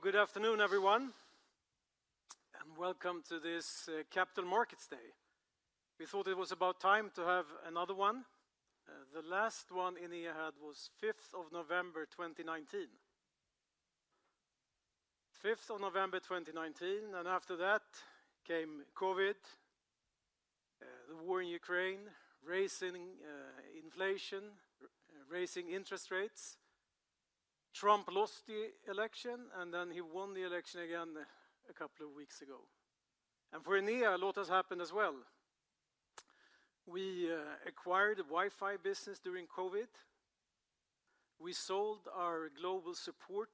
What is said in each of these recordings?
Good afternoon, everyone, and welcome to this Capital Markets Day. We thought it was about time to have another one. The last one Enea had was 5 November 2019. 5 November 2019, and after that came COVID, the war in Ukraine, rising inflation, rising interest rates. Trump lost the election, and then he won the election again a couple of weeks ago. And for Enea, a lot has happened as well. We acquired a Wi-Fi business during COVID. We sold our global support,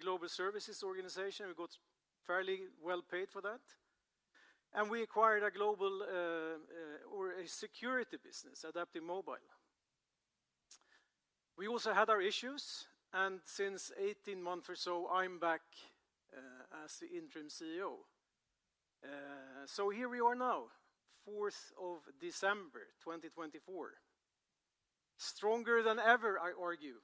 global services organization. We got fairly well paid for that. And we acquired a global or a security business, Adaptive Mobile. We also had our issues, and since 18 months or so, I'm back as the interim CEO. So here we are now, 4 December 2024. Stronger than ever, I argue.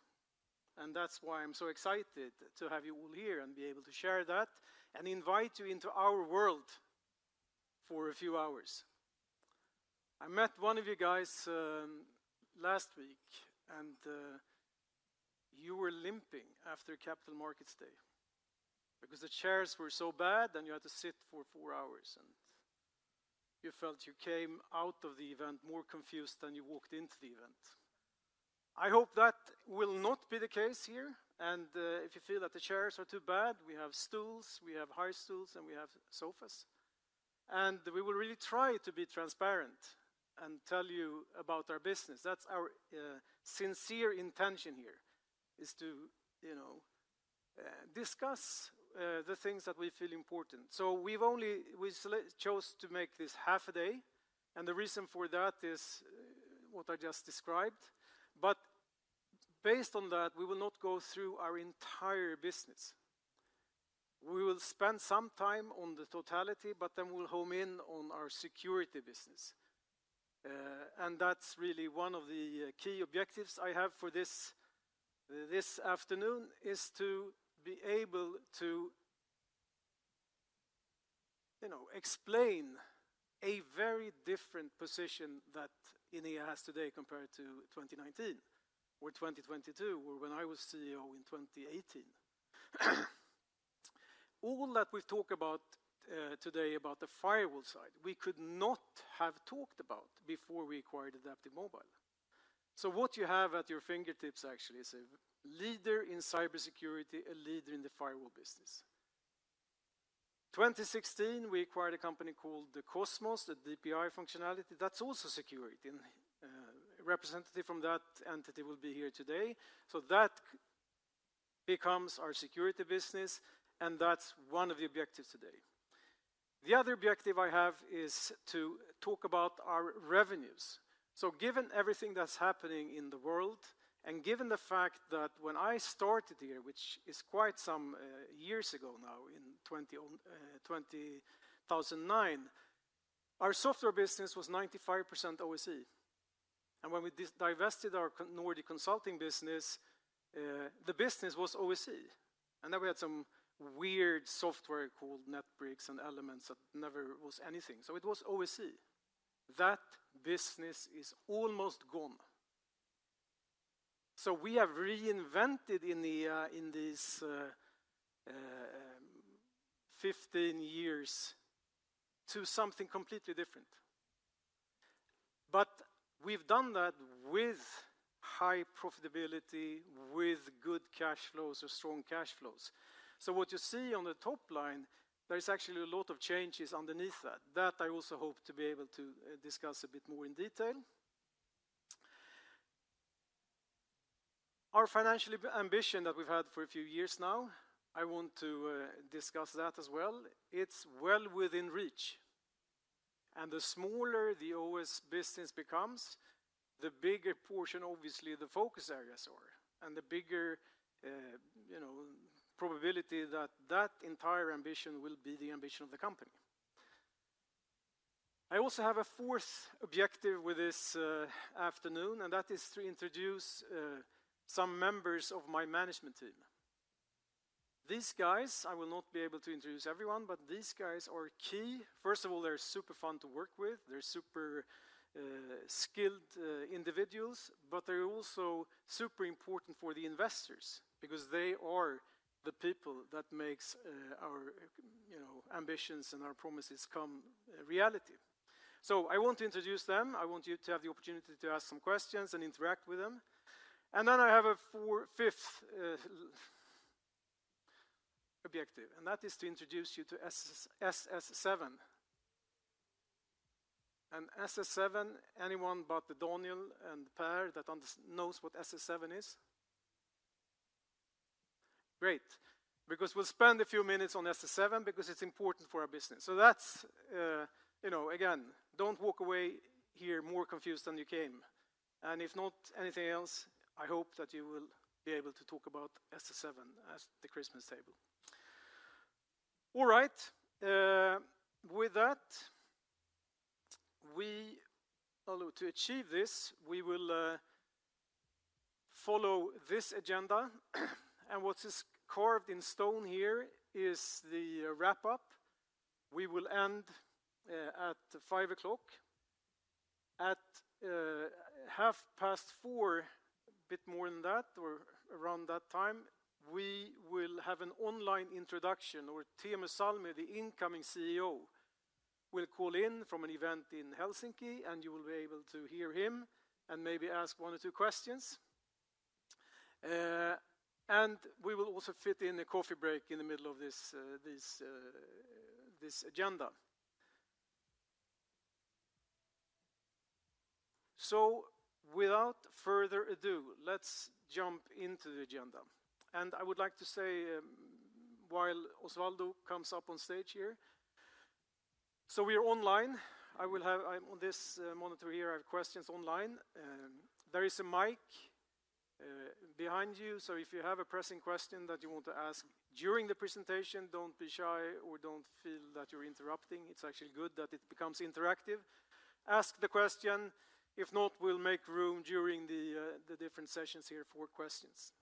That's why I'm so excited to have you all here and be able to share that and invite you into our world for a few hours. I met one of you guys last week, and you were limping after Capital Markets Day because the chairs were so bad, and you had to sit for four hours. You felt you came out of the event more confused than you walked into the event. I hope that will not be the case here. If you feel that the chairs are too bad, we have stools, we have high stools, and we have sofas. We will really try to be transparent and tell you about our business. That's our sincere intention here, is to, you know, discuss the things that we feel important. We've only chosen to make this half a day. And the reason for that is what I just described. But based on that, we will not go through our entire business. We will spend some time on the totality, but then we'll hone in on our security business. And that's really one of the key objectives I have for this afternoon, is to be able to, you know, explain a very different position that Enea has today compared to 2019 or 2022, or when I was CEO in 2018. All that we've talked about today about the firewall side, we could not have talked about before we acquired Adaptive Mobile. So what you have at your fingertips, actually, is a leader in cybersecurity, a leader in the firewall business. 2016, we acquired a company called Qosmos, the DPI functionality. That's also security. A representative from that entity will be here today. That becomes our security business, and that's one of the objectives today. The other objective I have is to talk about our revenues. Given everything that's happening in the world, and given the fact that when I started here, which is quite some years ago now, in 2009, our software business was 95% OSE. When we divested our Nordic consulting business, the business was OSE. Then we had some weird software called NetBricks and Elements that never was anything. So it was OSE. That business is almost gone. We have reinvented Enea in these 15 years to something completely different. But we've done that with high profitability, with good cash flows, or strong cash flows. What you see on the top line, there is actually a lot of changes underneath that. That I also hope to be able to discuss a bit more in detail. Our financial ambition that we've had for a few years now, I want to discuss that as well. It's well within reach, and the smaller the OS business becomes, the bigger portion, obviously, the focus areas are, and the bigger probability that that entire ambition will be the ambition of the company. I also have a fourth objective with this afternoon, and that is to introduce some members of my management team. These guys, I will not be able to introduce everyone, but these guys are key. First of all, they're super fun to work with. They're super skilled individuals, but they're also super important for the investors because they are the people that make our ambitions and our promises come reality. So I want to introduce them. I want you to have the opportunity to ask some questions and interact with them, and then I have a fifth objective, and that is to introduce you to SS7, and SS7, anyone but Daniel and Pierre that knows what SS7 is? Great. Because we'll spend a few minutes on SS7 because it's important for our business. So that's, you know, again, don't walk away here more confused than you came. And if nothing else, I hope that you will be able to talk about SS7 at the Christmas table. All right. With that, to achieve this, we will follow this agenda, and what is carved in stone here is the wrap-up. We will end at 5:00 P.M. At 4:30 P.M., a bit more than that, or around that time, we will have an online introduction, or Teemu Salmi, the incoming CEO, will call in from an event in Helsinki, and you will be able to hear him and maybe ask one or two questions. And we will also fit in a coffee break in the middle of this agenda. So without further ado, let's jump into the agenda. And I would like to say, while Osvaldo comes up on stage here. So we are online. I will have, on this monitor here, I have questions online. There is a mic behind you, so if you have a pressing question that you want to ask during the presentation, don't be shy or don't feel that you're interrupting. It's actually good that it becomes interactive. Ask the question. If not, we'll make room during the different sessions here for questions.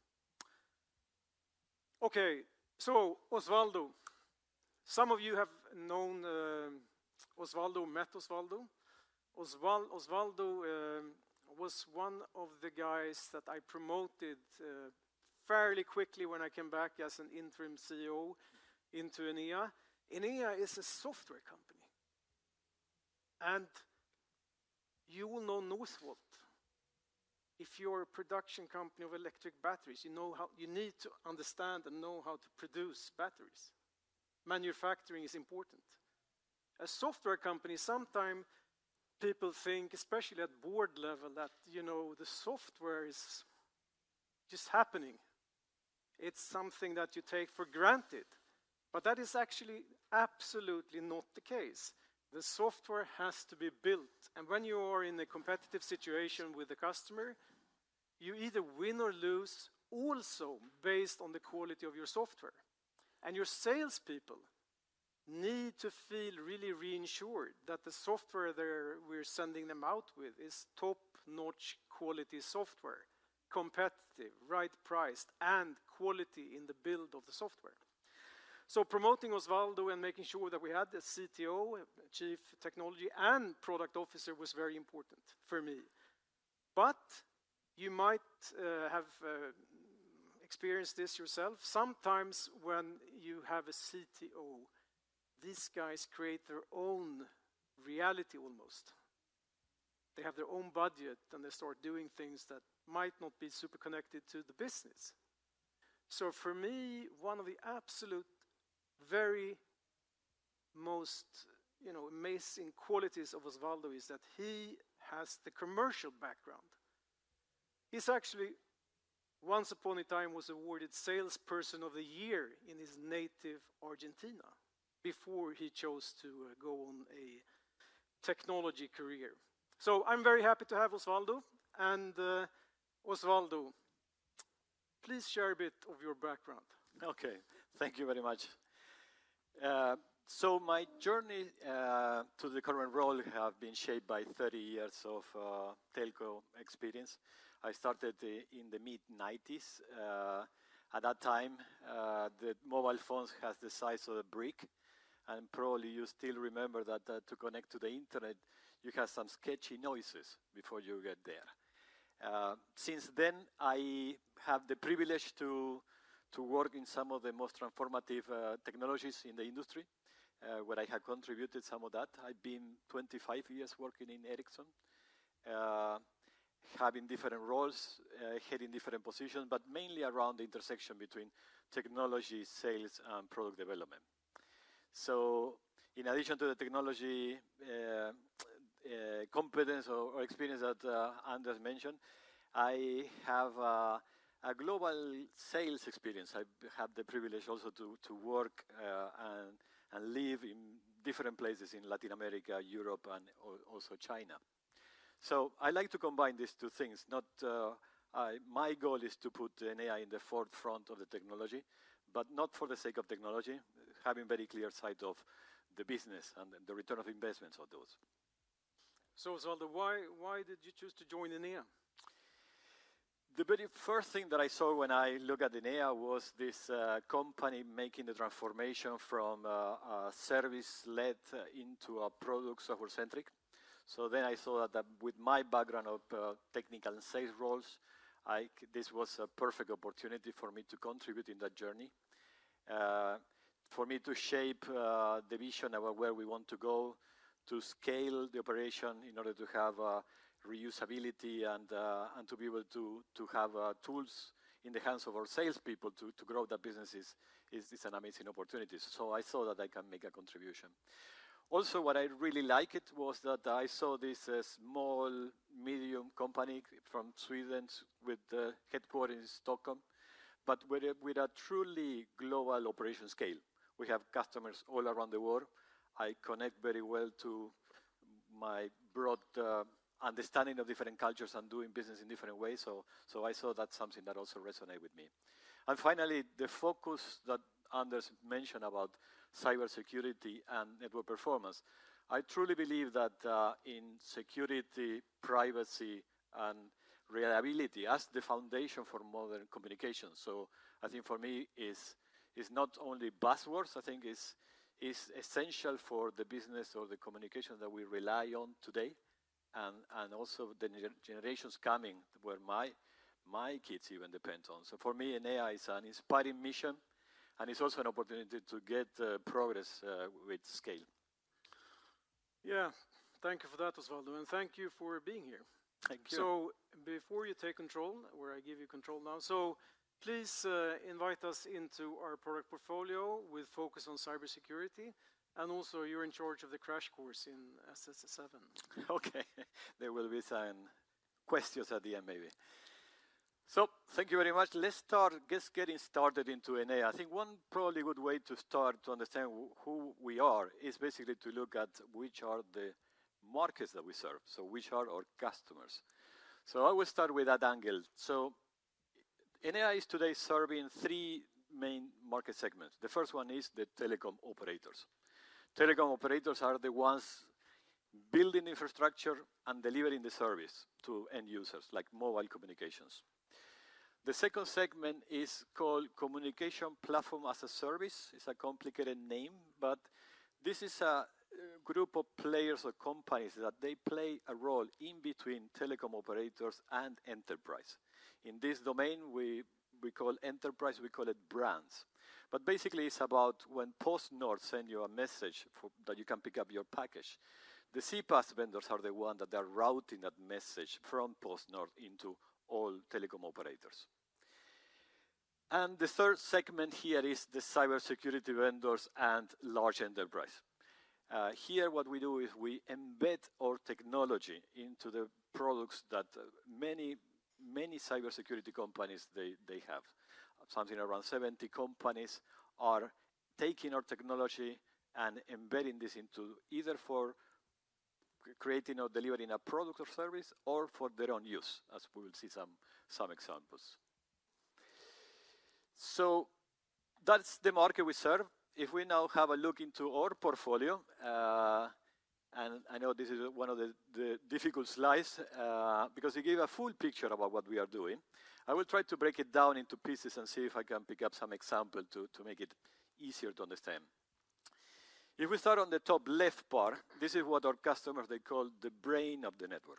Okay, so Osvaldo. Some of you have known Osvaldo, met Osvaldo. Osvaldo was one of the guys that I promoted fairly quickly when I came back as an interim CEO into Enea. Enea is a software company, and you will know Northvolt. If you're a production company of electric batteries, you know how you need to understand and know how to produce batteries. Manufacturing is important. A software company, sometimes people think, especially at board level, that, you know, the software is just happening. It's something that you take for granted, but that is actually absolutely not the case. The software has to be built, and when you are in a competitive situation with the customer, you either win or lose, also based on the quality of your software. And your salespeople need to feel really reassured that the software that we're sending them out with is top-notch quality software, competitive, right-priced, and quality in the build of the software. So promoting Osvaldo and making sure that we had a CTO, Chief Technology and Product Officer was very important for me. But you might have experienced this yourself. Sometimes when you have a CTO, these guys create their own reality almost. They have their own budget, and they start doing things that might not be super connected to the business. So for me, one of the absolute, very most amazing qualities of Osvaldo is that he has the commercial background. He's actually, once upon a time, was awarded Salesperson of the Year in his native Argentina before he chose to go on a technology career. So I'm very happy to have Osvaldo. Osvaldo, please share a bit of your background. Okay, thank you very much, so my journey to the current role has been shaped by 30 years of telco experience. I started in the mid-1990s. At that time, the mobile phones had the size of a brick, and probably you still remember that to connect to the internet, you had some sketchy noises before you get there. Since then, I have the privilege to work in some of the most transformative technologies in the industry, where I have contributed some of that. I've been 25 years working in Ericsson, having different roles, heading different positions, but mainly around the intersection between technology, sales, and product development, so in addition to the technology competence or experience that Anders mentioned, I have a global sales experience. I have the privilege also to work and live in different places in Latin America, Europe, and also China. I like to combine these two things. My goal is to put Enea in the forefront of the technology, but not for the sake of technology, having a very clear sight of the business and the return on investment of those. So Osvaldo, why did you choose to join Enea? The very first thing that I saw when I looked at Enea was this company making the transformation from a service-led into a product software-centric. So then I saw that with my background of technical and sales roles, this was a perfect opportunity for me to contribute in that journey, for me to shape the vision of where we want to go, to scale the operation in order to have reusability and to be able to have tools in the hands of our salespeople to grow that business. It's an amazing opportunity. So I saw that I can make a contribution. Also, what I really liked was that I saw this small, medium company from Sweden with the headquarters in Stockholm, but with a truly global operation scale. We have customers all around the world. I connect very well to my broad understanding of different cultures and doing business in different ways. So I saw that's something that also resonated with me. And finally, the focus that Anders mentioned about cybersecurity and network performance. I truly believe that in security, privacy, and reliability as the foundation for modern communication. So I think for me it's not only buzzwords. I think it's essential for the business or the communication that we rely on today and also the generations coming where my kids even depend on. So for me, Enea is an inspiring mission, and it's also an opportunity to get progress with scale. Yeah, thank you for that, Osvaldo, and thank you for being here. Thank you. Before you take control, where I give you control of the crash course in SS7. Okay, there will be some questions at the end, maybe. So thank you very much. Let's start just getting started into Enea. I think one probably good way to start to understand who we are is basically to look at which are the markets that we serve, so which are our customers. So I will start with that angle. So Enea is today serving three main market segments. The first one is the telecom operators. Telecom operators are the ones building infrastructure and delivering the service to end users, like mobile communications. The second segment is called communication platform as a service. It's a complicated name, but this is a group of players or companies that they play a role in between telecom operators and enterprise. In this domain, we call enterprise, we call it brands. But basically, it's about when PostNord sends you a message that you can pick up your package. The CPaaS vendors are the ones that are routing that message from PostNord into all telecom operators. And the third segment here is the cybersecurity vendors and large enterprise. Here, what we do is we embed our technology into the products that many, many cybersecurity companies they have. Something around 70 companies are taking our technology and embedding this into either for creating or delivering a product or service or for their own use, as we will see some examples. So that's the market we serve. If we now have a look into our portfolio, and I know this is one of the difficult slides because it gives a full picture about what we are doing, I will try to break it down into pieces and see if I can pick up some examples to make it easier to understand. If we start on the top left part, this is what our customers, they call the brain of the network.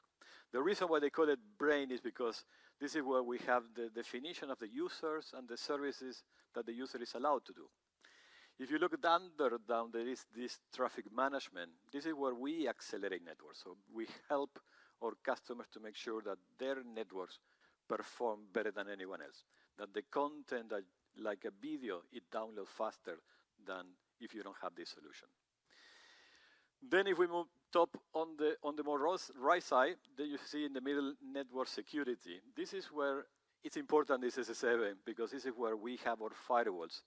The reason why they call it brain is because this is where we have the definition of the users and the services that the user is allowed to do. If you look down there, down there is this traffic management. This is where we accelerate networks. So we help our customers to make sure that their networks perform better than anyone else, that the content, like a video, it downloads faster than if you don't have this solution. Then if we move to the more right side, there you see in the middle network security. This is where it's important, this SS7, because this is where we have our firewalls,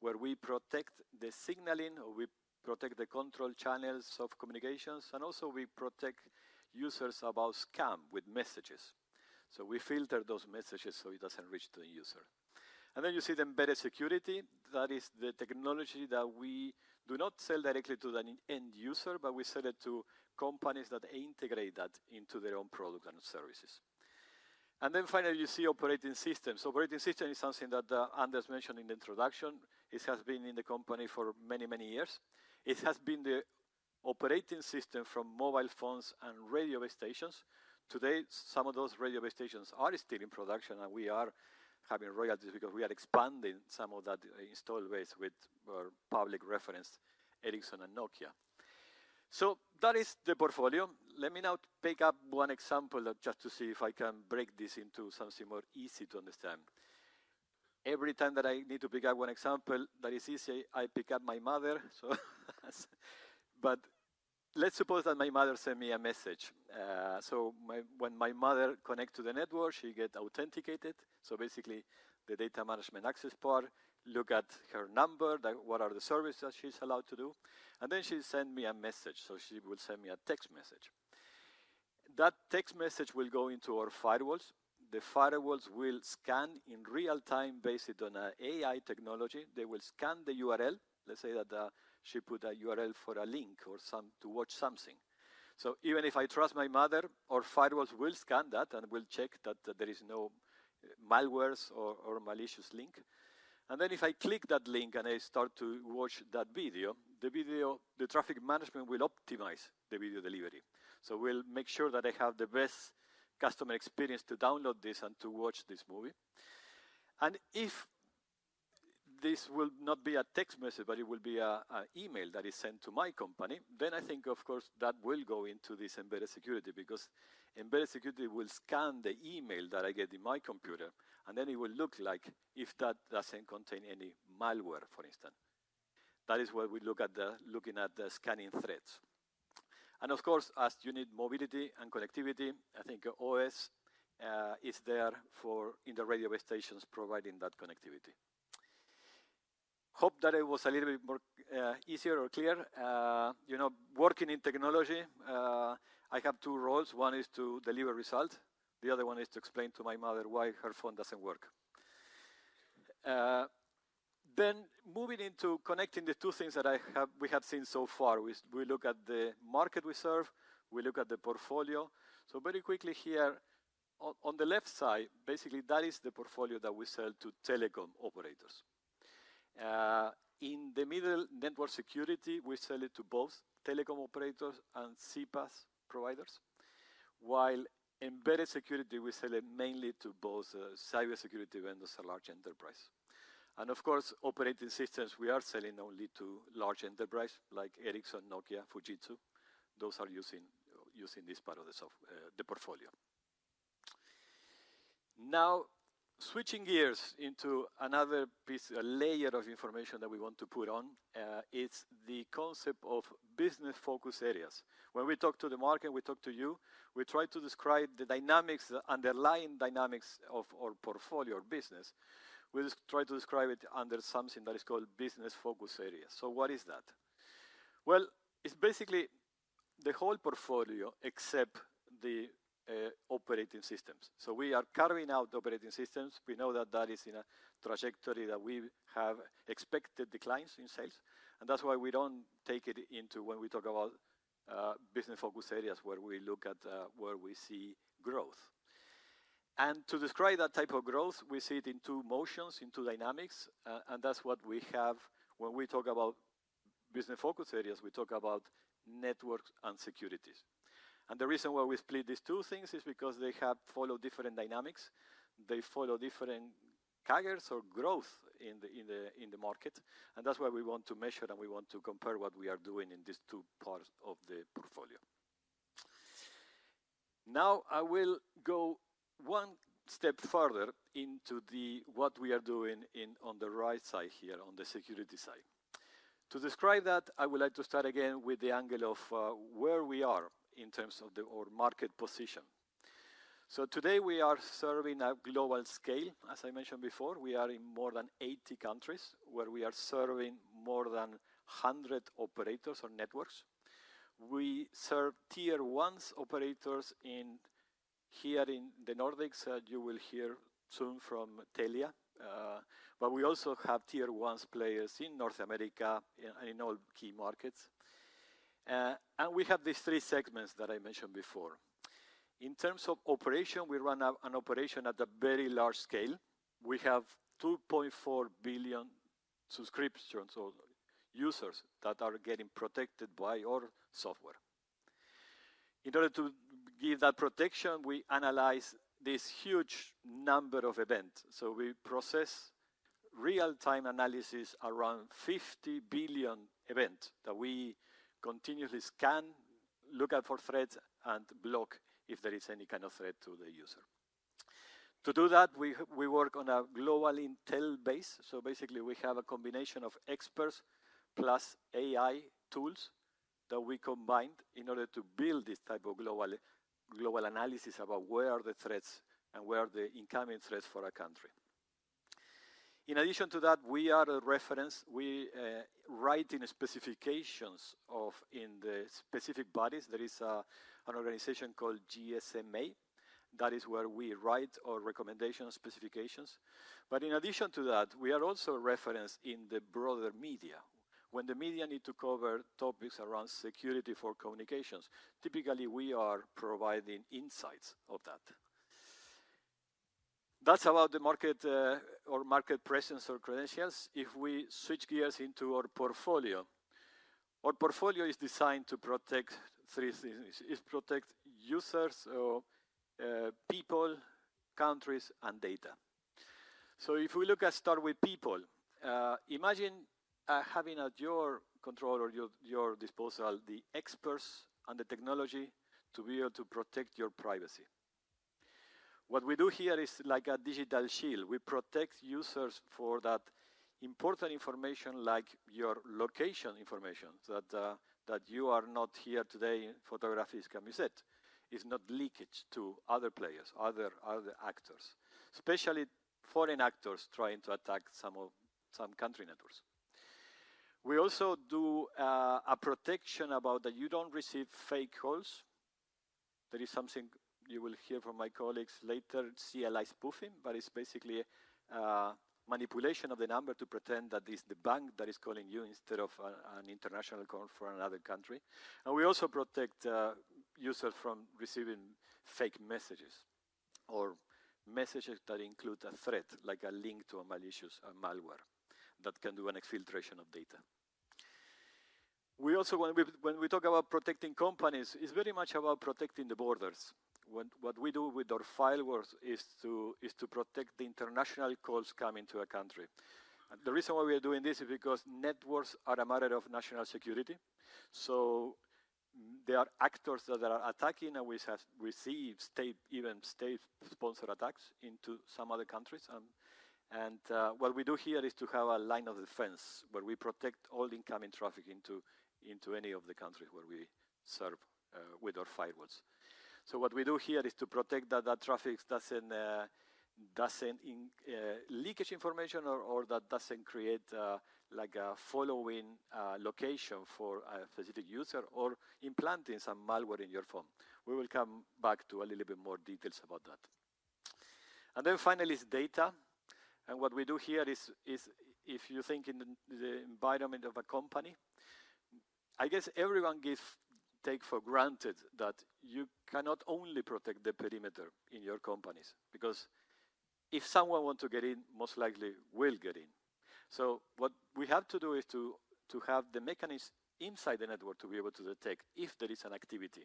where we protect the signaling, or we protect the control channels of communications, and also we protect users about scam with messages. So we filter those messages so it doesn't reach the user. And then you see the embedded security. That is the technology that we do not sell directly to the end user, but we sell it to companies that integrate that into their own products and services. And then finally, you see operating systems. Operating system is something that Anders mentioned in the introduction. It has been in the company for many, many years. It has been the operating system from mobile phones and radio stations. Today, some of those radio stations are still in production, and we are having royalties because we are expanding some of that installed base with our public reference, Ericsson and Nokia. So that is the portfolio. Let me now pick up one example just to see if I can break this into something more easy to understand. Every time that I need to pick up one example that is easy, I pick up my mother. But let's suppose that my mother sent me a message. So when my mother connects to the network, she gets authenticated. So basically, the data management access part, look at her number, what are the services that she's allowed to do. She sends me a message. She will send me a text message. That text message will go into our firewalls. The firewalls will scan in real time based on an AI technology. They will scan the URL. Let's say that she put a URL for a link or to watch something. Even if I trust my mother, our firewalls will scan that and will check that there are no malware or malicious links. If I click that link and I start to watch that video, the traffic management will optimize the video delivery. We'll make sure that I have the best customer experience to download this and to watch this movie. And if this will not be a text message, but it will be an email that is sent to my company, then I think, of course, that will go into this embedded security because embedded security will scan the email that I get in my computer. And then it will look like if that doesn't contain any malware, for instance. That is why we look at the scanning threats. And of course, as you need mobility and connectivity, I think OS is there for in the radio stations providing that connectivity. Hope that it was a little bit more easier or clear. Working in technology, I have two roles. One is to deliver results. The other one is to explain to my mother why her phone doesn't work. Then moving into connecting the two things that we have seen so far, we look at the market we serve. We look at the portfolio, so very quickly here, on the left side, basically, that is the portfolio that we sell to telecom operators. In the middle, network security, we sell it to both telecom operators and CPaaS providers, while embedded security, we sell it mainly to both cybersecurity vendors and large enterprise, and of course, operating systems, we are selling only to large enterprises like Ericsson, Nokia, Fujitsu. Those are using this part of the portfolio. Now, switching gears into another piece, a layer of information that we want to put on, is the concept of business-focused areas. When we talk to the market, we talk to you, we try to describe the dynamics, the underlying dynamics of our portfolio, our business. We try to describe it under something that is called business-focused areas, so what is that? Well, it's basically the whole portfolio except the operating systems. So we are carrying out the operating systems. We know that that is in a trajectory that we have expected declines in sales. And that's why we don't take it into when we talk about business-focused areas where we look at where we see growth. And to describe that type of growth, we see it in two motions, in two dynamics. And that's what we have when we talk about business-focused areas. We talk about networks and securities. And the reason why we split these two things is because they have followed different dynamics. They follow different carriers or growth in the market. And that's why we want to measure and we want to compare what we are doing in these two parts of the portfolio. Now, I will go one step further into what we are doing on the right side here, on the security side. To describe that, I would like to start again with the angle of where we are in terms of our market position. So today, we are serving a global scale. As I mentioned before, we are in more than 80 countries where we are serving more than 100 operators or networks. We serve tier-one operators here in the Nordics. You will hear soon from Telia. But we also have tier-one players in North America and in all key markets. And we have these three segments that I mentioned before. In terms of operation, we run an operation at a very large scale. We have 2.4 billion subscriptions, users that are getting protected by our software. In order to give that protection, we analyze this huge number of events. So we process real-time analysis around 50 billion events that we continuously scan, look out for threats, and block if there is any kind of threat to the user. To do that, we work on a global intel base. So basically, we have a combination of experts plus AI tools that we combined in order to build this type of global analysis about where are the threats and where are the incoming threats for our country. In addition to that, we are a reference. We write in specifications in the specific bodies. There is an organization called GSMA. That is where we write our recommendations, specifications. But in addition to that, we are also a reference in the broader media. When the media need to cover topics around security for communications, typically, we are providing insights of that. That's about the market or market presence or credentials. If we switch gears into our portfolio, our portfolio is designed to protect three things. It protects users, people, countries, and data, so if we look at start with people, imagine having at your control or your disposal the experts and the technology to be able to protect your privacy. What we do here is like a digital shield. We protect users for that important information, like your location information, so that you are not here today in photography, can be said. It's not leakage to other players, other actors, especially foreign actors trying to attack some country networks. We also do a protection about that you don't receive fake calls. There is something you will hear from my colleagues later, CLI spoofing, but it's basically manipulation of the number to pretend that it's the bank that is calling you instead of an international call from another country. And we also protect users from receiving fake messages or messages that include a threat, like a link to a malicious malware that can do an exfiltration of data. When we talk about protecting companies, it's very much about protecting the borders. What we do with our firewalls is to protect the international calls coming to a country. And the reason why we are doing this is because networks are a matter of national security. So there are actors that are attacking, and we receive even state-sponsored attacks into some other countries. And what we do here is to have a line of defense where we protect all incoming traffic into any of the countries where we serve with our firewalls. So, what we do here is to protect that traffic doesn't leakage information or that doesn't create a following location for a specific user or implanting some malware in your phone. We will come back to a little bit more details about that. And then finally, it's data. And what we do here is, if you think in the environment of a company, I guess everyone takes for granted that you cannot only protect the perimeter in your companies because if someone wants to get in, most likely will get in. So, what we have to do is to have the mechanism inside the network to be able to detect if there is an activity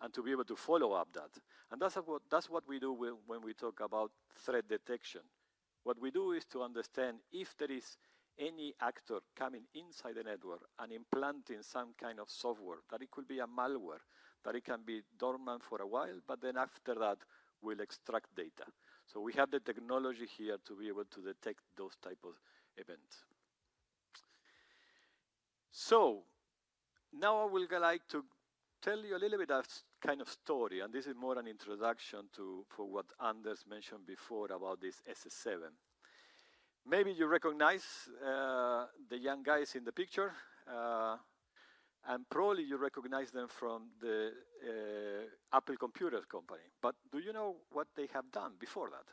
and to be able to follow up that. And that's what we do when we talk about threat detection. What we do is to understand if there is any actor coming inside the network and implanting some kind of software, that it could be a malware, that it can be dormant for a while, but then after that, we'll extract data. So we have the technology here to be able to detect those types of events. So now I would like to tell you a little bit of kind of story, and this is more an introduction to what Anders mentioned before about this SS7. Maybe you recognize the young guys in the picture, and probably you recognize them from the Apple Computer Company, but do you know what they have done before that?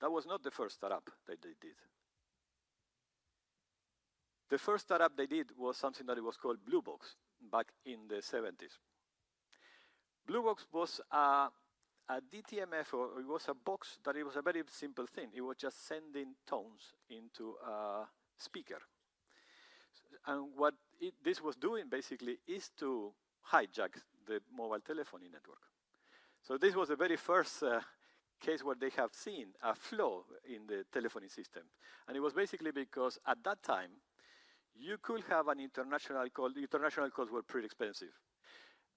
That was not the first startup that they did. The first startup they did was something that was called Blue Box back in the 1970s. Blue Box was a DTMF, or it was a box that it was a very simple thing. It was just sending tones into a speaker, and what this was doing basically is to hijack the mobile telephony network, so this was the very first case where they have seen a flaw in the telephony system, and it was basically because at that time, you could have an international call. International calls were pretty expensive,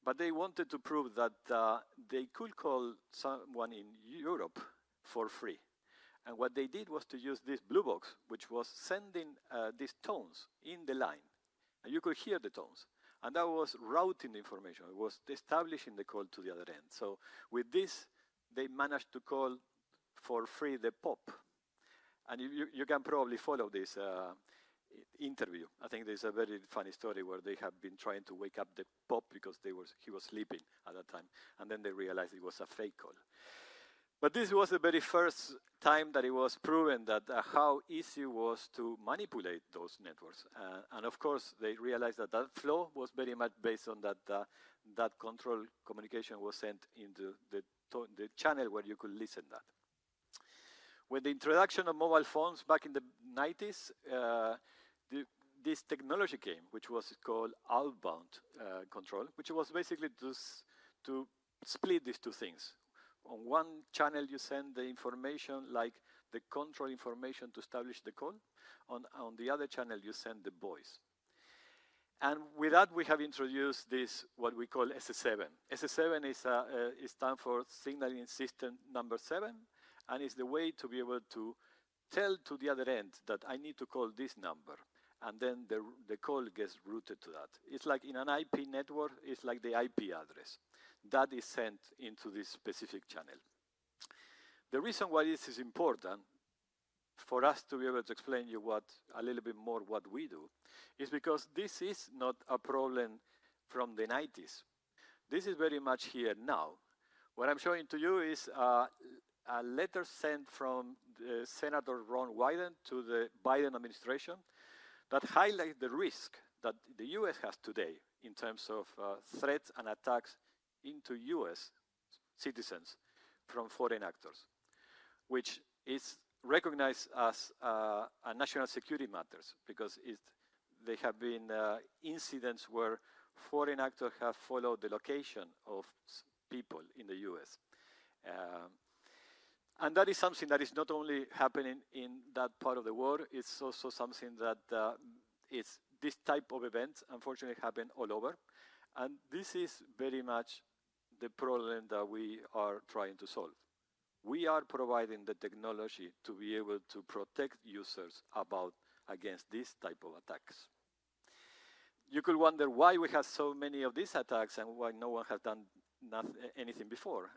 but they wanted to prove that they could call someone in Europe for free, and what they did was to use this Blue Box, which was sending these tones in the line, and you could hear the tones, and that was routing the information. It was establishing the call to the other end, so with this, they managed to call for free the Pope, and you can probably follow this interview. I think there's a very funny story where they have been trying to wake up the pope because he was sleeping at that time, and then they realized it was a fake call, but this was the very first time that it was proven how easy it was to manipulate those networks, and of course, they realized that that flow was very much based on that control communication was sent into the channel where you could listen to that. With the introduction of mobile phones back in the 1990s, this technology came, which was called outband control, which was basically to split these two things. On one channel, you send the information, like the control information to establish the call. On the other channel, you send the voice, and with that, we have introduced this, what we call SS7. SS7 stands for Signaling System Number 7. And it's the way to be able to tell to the other end that I need to call this number. And then the call gets routed to that. It's like in an IP network, it's like the IP address that is sent into this specific channel. The reason why this is important for us to be able to explain to you a little bit more what we do is because this is not a problem from the '90s. This is very much here now. What I'm showing to you is a letter sent from Senator Ron Wyden to the Biden administration that highlights the risk that the U.S. has today in terms of threats and attacks into U.S. citizens from foreign actors, which is recognized as national security matters because there have been incidents where foreign actors have followed the location of people in the U.S. That is something that is not only happening in that part of the world. It's also something that this type of event, unfortunately, happens all over. This is very much the problem that we are trying to solve. We are providing the technology to be able to protect users against these types of attacks. You could wonder why we have so many of these attacks and why no one has done anything before.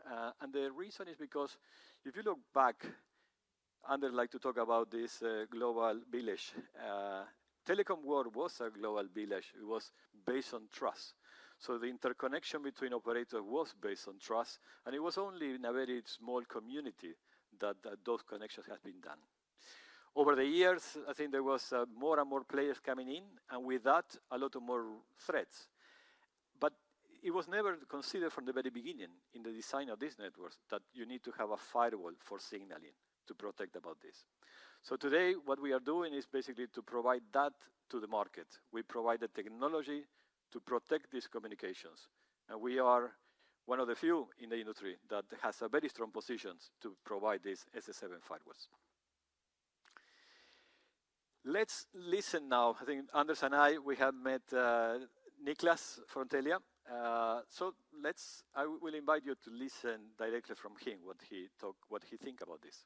The reason is because if you look back, Anders liked to talk about this global village. Telecom world was a global village. It was based on trust. The interconnection between operators was based on trust. It was only in a very small community that those connections had been done. Over the years, I think there were more and more players coming in. With that, a lot more threats. But it was never considered from the very beginning in the design of these networks that you need to have a firewall for signaling to protect about this. So today, what we are doing is basically to provide that to the market. We provide the technology to protect these communications. And we are one of the few in the industry that has a very strong position to provide these SS7 firewalls. Let's listen now. I think Anders and I, we have met Niklas from Telia. So I will invite you to listen directly from him, what he thinks about this.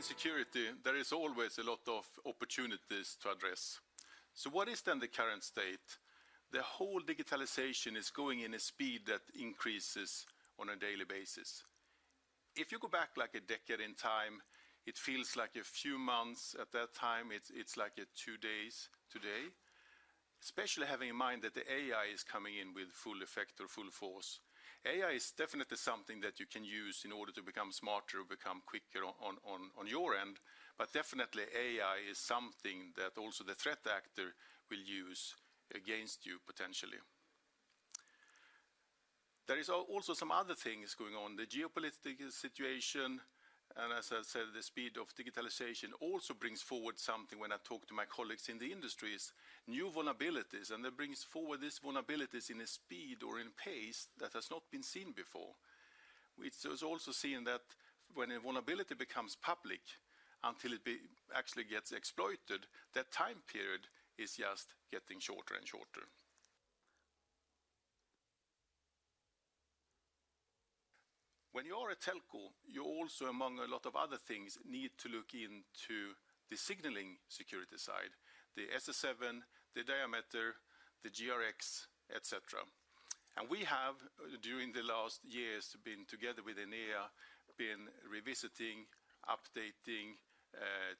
Security. There's always a lot of opportunities to address. What is then the current state? The whole digitalization is going at a speed that is giving. If you go back like a decade in time, it feels like something is especially in the media. Second. Force. AI is definitely something. Sorry for that. Let's try to see this from the beginning. Hi everyone. When you are in security, there is always a lot of opportunities to address. So what is then the current state? The whole digitalization is going at a speed that increases on a daily basis. If you go back like a decade in time, it feels like a few months. At that time, it's like two days today, especially having in mind that the AI is coming in with full effect or full force. AI is definitely something that you can use in order to become smarter or become quicker on your end. But definitely, AI is something that also the threat actor will use against you potentially. There are also some other things going on. The geopolitical situation, and as I said, the speed of digitalization also brings forward something when I talk to my colleagues in the industries, new vulnerabilities, and that brings forward these vulnerabilities in a speed or in pace that has not been seen before. We also see that when a vulnerability becomes public until it actually gets exploited, that time period is just getting shorter and shorter. When you are a telco, you also, among a lot of other things, need to look into the signaling security side, the SS7, the Diameter, the GRX, etc., and we have, during the last years, been together with Enea, been revisiting, updating,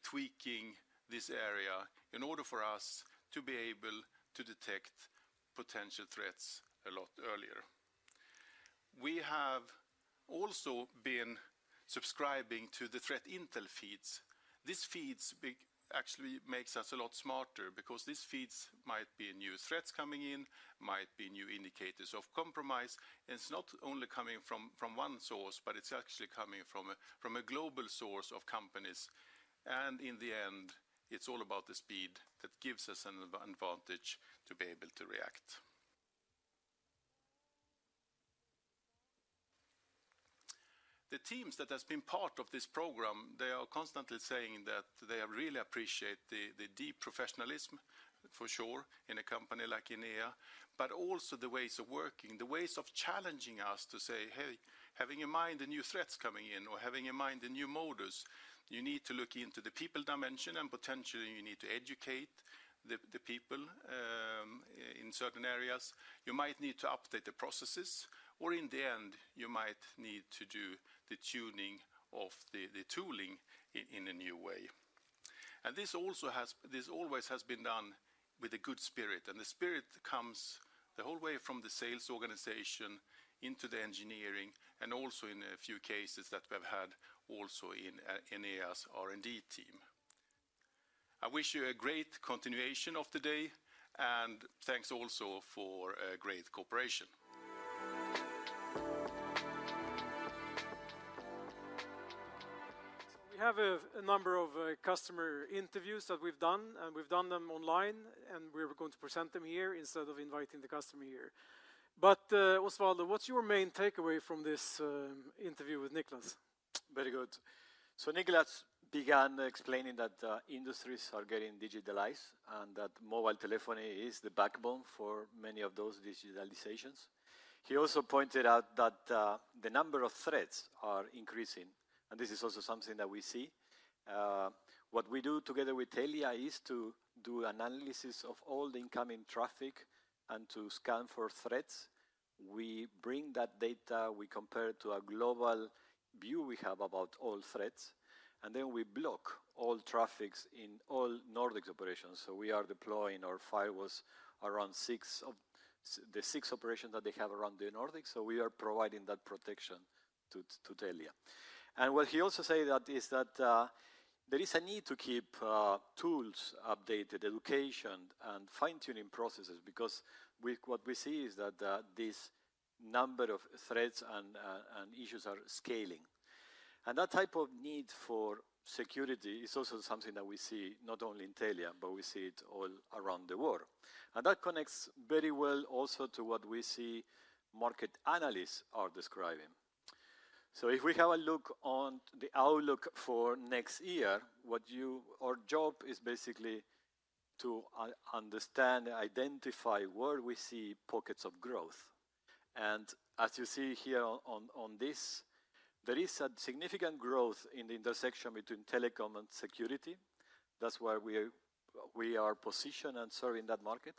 tweaking this area in order for us to be able to detect potential threats a lot earlier. We have also been subscribing to the threat intel feeds. These feeds actually make us a lot smarter because these feeds might be new threats coming in, might be new indicators of compromise. And it's not only coming from one source, but it's actually coming from a global source of companies. And in the end, it's all about the speed that gives us an advantage to be able to react. The teams that have been part of this program, they are constantly saying that they really appreciate the deep professionalism, for sure, in a company like Enea, but also the ways of working, the ways of challenging us to say, "Hey, having in mind the new threats coming in or having in mind the new modus, you need to look into the people dimension." And potentially, you need to educate the people in certain areas. You might need to update the processes. Or in the end, you might need to do the tuning of the tooling in a new way. And this always has been done with a good spirit. And the spirit comes the whole way from the sales organization into the engineering and also in a few cases that we've had also in Enea's R&D team. I wish you a great continuation of the day. And thanks also for great cooperation. So we have a number of customer interviews that we've done. And we've done them online. And we're going to present them here instead of inviting the customer here. But Osvaldo, what's your main takeaway from this interview with Niklas? Very good. So Niklas began explaining that industries are getting digitalized and that mobile telephony is the backbone for many of those digitalizations. He also pointed out that the number of threats is increasing. This is also something that we see. What we do together with Telia is to do an analysis of all the incoming traffic and to scan for threats. We bring that data. We compare it to a global view we have about all threats, and then we block all traffics in all Nordic operations, so we are deploying our firewalls around the six operations that they have around the Nordics, so we are providing that protection to Telia. What he also said is that there is a need to keep tools updated, education, and fine-tuning processes because what we see is that this number of threats and issues are scaling. That type of need for security is also something that we see not only in Telia, but we see it all around the world. And that connects very well also to what we see market analysts are describing. So if we have a look at the outlook for next year, our job is basically to understand and identify where we see pockets of growth. And as you see here on this, there is a significant growth in the intersection between telecom and security. That's where we are positioned and serving that market.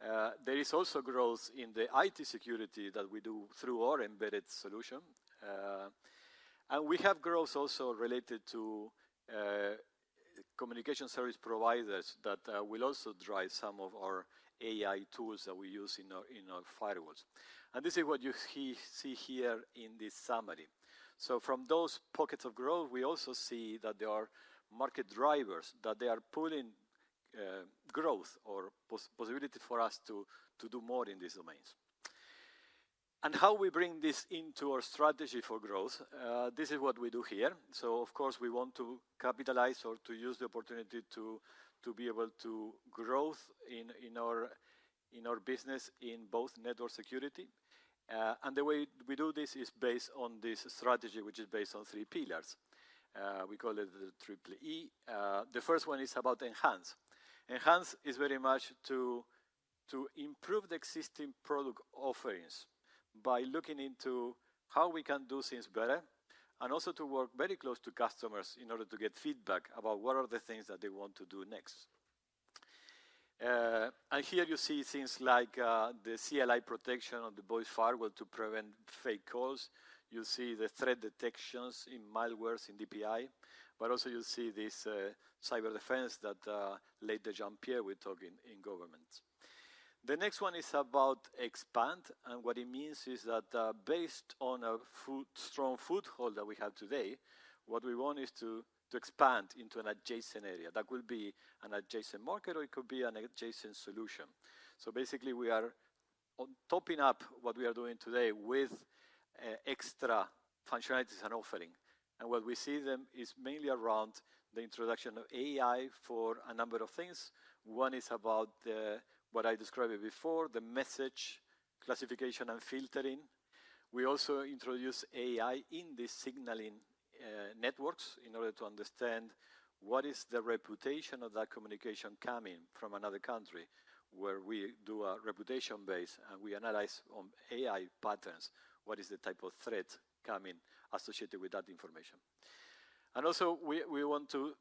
There is also growth in the IT security that we do through our embedded solution. And we have growth also related to communication service providers that will also drive some of our AI tools that we use in our firewalls. And this is what you see here in this summary. So from those pockets of growth, we also see that there are market drivers that they are pulling growth or possibility for us to do more in these domains. How we bring this into our strategy for growth, this is what we do here. Of course, we want to capitalize or to use the opportunity to be able to grow in our business in both network security. The way we do this is based on this strategy, which is based on three pillars. We call it the triple E. The first one is about Enhance. Enhance is very much to improve the existing product offerings by looking into how we can do things better and also to work very close to customers in order to get feedback about what are the things that they want to do next. Here you see things like the CLI protection on the voice firewall to prevent fake calls. You see the threat detections in malware in DPI. But also, you see this cyber defense that later Jean-Pierre will talk about in government. The next one is about expand. And what it means is that based on a strong foothold that we have today, what we want is to expand into an adjacent area. That could be an adjacent market or it could be an adjacent solution. So basically, we are topping up what we are doing today with extra functionalities and offerings. And what we see is mainly around the introduction of AI for a number of things. One is about what I described before, the message classification and filtering. We also introduce AI in these signaling networks in order to understand what is the reputation of that communication coming from another country where we do a reputation base. And we analyze on AI patterns what is the type of threat coming associated with that information. And also, we want to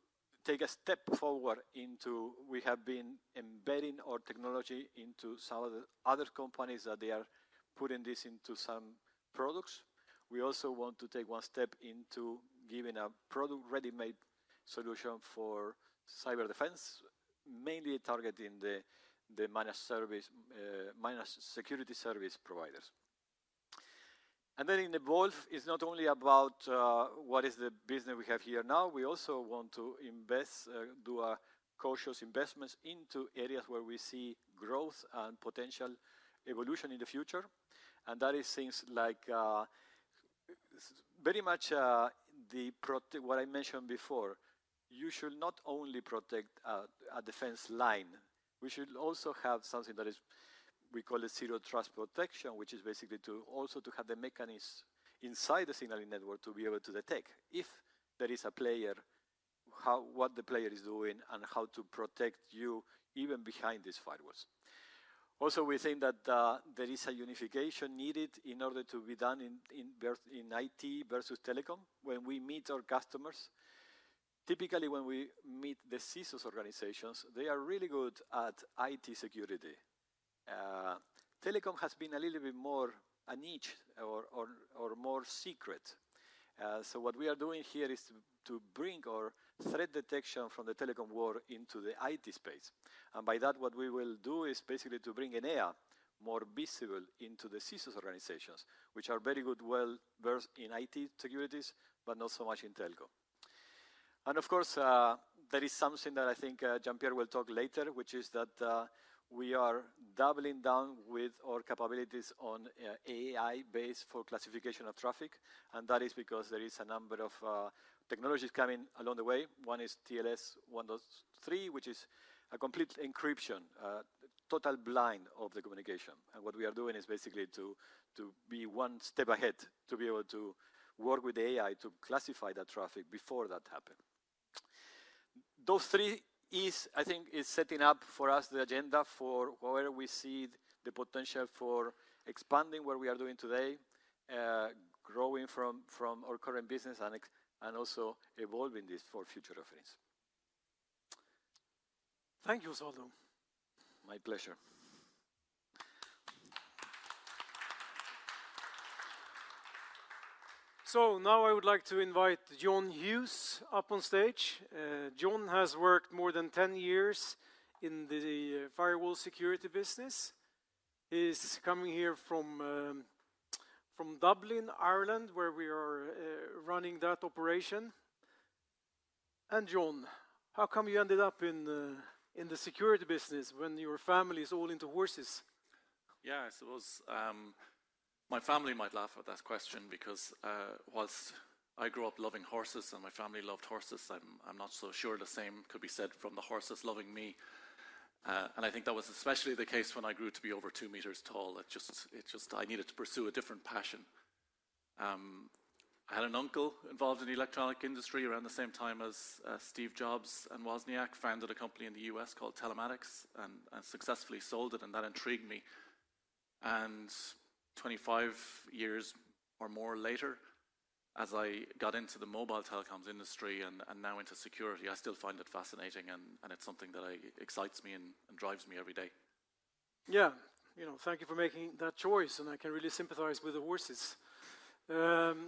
take a step forward into we have been embedding our technology into some of the other companies that they are putting this into some products. We also want to take one step into giving a product ready-made solution for cyber defense, mainly targeting the managed security service providers. And then in the bulk, it's not only about what is the business we have here now. We also want to invest, do cautious investments into areas where we see growth and potential evolution in the future. And that is things like very much what I mentioned before. You should not only protect a defense line. We should also have something that is we call it zero trust protection, which is basically also to have the mechanism inside the signaling network to be able to detect if there is a player, what the player is doing, and how to protect you even behind these firewalls. Also, we think that there is a unification needed in order to be done in IT versus telecom when we meet our customers. Typically, when we meet the CSOs organizations, they are really good at IT security. Telecom has been a little bit more a niche or more secret. So what we are doing here is to bring our threat detection from the telecom world into the IT space, and by that, what we will do is basically to bring Enea more visible into the CSOs organizations, which are very good versus in IT securities, but not so much in telco. And of course, there is something that I think Jean-Pierre will talk later, which is that we are doubling down with our capabilities on AI-based classification of traffic. And that is because there is a number of technologies coming along the way. One is TLS 1.3, which is a complete encryption, total blind of the communication. And what we are doing is basically to be one step ahead to be able to work with AI to classify that traffic before that happens. Those three is, I think, is setting up for us the agenda for where we see the potential for expanding what we are doing today, growing from our current business, and also evolving this for future reference. Thank you, Osvaldo. My pleasure. So now I would like to invite John Hughes up on stage. John has worked more than 10 years in the firewall security business. He's coming here from Dublin, Ireland, where we are running that operation. And John, how come you ended up in the security business when your family is all into horses? Yeah, I suppose my family might laugh at that question because whilst I grew up loving horses and my family loved horses, I'm not so sure the same could be said from the horses loving me. And I think that was especially the case when I grew to be over two meters tall. It just, I needed to pursue a different passion. I had an uncle involved in the electronic industry around the same time as Steve Jobs and Wozniak founded a company in the U.S. called Telematics and successfully sold it. And that intrigued me. And 25 years or more later, as I got into the mobile telecoms industry and now into security, I still find it fascinating. It's something that excites me and drives me every day. Yeah, thank you for making that choice. I can really sympathize with the horses. You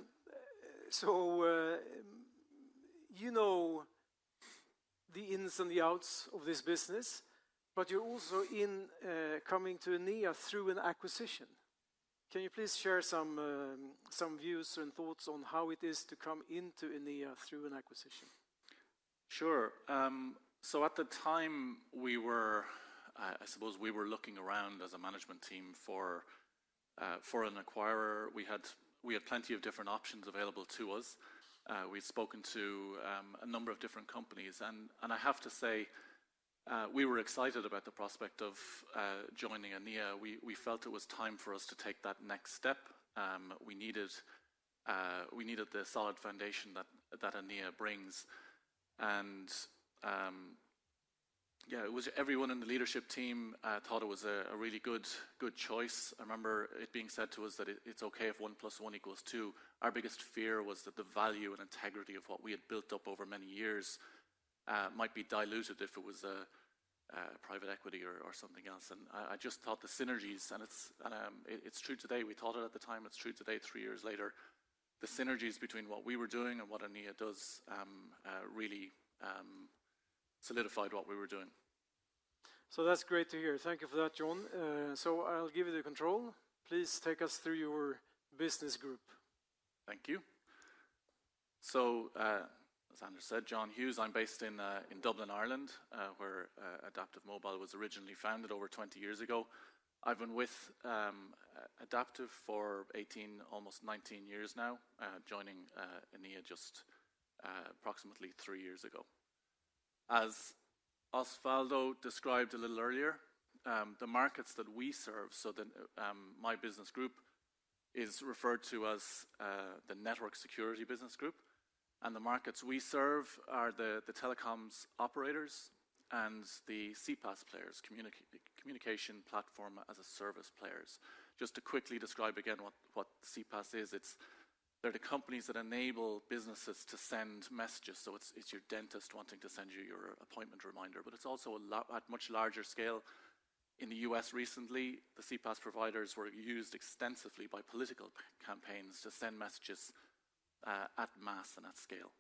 know the ins and the outs of this business, but you're also incoming to Enea through an acquisition. Can you please share some views and thoughts on how it is to come into Enea through an acquisition? Sure. At the time, I suppose we were looking around as a management team for an acquirer. We had plenty of different options available to us. We'd spoken to a number of different companies. I have to say, we were excited about the prospect of joining Enea. We felt it was time for us to take that next step. We needed the solid foundation that Enea brings. Yeah, everyone in the leadership team thought it was a really good choice. I remember it being said to us that it's okay if one plus one equals two. Our biggest fear was that the value and integrity of what we had built up over many years might be diluted if it was private equity or something else, and I just thought the synergies, and it's true today. We thought it at the time. It's true today three years later. The synergies between what we were doing and what Enea does really solidified what we were doing. That's great to hear. Thank you for that, John, so I'll give you the control. Please take us through your business group. Thank you, so as Anders said, John Hughes, I'm based in Dublin, Ireland, where AdaptiveMobile was originally founded over 20 years ago. I've been with Adaptive for 18, almost 19 years now, joining Enea just approximately three years ago. As Osvaldo described a little earlier, the markets that we serve, so my business group is referred to as the network security business group and the markets we serve are the telecoms operators and the CPaaS players, communication platform as a service players. Just to quickly describe again what CPaaS is, they're the companies that enable businesses to send messages, so it's your dentist wanting to send you your appointment reminder, but it's also at much larger scale. In the U.S. recently, the CPaaS providers were used extensively by political campaigns to send messages at mass and at scale.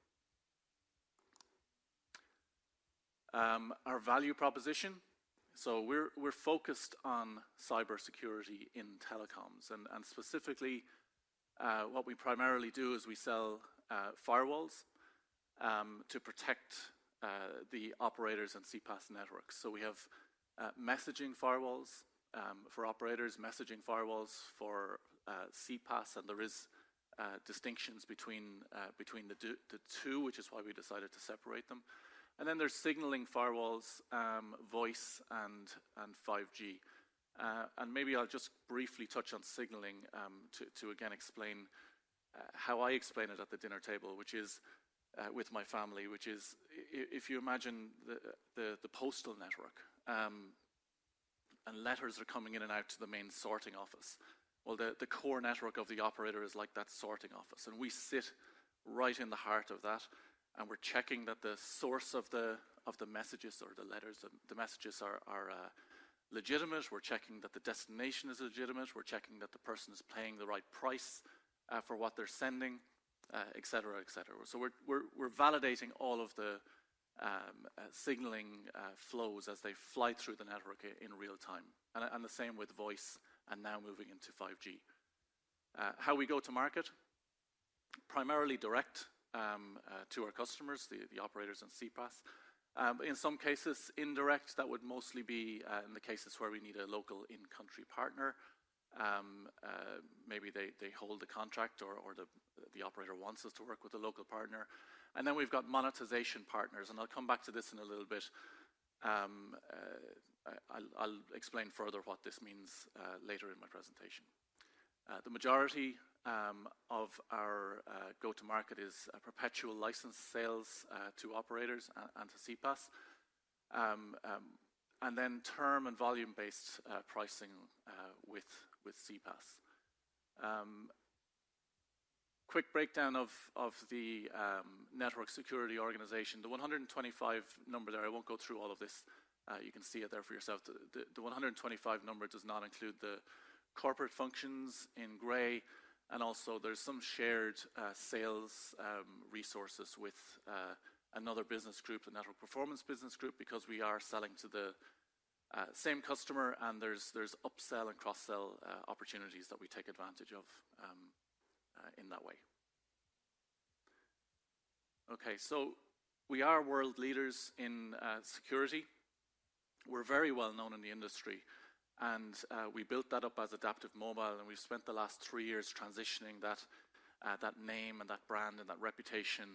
Our value proposition, so we're focused on cybersecurity in telecoms, and specifically, what we primarily do is we sell firewalls to protect the operators and CPaaS networks, so we have messaging firewalls for operators, messaging firewalls for CPaaS. And there are distinctions between the two, which is why we decided to separate them. And then there are signaling firewalls, voice, and 5G. And maybe I'll just briefly touch on signaling to again explain how I explain it at the dinner table, which is with my family, which is if you imagine the postal network and letters are coming in and out to the main sorting office. Well, the core network of the operator is like that sorting office. And we sit right in the heart of that. And we're checking that the source of the messages or the letters, the messages are legitimate. We're checking that the destination is legitimate. We're checking that the person is paying the right price for what they're sending, et cetera, et cetera. So we're validating all of the signaling flows as they fly through the network in real time. And the same with voice and now moving into 5G. How we go to market? Primarily direct to our customers, the operators and CPaaS. In some cases, indirect, that would mostly be in the cases where we need a local in-country partner. Maybe they hold the contract or the operator wants us to work with a local partner. And then we've got monetization partners. And I'll come back to this in a little bit. I'll explain further what this means later in my presentation. The majority of our go-to-market is perpetual license sales to operators and to CPaaS. And then term and volume-based pricing with CPaaS. Quick breakdown of the network security organization. The 125 number there, I won't go through all of this. You can see it there for yourself. The 125 number does not include the corporate functions in gray. And also, there's some shared sales resources with another business group, the network performance business group, because we are selling to the same customer. And there's upsell and cross-sell opportunities that we take advantage of in that way. Okay, so we are world leaders in security. We're very well known in the industry. And we built that up as AdaptiveMobile. And we've spent the last three years transitioning that name and that brand and that reputation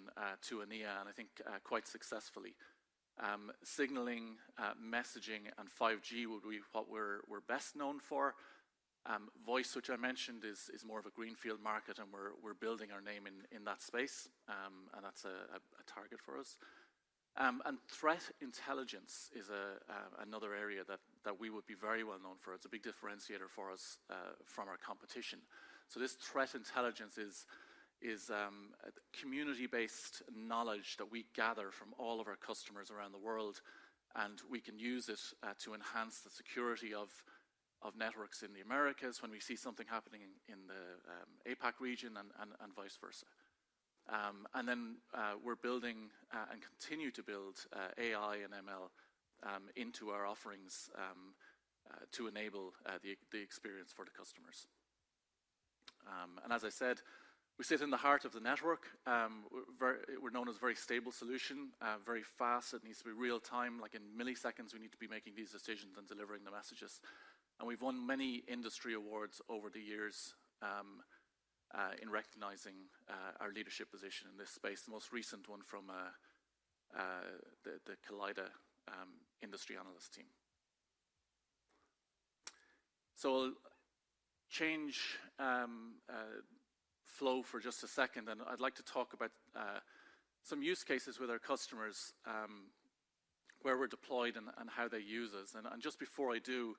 to Enea, and I think quite successfully. Signaling, messaging, and 5G will be what we're best known for. Voice, which I mentioned, is more of a greenfield market. And we're building our name in that space. And that's a target for us. And threat intelligence is another area that we would be very well known for. It's a big differentiator for us from our competition. So this threat intelligence is community-based knowledge that we gather from all of our customers around the world. And we can use it to enhance the security of networks in the Americas when we see something happening in the APAC region and vice versa. And then we're building and continue to build AI and ML into our offerings to enable the experience for the customers. And as I said, we sit in the heart of the network. We're known as a very stable solution, very fast. It needs to be real time. Like in milliseconds, we need to be making these decisions and delivering the messages. And we've won many industry awards over the years in recognizing our leadership position in this space, the most recent one from the Kaleido industry analyst team. So I'll change flow for just a second. I'd like to talk about some use cases with our customers where we're deployed and how they use us. Just before I do,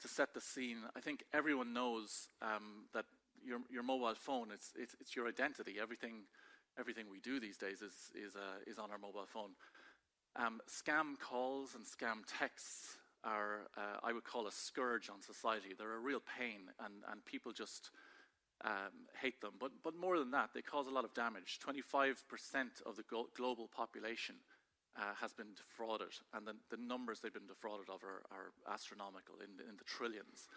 to set the scene, I think everyone knows that your mobile phone, it's your identity. Everything we do these days is on our mobile phone. Scam calls and scam texts are, I would call, a scourge on society. They're a real pain. People just hate them. More than that, they cause a lot of damage. 25% of the global population has been defrauded. The numbers they've been defrauded of are astronomical in the trillions.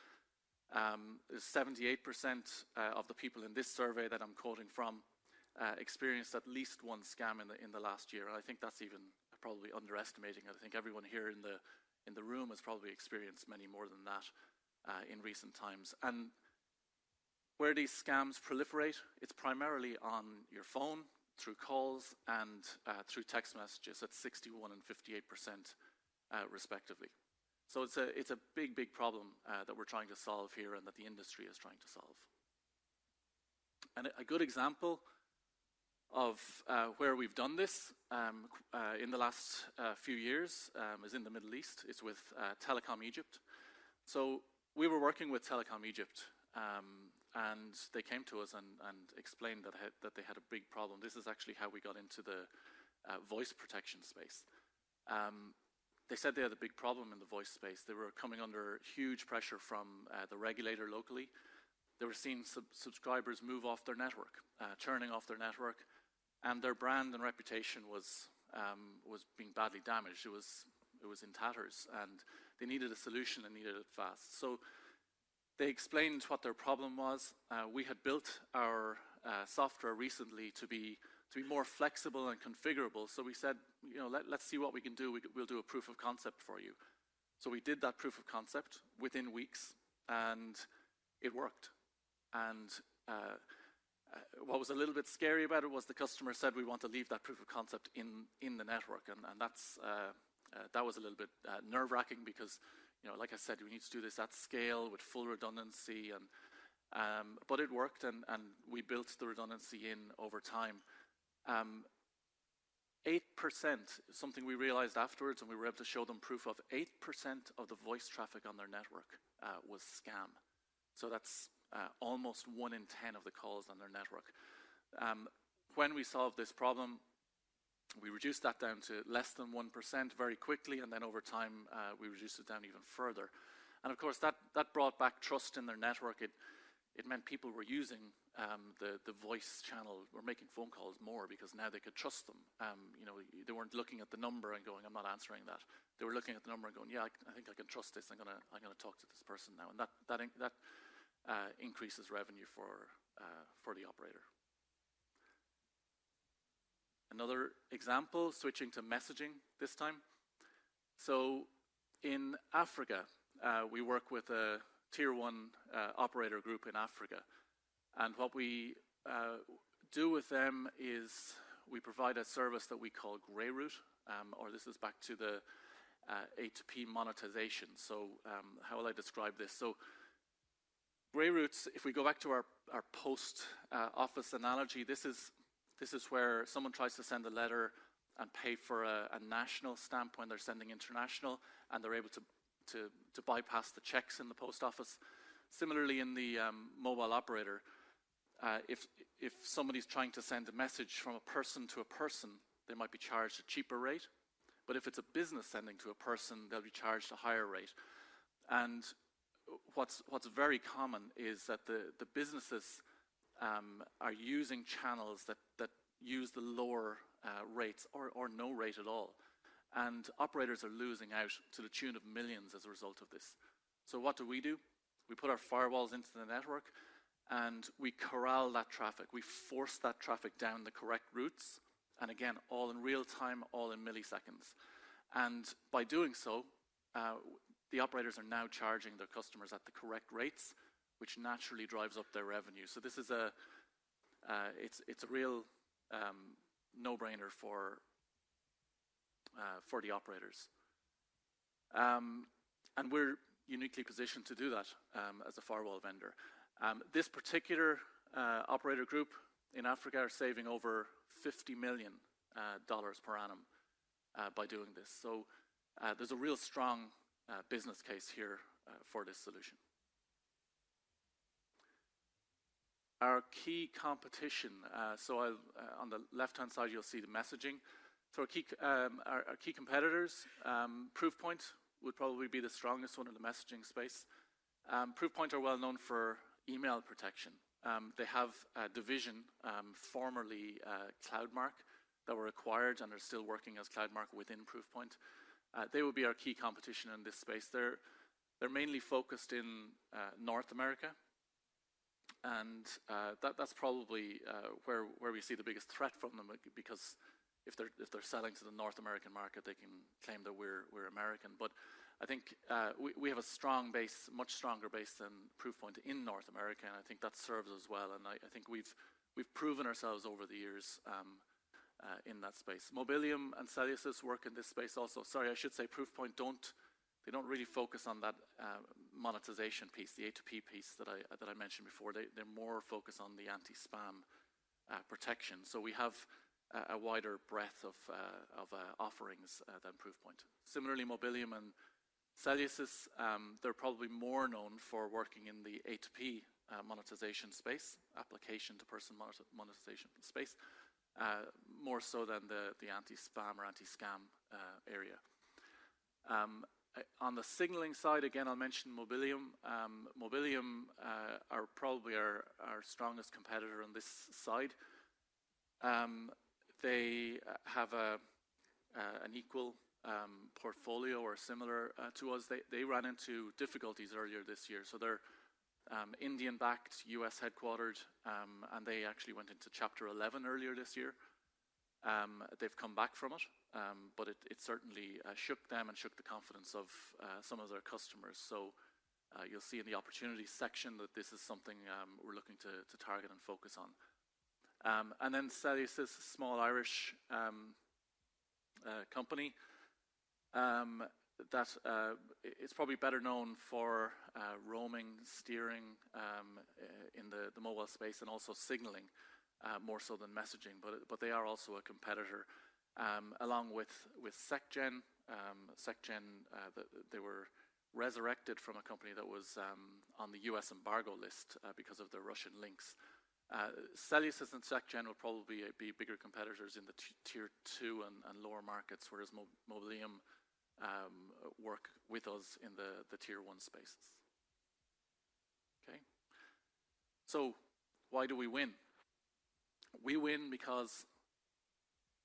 78% of the people in this survey that I'm quoting from experienced at least one scam in the last year. I think that's even probably underestimating it. I think everyone here in the room has probably experienced many more than that in recent times. And where these scams proliferate, it's primarily on your phone through calls and through text messages at 61% and 58%, respectively. So it's a big, big problem that we're trying to solve here and that the industry is trying to solve. And a good example of where we've done this in the last few years is in the Middle East. It's with Telecom Egypt. So we were working with Telecom Egypt. And they came to us and explained that they had a big problem. This is actually how we got into the voice protection space. They said they had a big problem in the voice space. They were coming under huge pressure from the regulator locally. They were seeing subscribers move off their network, turning off their network. And their brand and reputation was being badly damaged. It was in tatters. And they needed a solution and needed it fast. So they explained what their problem was. We had built our software recently to be more flexible and configurable. So we said, let's see what we can do. We'll do a proof of concept for you. So we did that proof of concept within weeks. And it worked. And what was a little bit scary about it was the customer said, we want to leave that proof of concept in the network. And that was a little bit nerve-wracking because, like I said, we need to do this at scale with full redundancy. But it worked. And we built the redundancy in over time. 8%, something we realized afterwards, and we were able to show them proof of 8% of the voice traffic on their network was scam. So that's almost one in 10 of the calls on their network. When we solved this problem, we reduced that down to less than 1% very quickly, and then over time, we reduced it down even further, and of course, that brought back trust in their network. It meant people were using the voice channel, were making phone calls more because now they could trust them. They weren't looking at the number and going, I'm not answering that. They were looking at the number and going, yeah, I think I can trust this. I'm going to talk to this person now, and that increases revenue for the operator. Another example, switching to messaging this time, so in Africa, we work with a tier one operator group in Africa, and what we do with them is we provide a service that we call Gray Route, or this is back to the A2P monetization, so how will I describe this? So, Gray Route, if we go back to our post office analogy, this is where someone tries to send a letter and pay for a national stamp when they're sending international. And they're able to bypass the checks in the post office. Similarly, in the mobile operator, if somebody's trying to send a message from a person to a person, they might be charged a cheaper rate. But if it's a business sending to a person, they'll be charged a higher rate. And what's very common is that the businesses are using channels that use the lower rates or no rate at all. And operators are losing out to the tune of millions as a result of this. So what do we do? We put our firewalls into the network. And we corral that traffic. We force that traffic down the correct routes. Again, all in real time, all in milliseconds. By doing so, the operators are now charging their customers at the correct rates, which naturally drives up their revenue. This is a real no-brainer for the operators. We're uniquely positioned to do that as a firewall vendor. This particular operator group in Africa is saving over $50 million per annum by doing this. There's a real strong business case here for this solution. Our key competition, so on the left-hand side, you'll see the messaging. Our key competitors, Proofpoint, would probably be the strongest one in the messaging space. Proofpoint are well known for email protection. They have a division, formerly Cloudmark, that were acquired and are still working as Cloudmark within Proofpoint. They will be our key competition in this space. They're mainly focused in North America. That's probably where we see the biggest threat from them because if they're selling to the North American market, they can claim that we're American. I think we have a strong base, much stronger base than Proofpoint in North America. I think that serves us well. I think we've proven ourselves over the years in that space. Mobileum and Cellusys work in this space also. Sorry, I should say Proofpoint, they don't really focus on that monetization piece, the A2P piece that I mentioned before. They're more focused on the anti-spam protection. We have a wider breadth of offerings than Proofpoint. Similarly, Mobileum and Cellusys, they're probably more known for working in the A2P monetization space, application-to-person monetization space, more so than the anti-spam or anti-scam area. On the signaling side, again, I'll mention Mobileum. Mobileum are probably our strongest competitor on this side. They have an equal portfolio or similar to us. They ran into difficulties earlier this year, so they're Indian-backed, U.S.-headquartered, and they actually went into Chapter 11 earlier this year. They've come back from it, but it certainly shook them and shook the confidence of some of their customers, so you'll see in the opportunity section that this is something we're looking to target and focus on, and then Cellusys is a small Irish company that is probably better known for roaming, steering in the mobile space, and also Q more so than messaging, but they are also a competitor along with SecGen. SecGen, they were resurrected from a company that was on the U.S. embargo list because of the Russian links. Cellusys and SecGen will probably be bigger competitors in the tier two and lower markets, whereas Mobileum works with us in the tier one spaces. Okay. So why do we win? We win because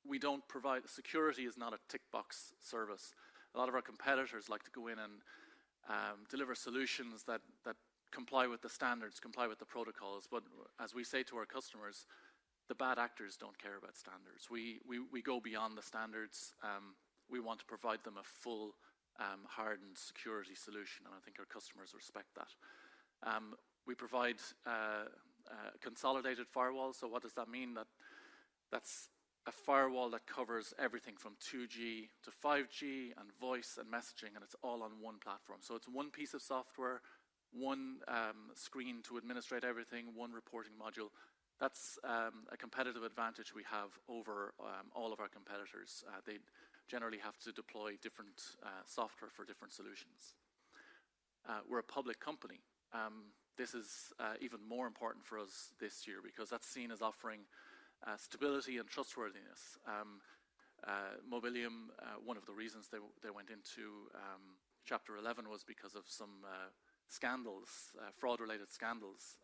we don't provide security. It's not a tick-box service. A lot of our competitors like to go in and deliver solutions that comply with the standards, comply with the protocols. But as we say to our customers, the bad actors don't care about standards. We go beyond the standards. We want to provide them a full, hardened security solution. And I think our customers respect that. We provide consolidated firewalls. So what does that mean? That's a firewall that covers everything from 2G to 5G and voice and messaging. And it's all on one platform. So it's one piece of software, one screen to administrate everything, one reporting module. That's a competitive advantage we have over all of our competitors. They generally have to deploy different software for different solutions. We're a public company. This is even more important for us this year because that's seen as offering stability and trustworthiness. Mobileum. One of the reasons they went into Chapter 11 was because of some scandals, fraud-related scandals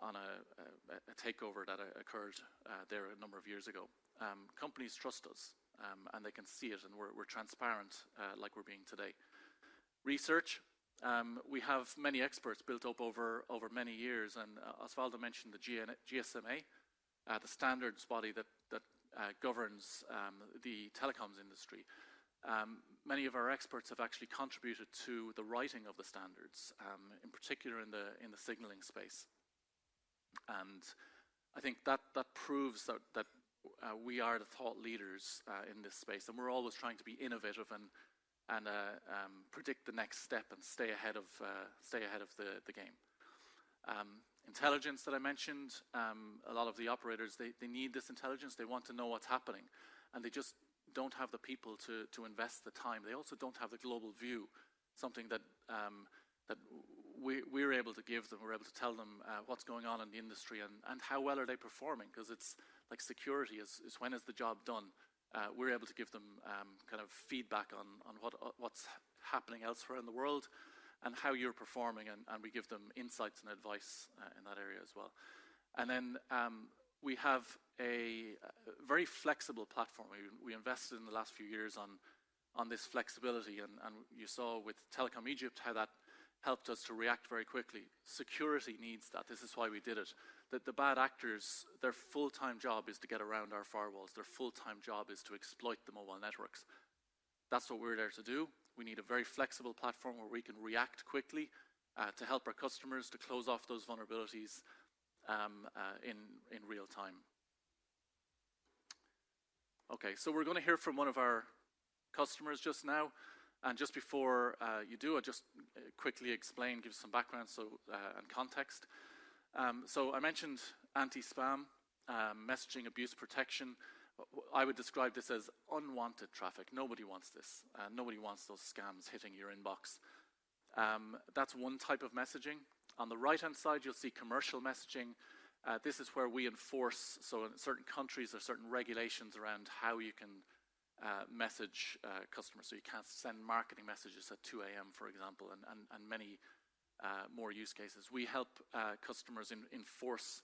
on a takeover that occurred there a number of years ago. Companies trust us, and they can see it, and we're transparent like we're being today. Research. We have many experts built up over many years, and Osvaldo mentioned the GSMA, the standards body that governs the telecoms industry. Many of our experts have actually contributed to the writing of the standards, in particular in the signaling space, and I think that proves that we are the thought leaders in this space. We're always trying to be innovative and predict the next step and stay ahead of the game. Intelligence that I mentioned. A lot of the operators, they need this intelligence. They want to know what's happening, and they just don't have the people to invest the time. They also don't have the global view, something that we're able to give them. We're able to tell them what's going on in the industry and how well are they performing because it's like security is when is the job done. We're able to give them kind of feedback on what's happening elsewhere in the world and how you're performing, and we give them insights and advice in that area as well, and then we have a very flexible platform. We invested in the last few years on this flexibility, and you saw with Telecom Egypt how that helped us to react very quickly. Security needs that. This is why we did it. The bad actors, their full-time job is to get around our firewalls. Their full-time job is to exploit the mobile networks. That's what we're there to do. We need a very flexible platform where we can react quickly to help our customers to close off those vulnerabilities in real time. Okay. So we're going to hear from one of our customers just now. And just before you do, I'll just quickly explain, give some background and context. So I mentioned anti-spam, messaging abuse protection. I would describe this as unwanted traffic. Nobody wants this. Nobody wants those scams hitting your inbox. That's one type of messaging. On the right-hand side, you'll see commercial messaging. This is where we enforce. So in certain countries, there are certain regulations around how you can message customers. So you can't send marketing messages at 2:00 A.M., for example, and many more use cases. We help customers enforce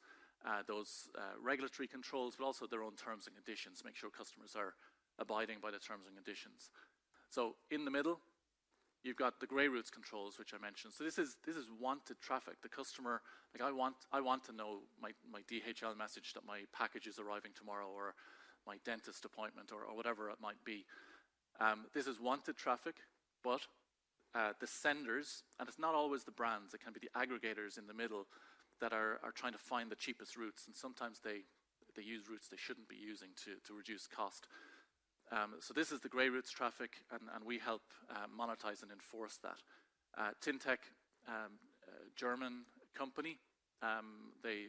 those regulatory controls, but also their own terms and conditions, make sure customers are abiding by the terms and conditions, so in the middle, you've got the grey routes controls, which I mentioned, so this is wanted traffic. The customer, I want to know my DHL message that my package is arriving tomorrow or my dentist appointment or whatever it might be. This is wanted traffic, but the senders, and it's not always the brands. It can be the aggregators in the middle that are trying to find the cheapest routes, and sometimes they use routes they shouldn't be using to reduce cost, so this is the grey routes traffic, and we help monetize and enforce that. tyntec, German company, they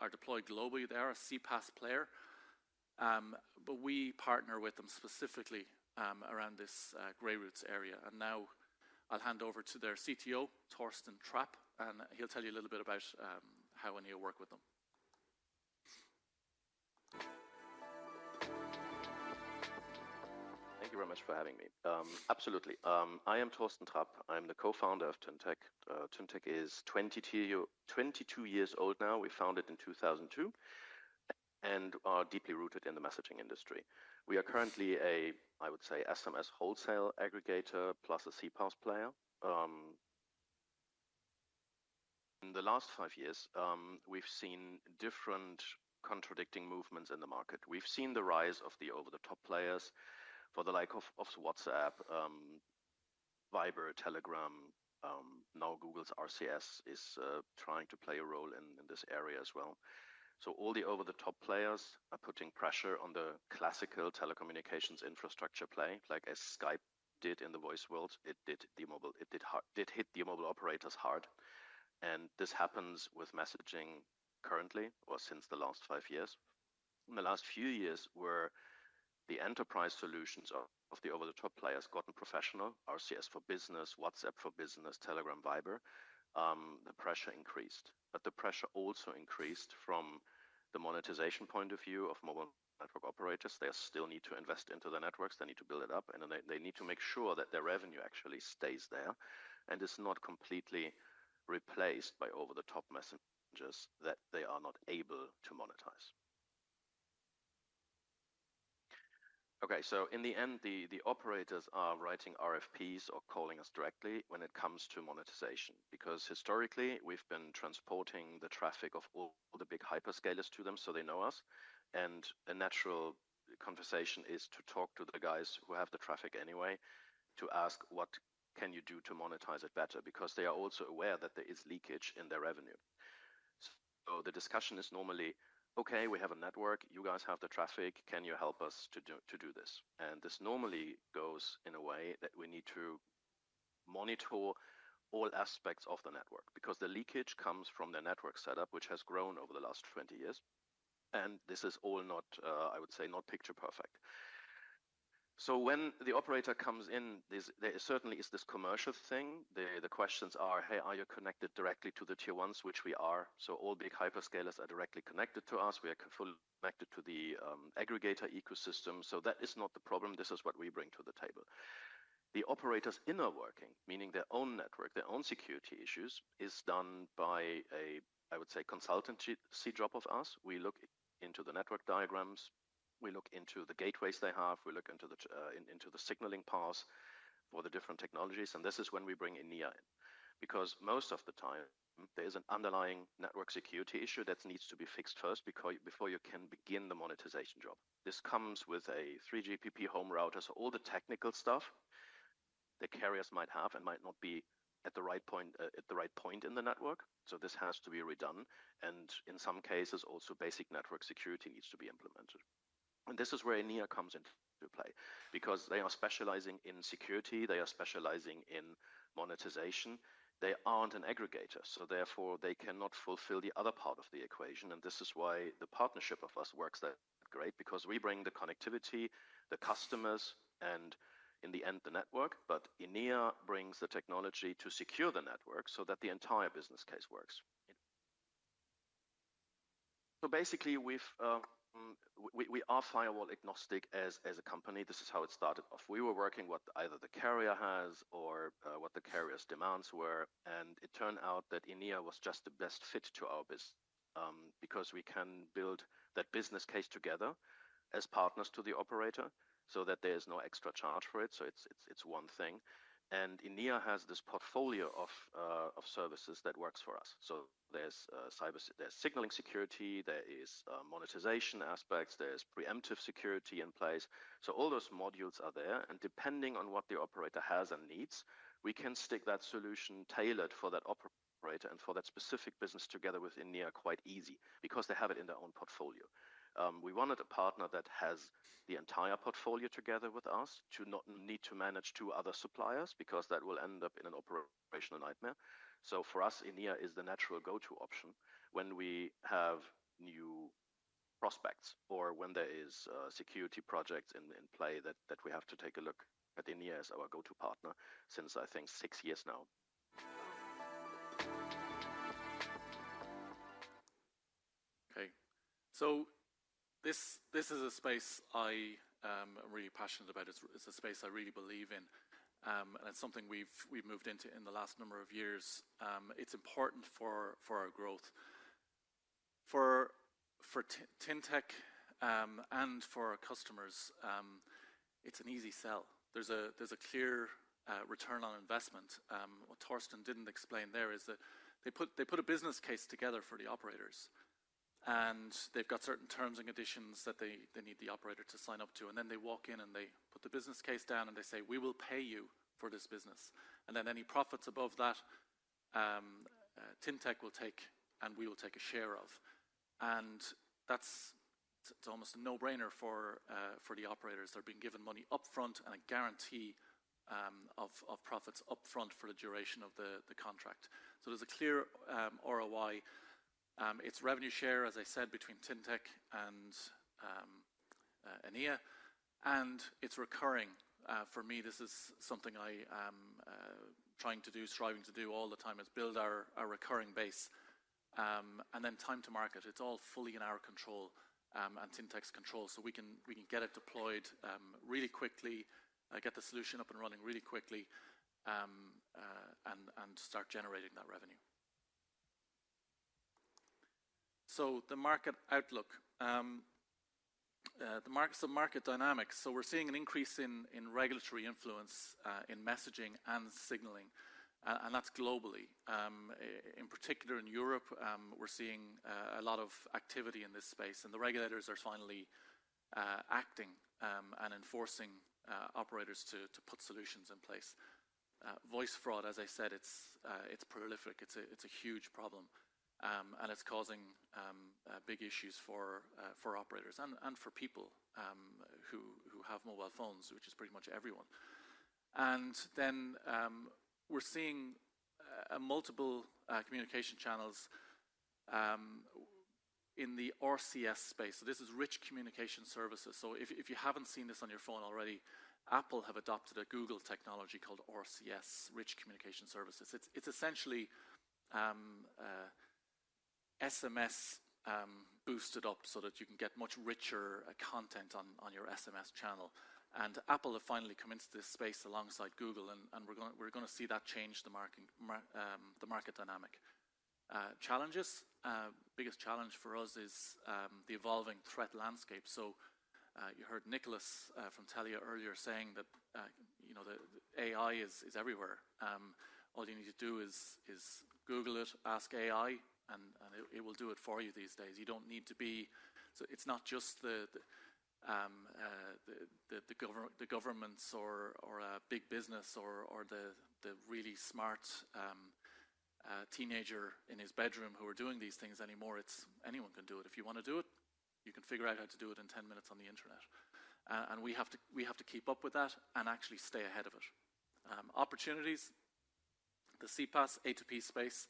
are deployed globally. They are a CPaaS player, but we partner with them specifically around this grey routes area. Now I'll hand over to their CTO, Thorsten Trapp. He'll tell you a little bit about how Enea works with them. Thank you very much for having me. Absolutely. I am Torsten Trapp. I'm the co-founder of tyntec. tyntec is 22 years old now. We founded in 2002 and are deeply rooted in the messaging industry. We are currently a, I would say, SMS wholesale aggregator plus a CPaaS player. In the last five years, we've seen different contradicting movements in the market. We've seen the rise of the over-the-top players for the likes of WhatsApp, Viber, Telegram. Now Google's RCS is trying to play a role in this area as well. So all the over-the-top players are putting pressure on the classical telecommunications infrastructure play, like Skype did in the voice world. It did hit the mobile operators hard. And this happens with messaging currently or since the last five years. In the last few years, where the enterprise solutions of the over-the-top players gotten professional, RCS for business, WhatsApp for business, Telegram, Viber, the pressure increased. But the pressure also increased from the monetization point of view of mobile network operators. They still need to invest into the networks. They need to build it up. And they need to make sure that their revenue actually stays there and is not completely replaced by over-the-top messengers that they are not able to monetize. Okay. So in the end, the operators are writing RFPs or calling us directly when it comes to monetization because historically, we've been transporting the traffic of all the big hyperscalers to them so they know us. A natural conversation is to talk to the guys who have the traffic anyway to ask, "What can you do to monetize it better?" Because they are also aware that there is leakage in their revenue. The discussion is normally, "Okay, we have a network. You guys have the traffic. Can you help us to do this?" This normally goes in a way that we need to monitor all aspects of the network because the leakage comes from the network setup, which has grown over the last 20 years. This is all not, I would say, not picture perfect. When the operator comes in, there certainly is this commercial thing. The questions are, "Hey, are you connected directly to the Tier 1s, which we are?" All big hyperscalers are directly connected to us. We are fully connected to the aggregator ecosystem. That is not the problem. This is what we bring to the table. The operator's inner workings, meaning their own network, their own security issues is done by a, I would say, consultancy arm of us. We look into the network diagrams. We look into the gateways they have. We look into the signaling paths for the different technologies. And this is when we bring Enea in because most of the time, there is an underlying network security issue that needs to be fixed first before you can begin the monetization job. This comes with a 3GPP home router. So all the technical stuff the carriers might have and might not be at the right point in the network. So this has to be redone. And in some cases, also basic network security needs to be implemented. And this is where Enea comes into play because they are specializing in security. They are specializing in monetization. They aren't an aggregator. So therefore, they cannot fulfill the other part of the equation. And this is why the partnership of us works that great because we bring the connectivity, the customers, and in the end, the network. But Enea brings the technology to secure the network so that the entire business case works. So basically, we are firewall agnostic as a company. This is how it started off. We were working what either the carrier has or what the carrier's demands were. And it turned out that Enea was just the best fit to our business because we can build that business case together as partners to the operator so that there is no extra charge for it. So it's one thing. And Enea has this portfolio of services that works for us. So there's signaling security. There is monetization aspects. There's preemptive security in place. So all those modules are there. And depending on what the operator has and needs, we can stick that solution tailored for that operator and for that specific business together with Enea quite easy because they have it in their own portfolio. We wanted a partner that has the entire portfolio together with us to not need to manage two other suppliers because that will end up in an operational nightmare. So for us, Enea is the natural go-to option when we have new prospects or when there is a security project in play that we have to take a look at Enea as our go-to partner since, I think, six years now. Okay. So this is a space I am really passionate about. It's a space I really believe in. And it's something we've moved into in the last number of years. It's important for our growth. For tyntec and for our customers, it's an easy sell. There's a clear return on investment. What Torsten didn't explain there is that they put a business case together for the operators. And they've got certain terms and conditions that they need the operator to sign up to. And then they walk in and they put the business case down and they say, "We will pay you for this business." And then any profits above that, tyntec will take and we will take a share of. And that's almost a no-brainer for the operators. They're being given money upfront and a guarantee of profits upfront for the duration of the contract. So there's a clear ROI. It's revenue share, as I said, between tyntec and Enea. It's recurring. For me, this is something I'm trying to do, striving to do all the time is build our recurring base. And then time to market, it's all fully in our control and tyntec's control. So we can get it deployed really quickly, get the solution up and running really quickly, and start generating that revenue. So the market outlook, the market dynamics. So we're seeing an increase in regulatory influence in messaging and signaling. And that's globally. In particular, in Europe, we're seeing a lot of activity in this space. And the regulators are finally acting and enforcing operators to put solutions in place. Voice fraud, as I said, it's prolific. It's a huge problem. And it's causing big issues for operators and for people who have mobile phones, which is pretty much everyone. And then we're seeing multiple communication channels in the RCS space. This is rich communication services. If you haven't seen this on your phone already, Apple have adopted a Google technology called RCS, rich communication services. It's essentially SMS boosted up so that you can get much richer content on your SMS channel. Apple have finally commenced this space alongside Google. We're going to see that change the market dynamic. Challenges. The biggest challenge for us is the evolving threat landscape. You heard Nicholas from Telia earlier saying that AI is everywhere. All you need to do is Google it, ask AI, and it will do it for you these days. You don't need to be. It's not just the governments or big business or the really smart teenager in his bedroom who are doing these things anymore. It's anyone can do it. If you want to do it, you can figure out how to do it in 10 minutes on the internet, and we have to keep up with that and actually stay ahead of it. Opportunities, the CPaaS A2P space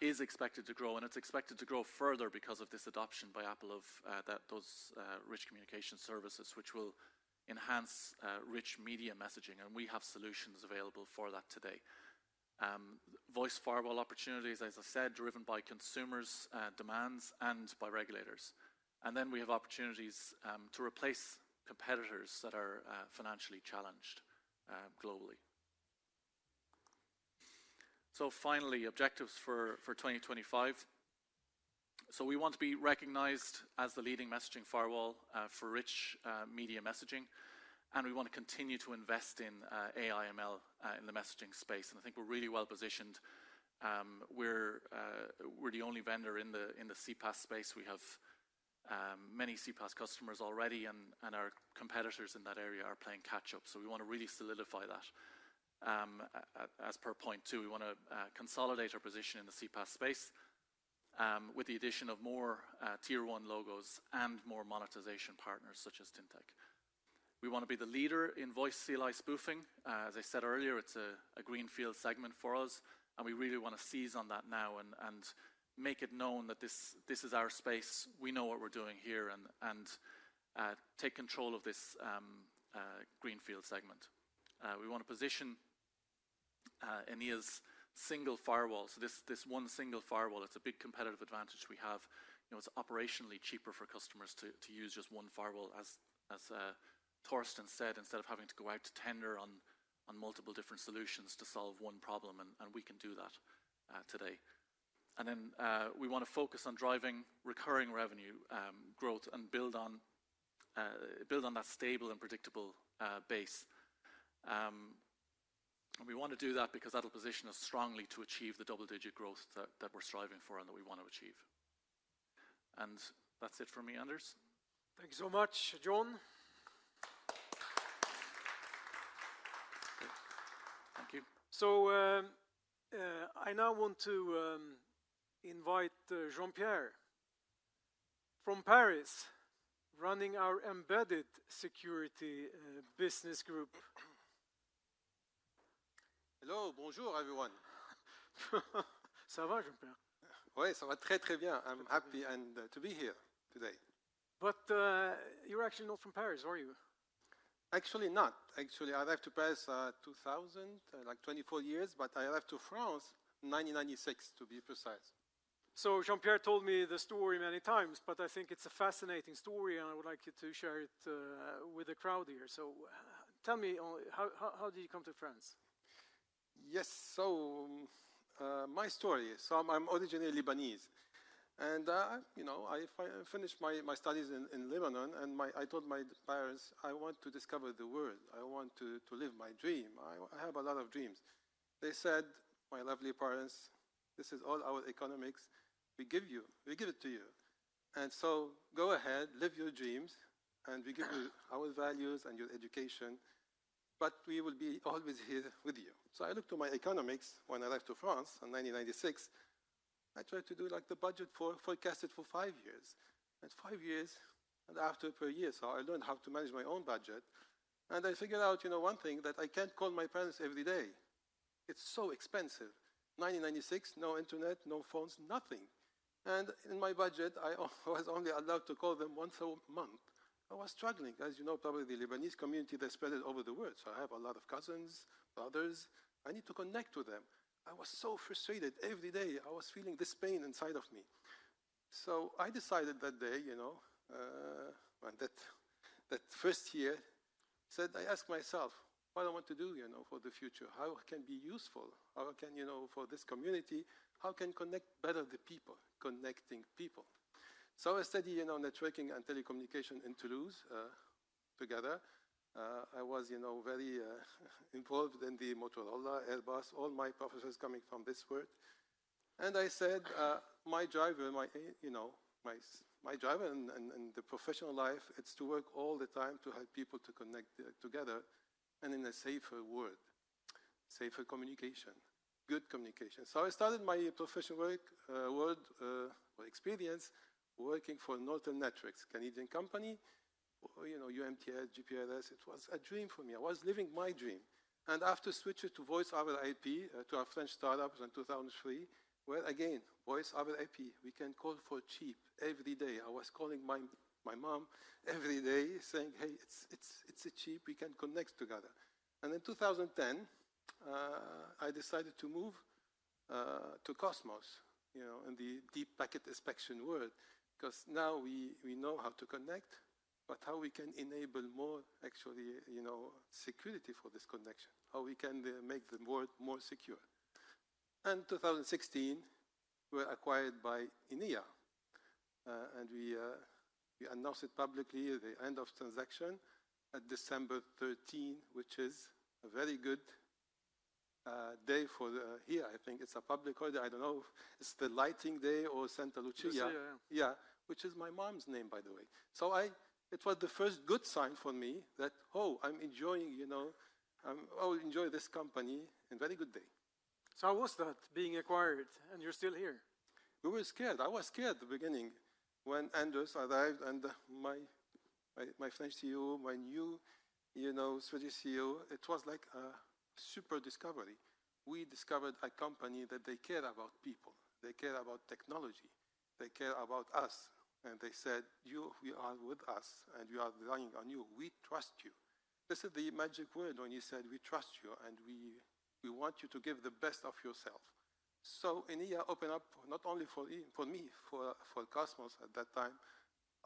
is expected to grow, and it's expected to grow further because of this adoption by Apple of those rich communication services, which will enhance rich media messaging, and we have solutions available for that today. Voice firewall opportunities, as I said, driven by consumers' demands and by regulators, and then we have opportunities to replace competitors that are financially challenged globally, so finally, objectives for 2025, so we want to be recognized as the leading messaging firewall for rich media messaging, and we want to continue to invest in AI/ML in the messaging space, and I think we're really well positioned. We're the only vendor in the CPaaS space. We have many CPaaS customers already, and our competitors in that area are playing catch-up, so we want to really solidify that. As per point two, we want to consolidate our position in the CPaaS space with the addition of more tier one logos and more monetization partners such as tyntec. We want to be the leader in voice CLI spoofing. As I said earlier, it's a greenfield segment for us, and we really want to seize on that now and make it known that this is our space. We know what we're doing here and take control of this greenfield segment. We want to position Enea's single firewall, so this one single firewall, it's a big competitive advantage we have. It's operationally cheaper for customers to use just one firewall, as Torsten said, instead of having to go out to tender on multiple different solutions to solve one problem. And we can do that today. And then we want to focus on driving recurring revenue growth and build on that stable and predictable base. And we want to do that because that'll position us strongly to achieve the double-digit growth that we're striving for and that we want to achieve. And that's it for me, Anders. Thank you so much, John. Thank you. So I now want to invite Jean-Pierre from Paris, running our embedded security business group. Hello, bonjour everyone. Ça va, Jean-Pierre? Oui, ça va très, très bien. I'm happy to be here today. But you're actually not from Paris, are you? Actually not. Actually, I left Paris 2000, like 24 years, but I left France 1996, to be precise. So Jean-Pierre told me the story many times, but I think it's a fascinating story. And I would like you to share it with the crowd here. So tell me, how did you come to France? Yes. So my story, so I'm originally Lebanese. And I finished my studies in Lebanon. And I told my parents, "I want to discover the world. I want to live my dream. I have a lot of dreams." They said, "My lovely parents, this is all our economics. We give it to you. And so go ahead, live your dreams. And we give you our values and your education. But we will be always here with you." So I looked at my economics when I left France in 1996. I tried to do the budget forecasted for five years. And five years, and after per year, so I learned how to manage my own budget. And I figured out one thing that I can't call my parents every day. It's so expensive. 1996, no internet, no phones, nothing. In my budget, I was only allowed to call them once a month. I was struggling. As you know, probably the Lebanese community, they're spread over the world. I have a lot of cousins, brothers. I need to connect with them. I was so frustrated every day. I was feeling this pain inside of me. I decided that day, that first year, I said, "I ask myself, what do I want to do for the future? How can I be useful? How can I help this community? How can I connect better the people, connecting people?" I studied networking and telecommunication in Toulouse together. I was very involved in the Motorola, Airbus, all my professors coming from this world. And I said, "My driver, my driver in the professional life, it's to work all the time to help people to connect together and in a safer world, safer communication, good communication." So I started my professional world experience working for Nortel Networks, a Canadian company. UMTS, GPRS, it was a dream for me. I was living my dream. And after switching to VoIP to our French startups in 2003, well, again, VoIP, we can call for cheap every day. I was calling my mom every day saying, "Hey, it's cheap. We can connect together." And in 2010, I decided to move to Qosmos in the deep packet inspection world because now we know how to connect, but how we can enable more actually security for this connection, how we can make the world more secure. And in 2016, we were acquired by Enea. And we announced it publicly at the end of transaction at December 13, which is a very good day for here. I think it's a public holiday. I don't know if it's the lighting day or Santa Lucia. Yeah, which is my mom's name, by the way. So it was the first good sign for me that, "Oh, I'm enjoying this company in a very good day." So how was that being acquired? And you're still here? We were scared. I was scared at the beginning when Anders arrived and my French CEO, my new Swedish CEO, it was like a super discovery. We discovered a company that they care about people. They care about technology. They care about us. And they said, "You are with us. And we are relying on you. We trust you." This is the magic word when he said, "We trust you. And we want you to give the best of yourself." So Enea opened up not only for me, for Cosmos at that time,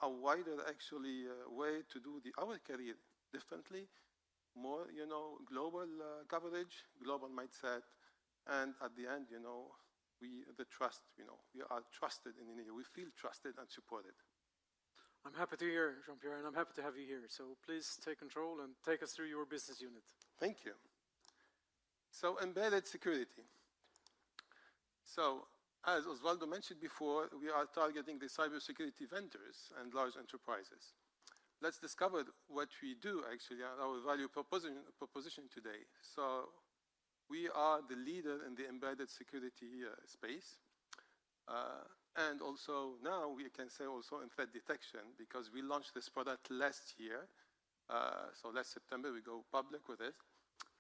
a wider actually way to do our career differently, more global coverage, global mindset. And at the end, the trust. We are trusted in Enea. We feel trusted and supported. I'm happy to hear, Jean-Pierre. And I'm happy to have you here. So please take control and take us through your business unit. Thank you. So embedded security. So as Osvaldo mentioned before, we are targeting the cybersecurity vendors and large enterprises. Let's discover what we do actually at our value proposition today. So we are the leader in the embedded security space. And also now we can say also in threat detection because we launched this product last year. So last September, we go public with it.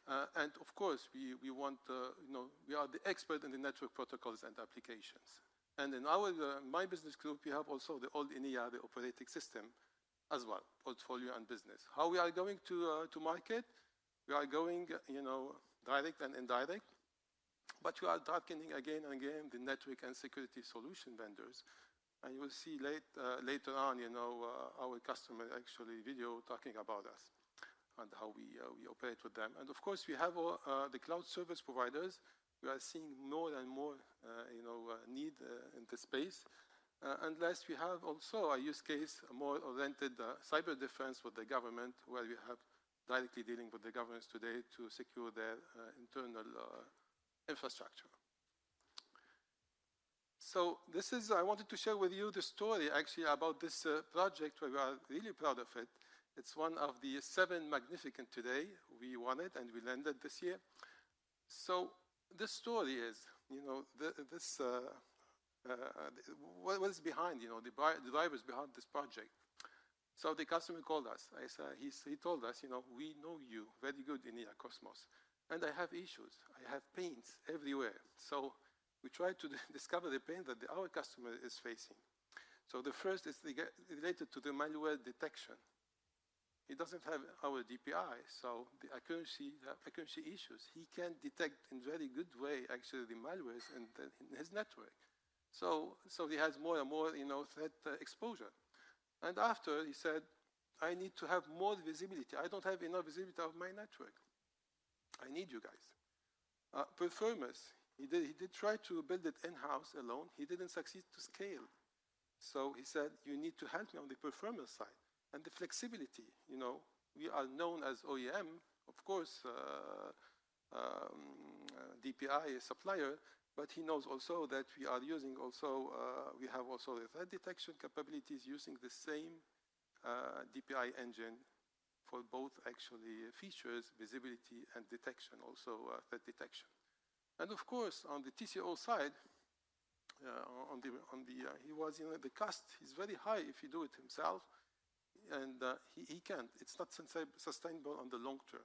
Of course, we are the expert in the network protocols and applications. In my business group, we have also the old Enea, the operating system as well, portfolio and business. How we are going to market? We are going direct and indirect. But we are targeting again and again the network and security solution vendors. You will see later on our customer actually video talking about us and how we operate with them. Of course, we have the cloud service providers. We are seeing more and more need in the space. Last, we have also a use case more oriented cyber defense with the government where we have directly dealing with the governments today to secure their internal infrastructure. I wanted to share with you the story actually about this project where we are really proud of it. It's one of the seven magnificent today. We won it and we landed this year. So the story is what is behind the drivers behind this project. So the customer called us. He told us, "We know you very good, Enea, Cosmos. And I have issues. I have pains everywhere." So we tried to discover the pain that our customer is facing. So the first is related to the malware detection. He doesn't have our DPI. So the accuracy issues, he can detect in a very good way actually the malwares in his network. So he has more and more threat exposure. And after, he said, "I need to have more visibility. I don't have enough visibility of my network. I need you guys." Performance, he did try to build it in-house alone. He didn't succeed to scale. So he said, "You need to help me on the performance side." And the flexibility. We are known as OEM, of course, DPI supplier. But he knows also that we have also the threat detection capabilities using the same DPI engine for both actually features, visibility and detection, also threat detection. And of course, on the TCO side, he was interested in the cost. It's very high if you do it yourself. And he can't. It's not sustainable in the long term.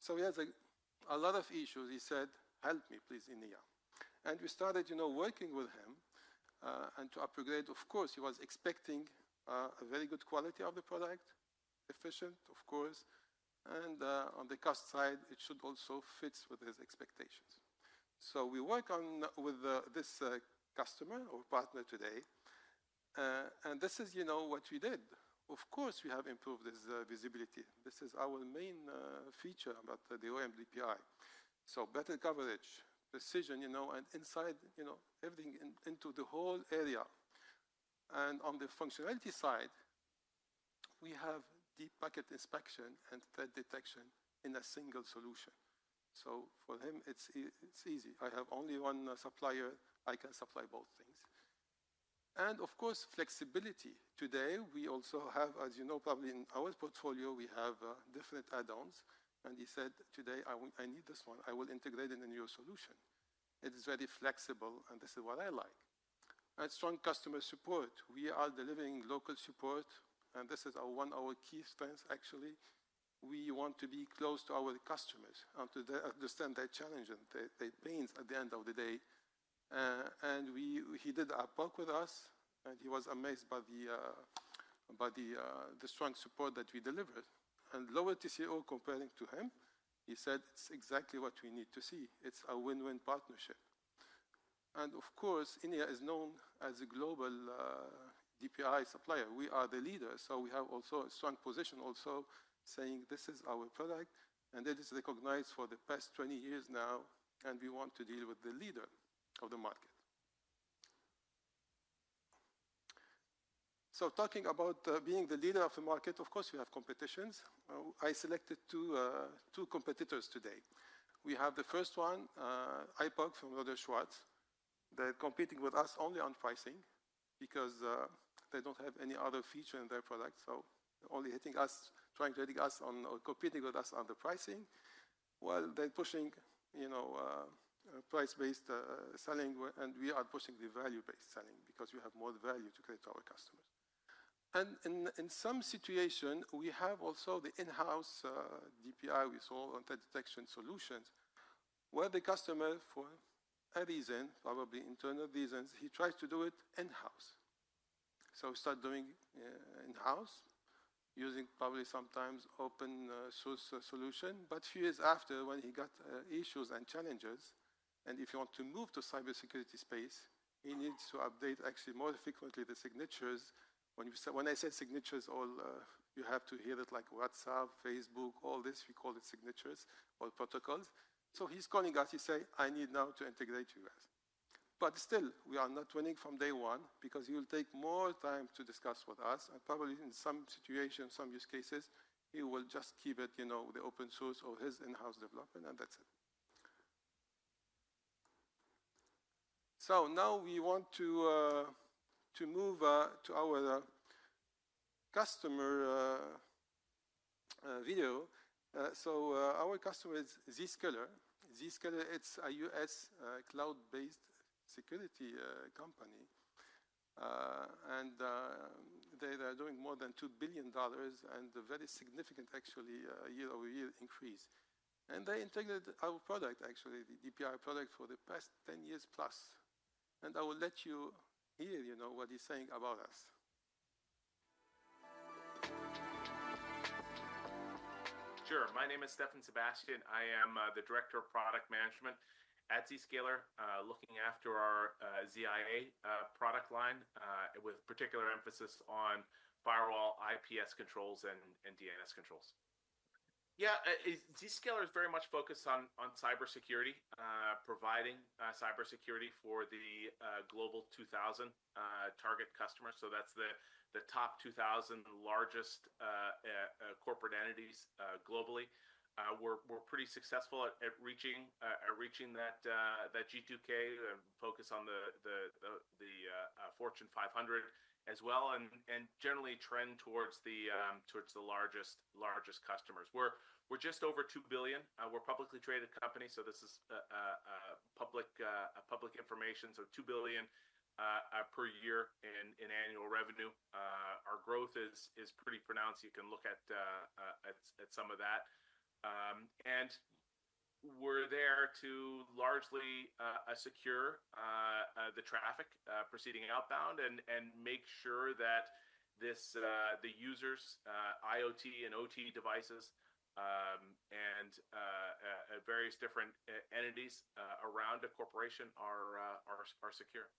So he has a lot of issues. He said, "Help me, please, Enea." And we started working with him and to upgrade. Of course, he was expecting a very good quality of the product, efficient, of course. And on the cost side, it should also fit with his expectations. So we work with this customer or partner today. And this is what we did. Of course, we have improved this visibility. This is our main feature about the OEM DPI, so better coverage, precision, and insight into everything in the whole area. On the functionality side, we have deep packet inspection and threat detection in a single solution, so for him, it's easy. I have only one supplier. I can supply both things. Of course, flexibility. Today, we also have, as you know, probably in our portfolio, we have different add-ons. He said, "Today, I need this one. I will integrate it in your solution. It is very flexible. And this is what I like." Strong customer support. We are delivering local support, and this is one of our key strengths, actually. We want to be close to our customers and to understand their challenge and their pains at the end of the day, and he did a PoC with us. He was amazed by the strong support that we delivered. Lower TCO comparing to him, he said, "It's exactly what we need to see. It's a win-win partnership." Of course, Enea is known as a global DPI supplier. We are the leader. We have also a strong position also saying, "This is our product. And it is recognized for the past 20 years now. And we want to deal with the leader of the market." Talking about being the leader of the market, of course, we have competitions. I selected two competitors today. We have the first one, ipoque from Rohde & Schwartz. They're competing with us only on pricing because they don't have any other feature in their product. Only trying to competing with us on the pricing. They're pushing price-based selling. We are pushing the value-based selling because we have more value to create for our customers. In some situation, we have also the in-house DPI with all the detection solutions where the customer, for a reason, probably internal reasons, he tries to do it in-house. He started doing in-house using probably sometimes open source solution. A few years after, when he got issues and challenges, and if you want to move to cybersecurity space, he needs to update actually more frequently the signatures. When I say signatures, you have to hear it like WhatsApp, Facebook, all this. We call it signatures or protocols. He's calling us. He's saying, "I need now to integrate you guys." Still, we are not winning from day one because he will take more time to discuss with us. Probably in some situations, some use cases, he will just keep it with the open source or his in-house development. And that's it. Now we want to move to our customer video. Our customer is Zscaler. Zscaler, it's a U.S. cloud-based security company. And they are doing more than $2 billion and a very significant actually year-over-year increase. And they integrated our product, actually the DPI product for the past 10 years plus. And I will let you hear what he's saying about us. Sure. My name is Stephan Sebastian. I am the director of product management at Zscaler, looking after our ZIA product line with particular emphasis on firewall, IPS controls, and DNS controls. Yeah. Zscaler is very much focused on cybersecurity, providing cybersecurity for the Global 2000 target customers. So that's the top 2000 largest corporate entities globally. We're pretty successful at reaching that G2K focus on the Fortune 500 as well and generally trend towards the largest customers. We're just over $2 billion. We're a publicly traded company, so this is public information, so $2 billion per year in annual revenue. Our growth is pretty pronounced. You can look at some of that, and we're there to largely secure the traffic proceeding outbound and make sure that the users, IoT and OT devices, and various different entities around the corporation are secure.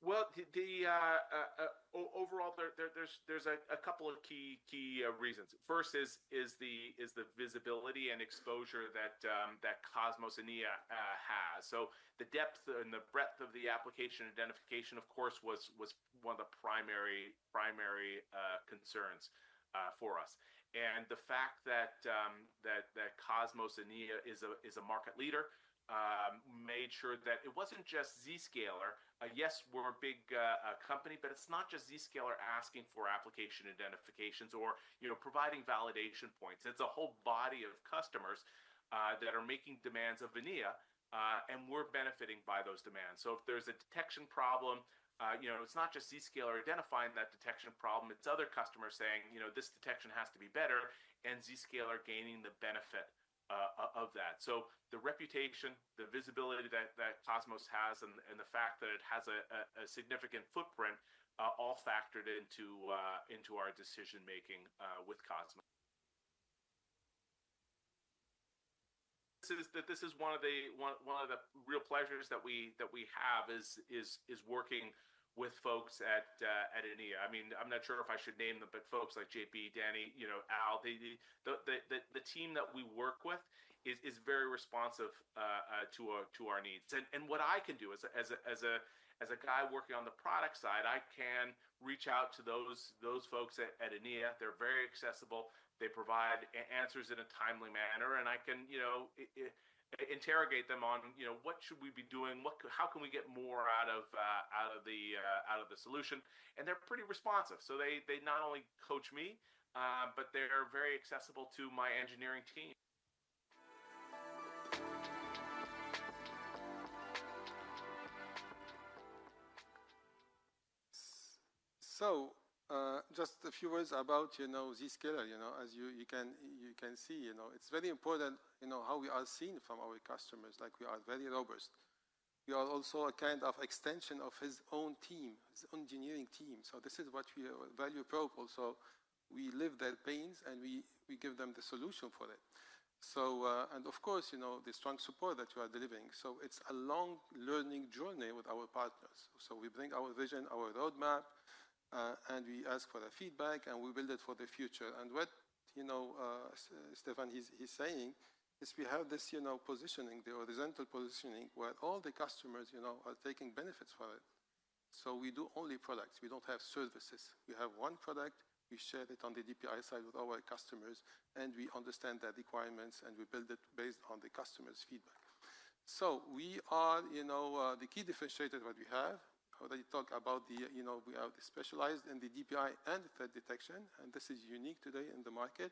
Overall, there's a couple of key reasons. First is the visibility and exposure that Cosmos Enea has, so the depth and the breadth of the application identification, of course, was one of the primary concerns for us, and the fact that Cosmos Enea is a market leader made sure that it wasn't just Zscaler. Yes, we're a big company, but it's not just Zscaler asking for application identifications or providing validation points. It's a whole body of customers that are making demands of Enea. And we're benefiting by those demands. So if there's a detection problem, it's not just Zscaler identifying that detection problem. It's other customers saying, "This detection has to be better." And Zscaler gaining the benefit of that. So the reputation, the visibility that Cosmos has, and the fact that it has a significant footprint all factored into our decision-making with Cosmos. This is one of the real pleasures that we have is working with folks at Enea. I mean, I'm not sure if I should name them, but folks like JP, Danny, Al, the team that we work with is very responsive to our needs. And what I can do as a guy working on the product side, I can reach out to those folks at Enea. They're very accessible. They provide answers in a timely manner. And I can interrogate them on what should we be doing? How can we get more out of the solution? And they're pretty responsive. So they not only coach me, but they're very accessible to my engineering team. So just a few words about Zscaler. As you can see, it's very important how we are seen from our customers. We are very robust. We are also a kind of extension of his own team, his own engineering team. So this is what we value proposal. So we live their pains and we give them the solution for it. And of course, the strong support that you are delivering. So it's a long learning journey with our partners. We bring our vision, our roadmap, and we ask for their feedback, and we build it for the future. What Stefan is saying is we have this positioning, the horizontal positioning, where all the customers are taking benefits from it. We do only products. We don't have services. We have one product. We share it on the DPI side with our customers. We understand their requirements, and we build it based on the customer's feedback. We are the key differentiator that we have. I already talked about we are specialized in the DPI and threat detection. This is unique today in the market.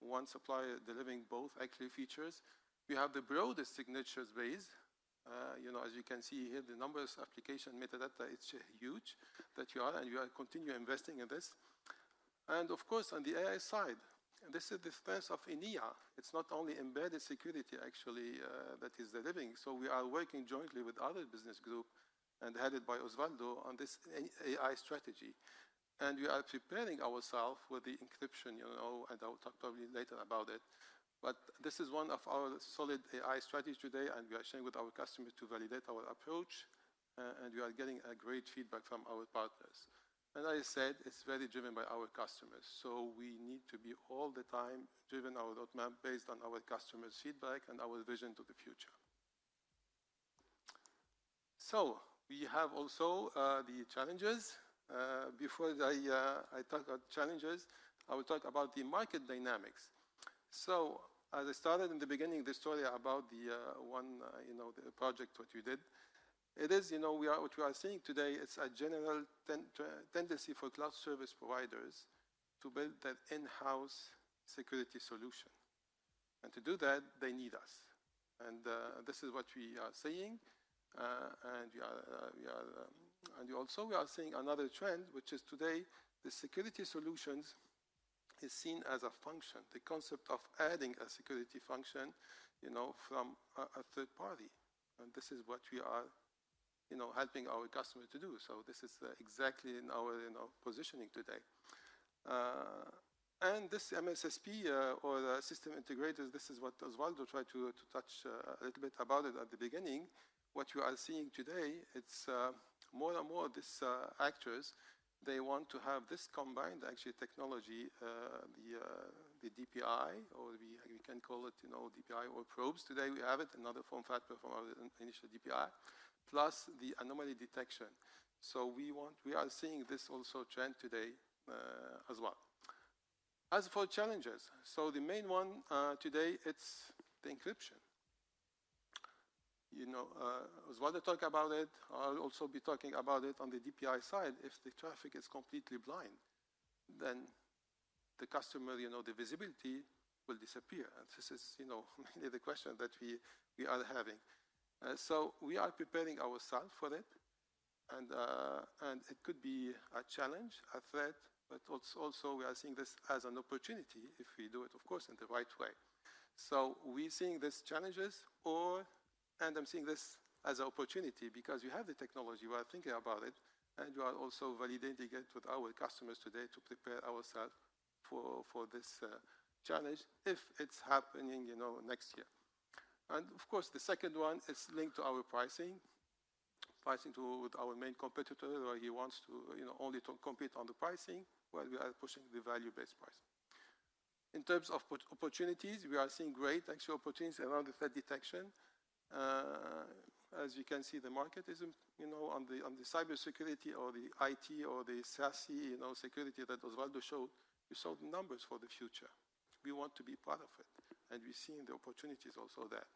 One supplier delivering both actually features. We have the broadest signatures base. As you can see here, the numbers, application, metadata, it's huge that you are. We are continuing investing in this. Of course, on the AI side, this is the strength of Enea. It's not only embedded security actually that is delivering. We are working jointly with other business groups and headed by Osvaldo on this AI strategy. We are preparing ourselves with the encryption. I'll talk probably later about it. This is one of our solid AI strategies today. We are sharing with our customers to validate our approach. We are getting great feedback from our partners. As I said, it's very driven by our customers. We need to be all the time driven our roadmap based on our customers' feedback and our vision to the future. We have also the challenges. Before I talk about challenges, I will talk about the market dynamics. So as I started in the beginning the story about the project that you did, it is what we are seeing today. It's a general tendency for cloud service providers to build that in-house security solution, and to do that, they need us, and this is what we are seeing. And also, we are seeing another trend, which is today, the security solutions is seen as a function, the concept of adding a security function from a third party, and this is what we are helping our customers to do, so this is exactly in our positioning today. And this MSSP or system integrators, this is what Osvaldo tried to touch a little bit about it at the beginning. What you are seeing today, it's more and more these actors, they want to have this combined actually technology, the DPI, or we can call it DPI or probes. Today, we have it in other form factors from our initial DPI, plus the anomaly detection, so we are seeing this also trend today as well. As for challenges, so the main one today, it's the encryption. Osvaldo talked about it. I'll also be talking about it on the DPI side. If the traffic is completely blind, then the customer, the visibility will disappear. This is the question that we are having, so we are preparing ourselves for it, and it could be a challenge, a threat, but also, we are seeing this as an opportunity if we do it, of course, in the right way, so we're seeing these challenges, and I'm seeing this as an opportunity because we have the technology. We are thinking about it, and we are also validating it with our customers today to prepare ourselves for this challenge if it's happening next year. And of course, the second one is linked to our pricing, pricing with our main competitor where he wants to only compete on the pricing while we are pushing the value-based pricing. In terms of opportunities, we are seeing great actual opportunities around the threat detection. As you can see, the market is on the cybersecurity or the IT or the SASE security that Osvaldo showed. We saw the numbers for the future. We want to be part of it. And we're seeing the opportunities also there.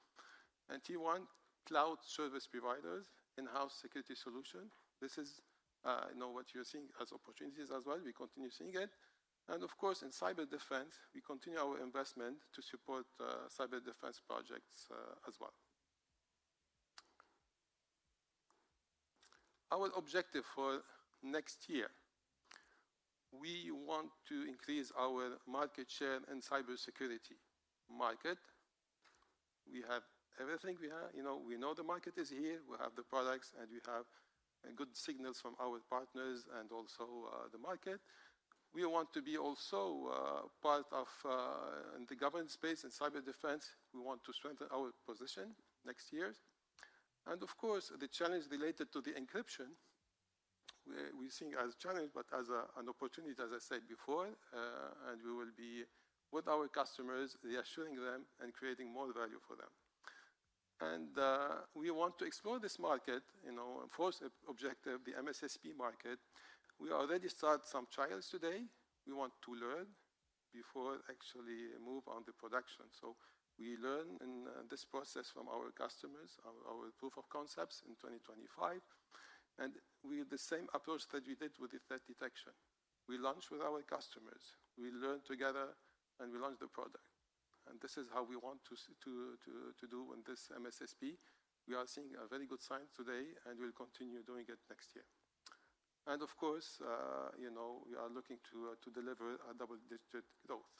And T1, cloud service providers, in-house security solution. This is what you're seeing as opportunities as well. We continue seeing it. And of course, in cyber defense, we continue our investment to support cyber defense projects as well. Our objective for next year. We want to increase our market share in cybersecurity market. We have everything. We know the market is here. We have the products, and we have good signals from our partners and also the market. We want to be also part of the governance space in cyber defense. We want to strengthen our position next year, and of course, the challenge related to the encryption, we're seeing as a challenge, but as an opportunity, as I said before. And we will be with our customers, reassuring them and creating more value for them, and we want to explore this market. First objective, the MSSP market. We already started some trials today. We want to learn before actually moving on to production, so we learn in this process from our customers, our proof of concepts in 2025, and we have the same approach that we did with the threat detection. We launch with our customers. We learn together, and we launch the product. This is how we want to do with this MSSP. We are seeing a very good sign today, and we'll continue doing it next year. Of course, we are looking to deliver a double-digit growth.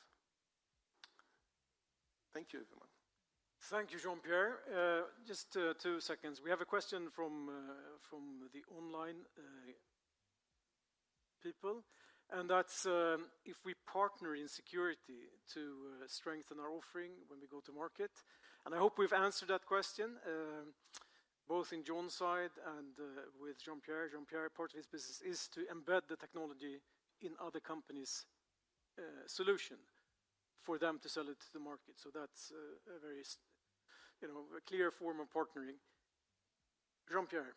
Thank you, everyone. Thank you, Jean-Pierre. Just two seconds. We have a question from the online people. That's if we partner in security to strengthen our offering when we go to market. I hope we've answered that question both in John's side and with Jean-Pierre. Jean-Pierre, part of his business is to embed the technology in other companies' solutions for them to sell it to the market. That's a very clear form of partnering. Jean-Pierre.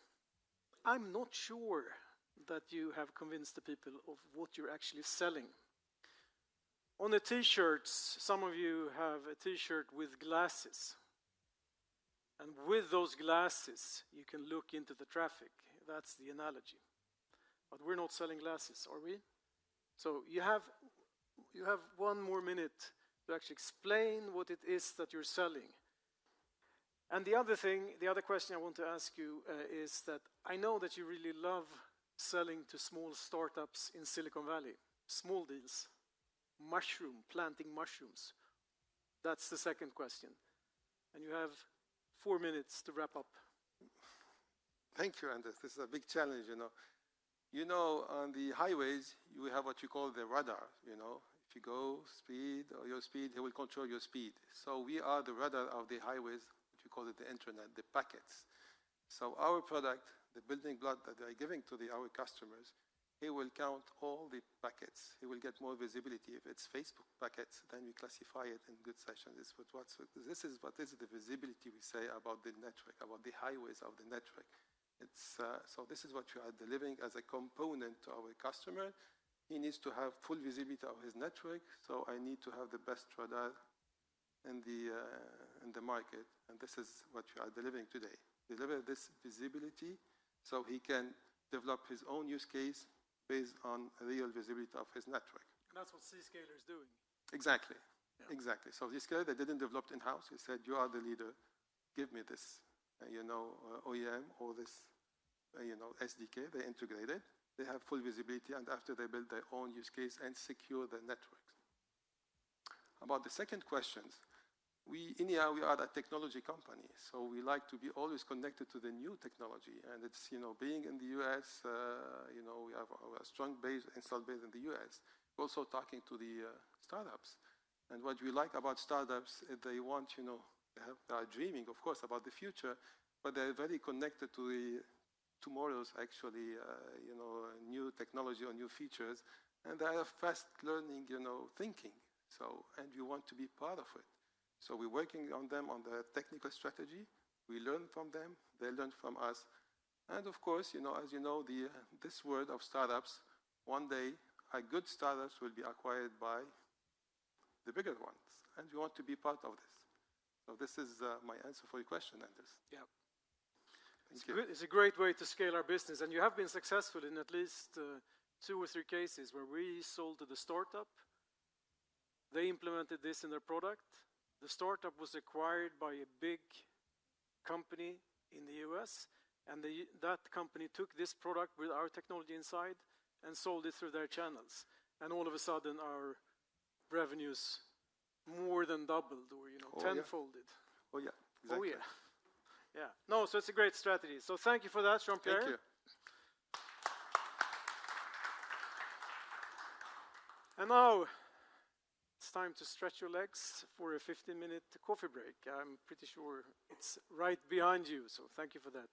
I'm not sure that you have convinced the people of what you're actually selling. On the T-shirts, some of you have a T-shirt with glasses. With those glasses, you can look into the traffic. That's the analogy. But we're not selling glasses, are we? So you have one more minute to actually explain what it is that you're selling. And the other question I want to ask you is that I know that you really love selling to small startups in Silicon Valley, small deals, mushroom, planting mushrooms. That's the second question. And you have four minutes to wrap up. Thank you, Anders. This is a big challenge. You know, on the highways, you have what you call the radar. If you go speed, or your speed, he will control your speed. So we are the radar of the highways, what you call the internet, the packets. So our product, the building block that they're giving to our customers, he will count all the packets. He will get more visibility. If it's Facebook packets, then we classify it in good sessions. This is what is the visibility we say about the network, about the highways of the network. So this is what you are delivering as a component to our customer. He needs to have full visibility of his network. So I need to have the best radar in the market. And this is what you are delivering today. Deliver this visibility so he can develop his own use case based on real visibility of his network. And that's what Zscaler is doing. Exactly. Exactly. So Zscaler, they didn't develop it in-house. They said, "You are the leader. Give me this OEM or this SDK." They integrate it. They have full visibility. And after they build their own use case and secure the network. About the second questions, we are a technology company. So we like to be always connected to the new technology. And it's being in the US. We have a strong base in South Bay in the U.S. We're also talking to the startups, and what we like about startups, they want, they are dreaming, of course, about the future, but they're very connected to the tomorrow's, actually, new technology or new features, and they are fast learning thinking, and we want to be part of it, so we're working on them on the technical strategy. We learn from them. They learn from us, and of course, as you know, this world of startups, one day, our good startups will be acquired by the bigger ones, and we want to be part of this, so this is my answer for your question, Anders. Yeah. It's a great way to scale our business, and you have been successful in at least two or three cases where we sold to the startup. They implemented this in their product. The startup was acquired by a big company in the US. And that company took this product with our technology inside and sold it through their channels. And all of a sudden, our revenues more than doubled or tenfolded. Oh, yeah. Exactly. Oh, yeah. Yeah. No, so it's a great strategy. So thank you for that, Jean-Pierre. Thank you. And now, it's time to stretch your legs for a 15-minute coffee break. I'm pretty sure it's right behind you. So thank you for that.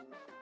I'm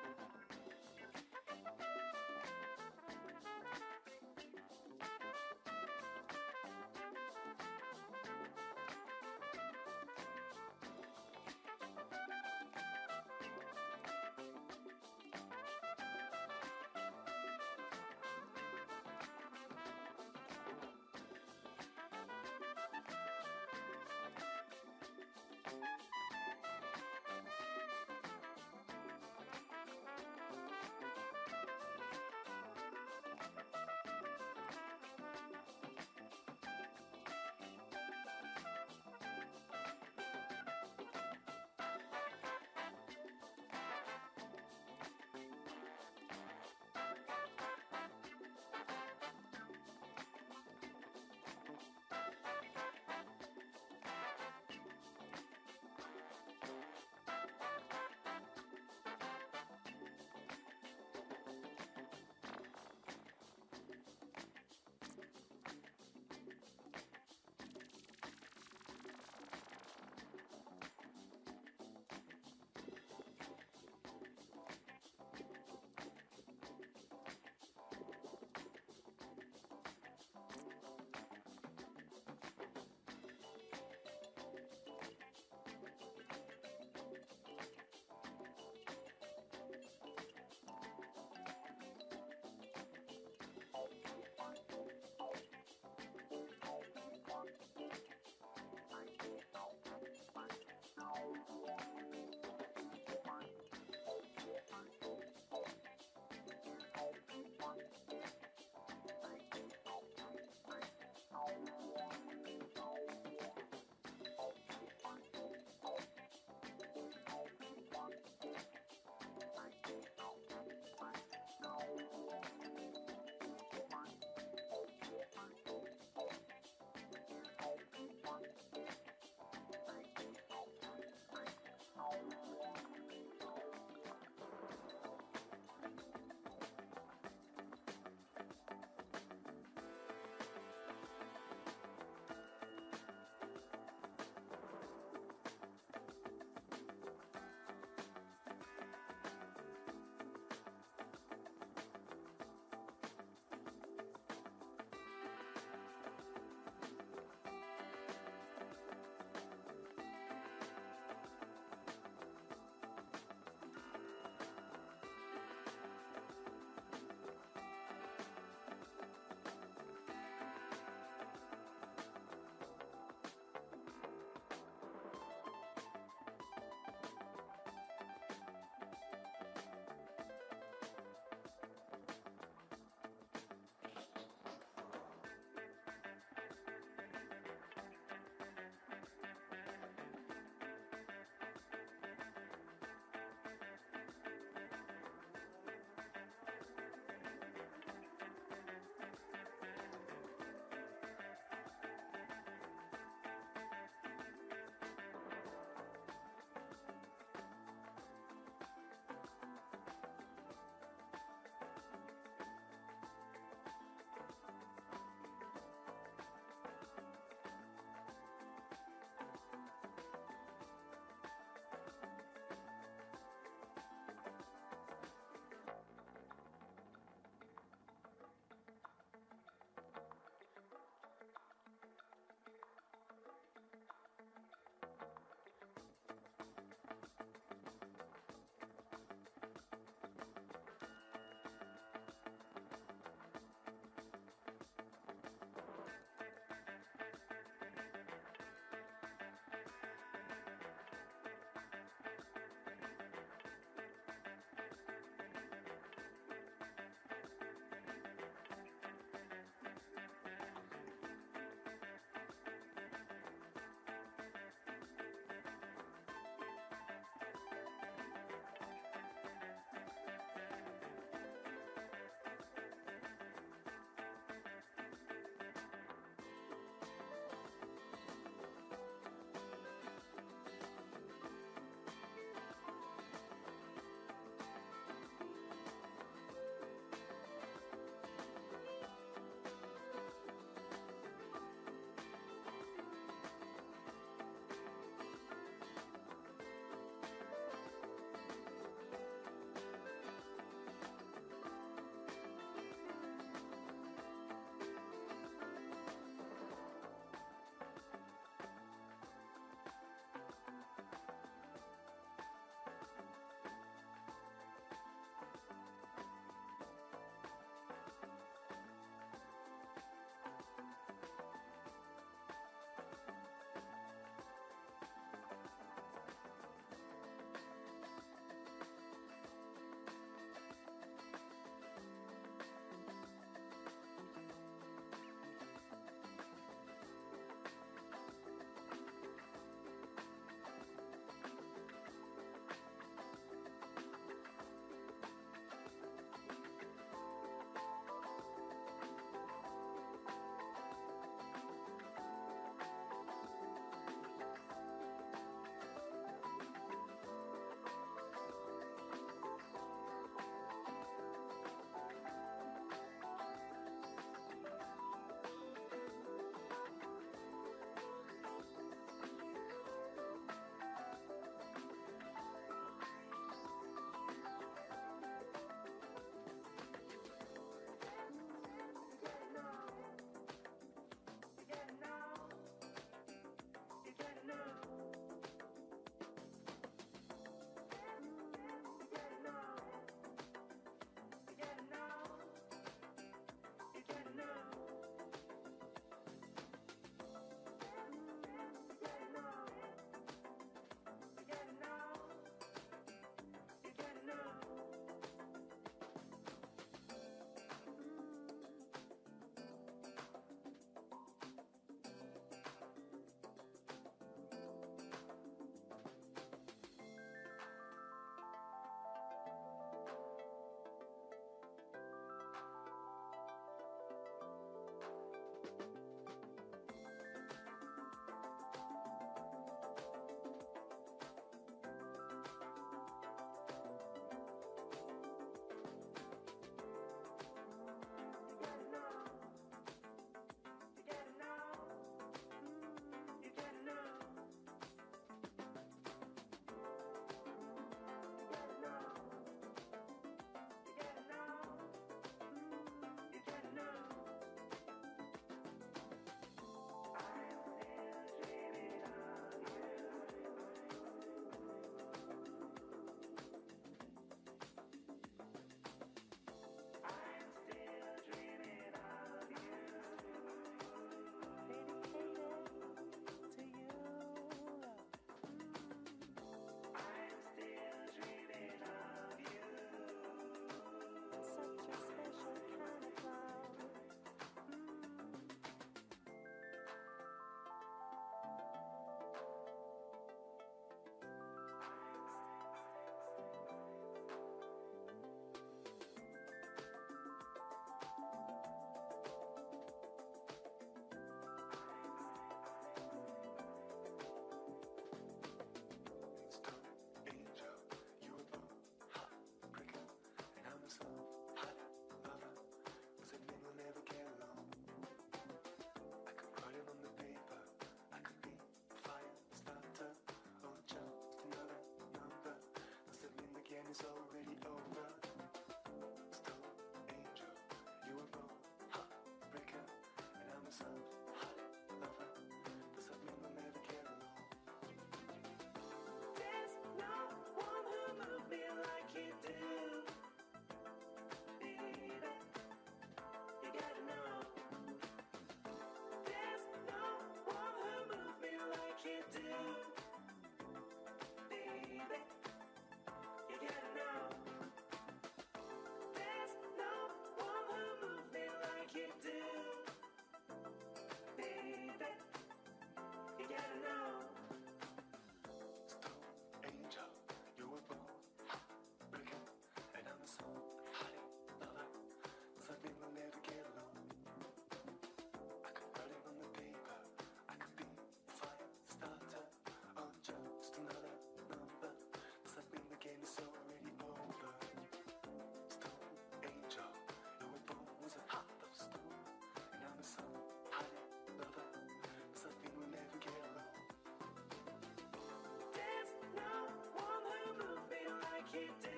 still dreaming of you.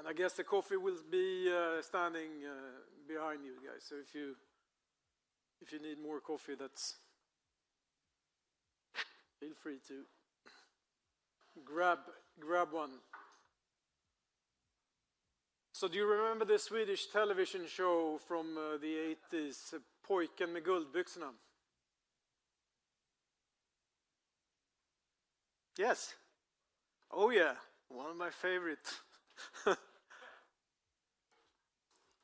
and I guess the coffee will be standing behind you guys, so if you need more coffee, that's, feel free to grab one. So do you remember the Swedish television show from the 1980s, Pojken med guldbyxorna? Yes. Oh yeah. One of my favorites.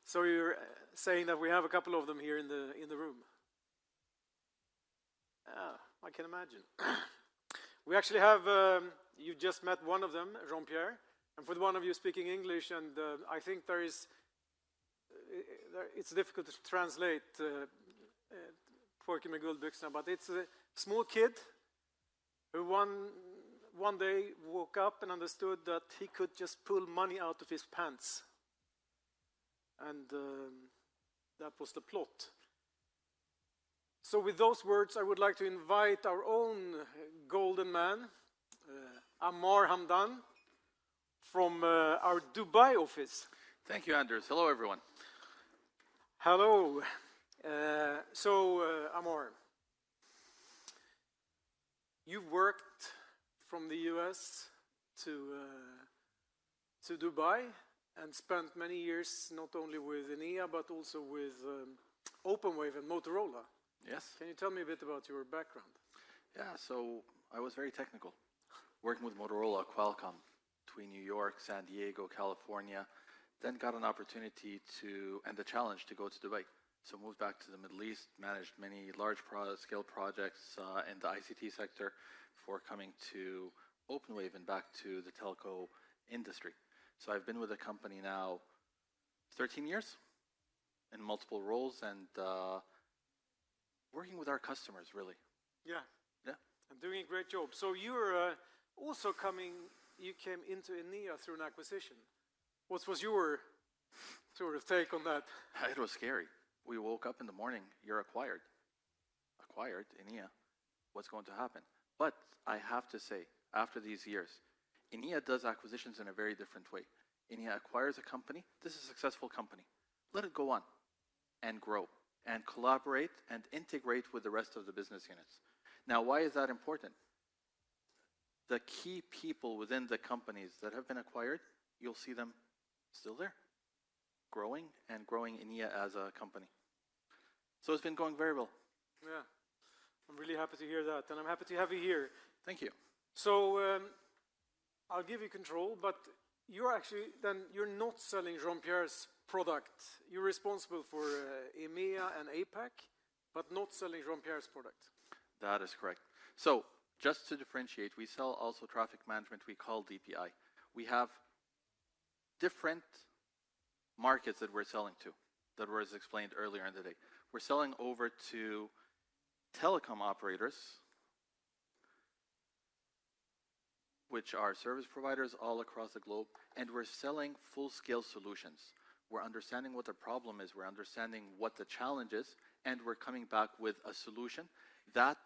So you're saying that we have a couple of them here in the room? Yeah, I can imagine. We actually have, you just met one of them, Jean-Pierre. And for the one of you speaking English, and I think there is, it's difficult to translate Pojken med guldbyxorna, but it's a small kid who one day woke up and understood that he could just pull money out of his pants. And that was the plot. So with those words, I would like to invite our own golden man, Amar Hamdan, from our Dubai office. Thank you, Anders. Hello, everyone. Hello. So, Amar, you've worked from the US to Dubai and spent many years not only with Enea, but also with Openwave and Motorola. Yes. Can you tell me a bit about your background? Yeah, so I was very technical, working with Motorola, Qualcomm, between New York, San Diego, California. Then got an opportunity to, and the challenge to go to Dubai. So moved back to the Middle East, managed many large-scale projects in the ICT sector before coming to Openwave and back to the telco industry. So I've been with the company now 13 years in multiple roles and working with our customers, really. Yeah. Yeah. And doing a great job. So you were also coming, you came into Enea through an acquisition. What was your sort of take on that? It was scary. We woke up in the morning, you're acquired. Acquired Enea. What's going to happen? But I have to say, after these years, Enea does acquisitions in a very different way. Enea acquires a company. This is a successful company. Let it go on and grow and collaborate and integrate with the rest of the business units. Now, why is that important? The key people within the companies that have been acquired, you'll see them still there, growing and growing Enea as a company, so it's been going very well. Yeah. I'm really happy to hear that, and I'm happy to have you here. Thank you So I'll give you control, but you're actually then you're not selling Jean-Pierre's product. You're responsible for Enea and APAC, but not selling Jean-Pierre's product. That is correct, so just to differentiate, we sell also traffic management we call DPI. We have different markets that we're selling to, that was explained earlier in the day. We're selling over to telecom operators, which are service providers all across the globe, and we're selling full-scale solutions. We're understanding what the problem is. We're understanding what the challenge is, and we're coming back with a solution that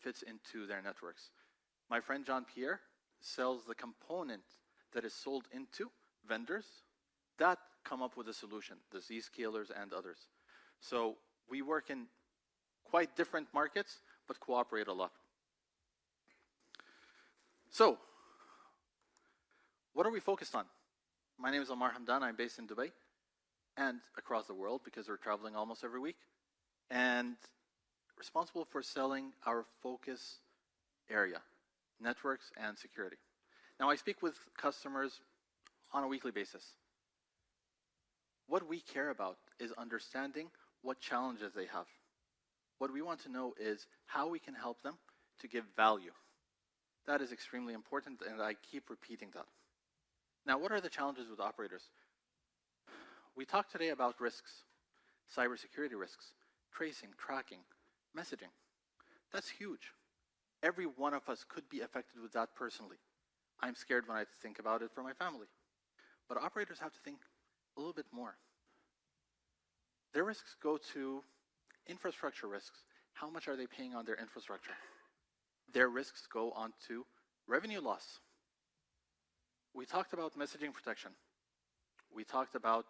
fits into their networks. My friend Jean-Pierre sells the component that is sold into vendors that come up with a solution, the Zscaler and others, so we work in quite different markets, but cooperate a lot. So what are we focused on? My name is Amar Hamdan. I'm based in Dubai and across the world because we're traveling almost every week, and responsible for selling our focus area, networks and security. Now, I speak with customers on a weekly basis. What we care about is understanding what challenges they have. What we want to know is how we can help them to give value. That is extremely important, and I keep repeating that. Now, what are the challenges with operators? We talked today about risks, cybersecurity risks, tracing, tracking, messaging. That's huge. Every one of us could be affected with that personally. I'm scared when I think about it for my family. Operators have to think a little bit more. Their risks go to infrastructure risks. How much are they paying on their infrastructure? Their risks go on to revenue loss. We talked about messaging protection. We talked about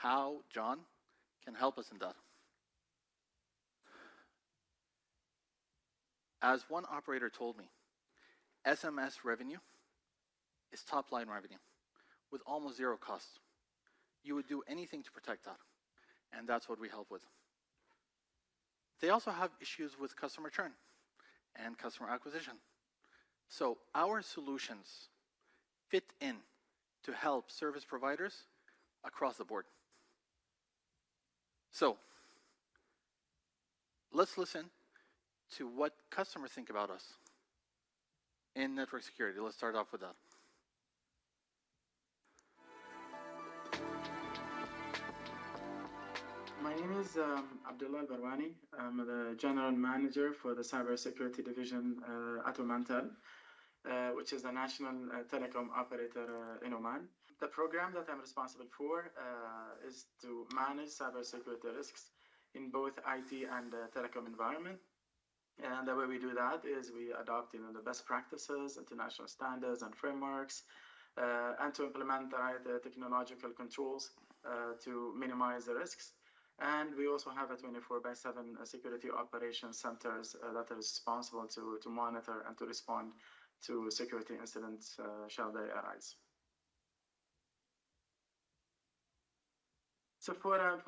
how John can help us in that. As one operator told me, "SMS revenue is top-line revenue with almost zero costs. You would do anything to protect that." That's what we help with. They also have issues with customer churn and customer acquisition. Our solutions fit in to help service providers across the board. Let's listen to what customers think about us in network security. Let's start off with that. My name is Abdullah Al-Barwani. I'm the General Manager for the cybersecurity division at Omantel, which is a national telecom operator in Oman. The program that I'm responsible for is to manage cybersecurity risks in both IT and telecom environment. And the way we do that is we adopt the best practices, international standards and frameworks, and to implement the right technological controls to minimize the risks. And we also have a 24x7 security operations center that is responsible to monitor and to respond to security incidents, shall they arise. So for a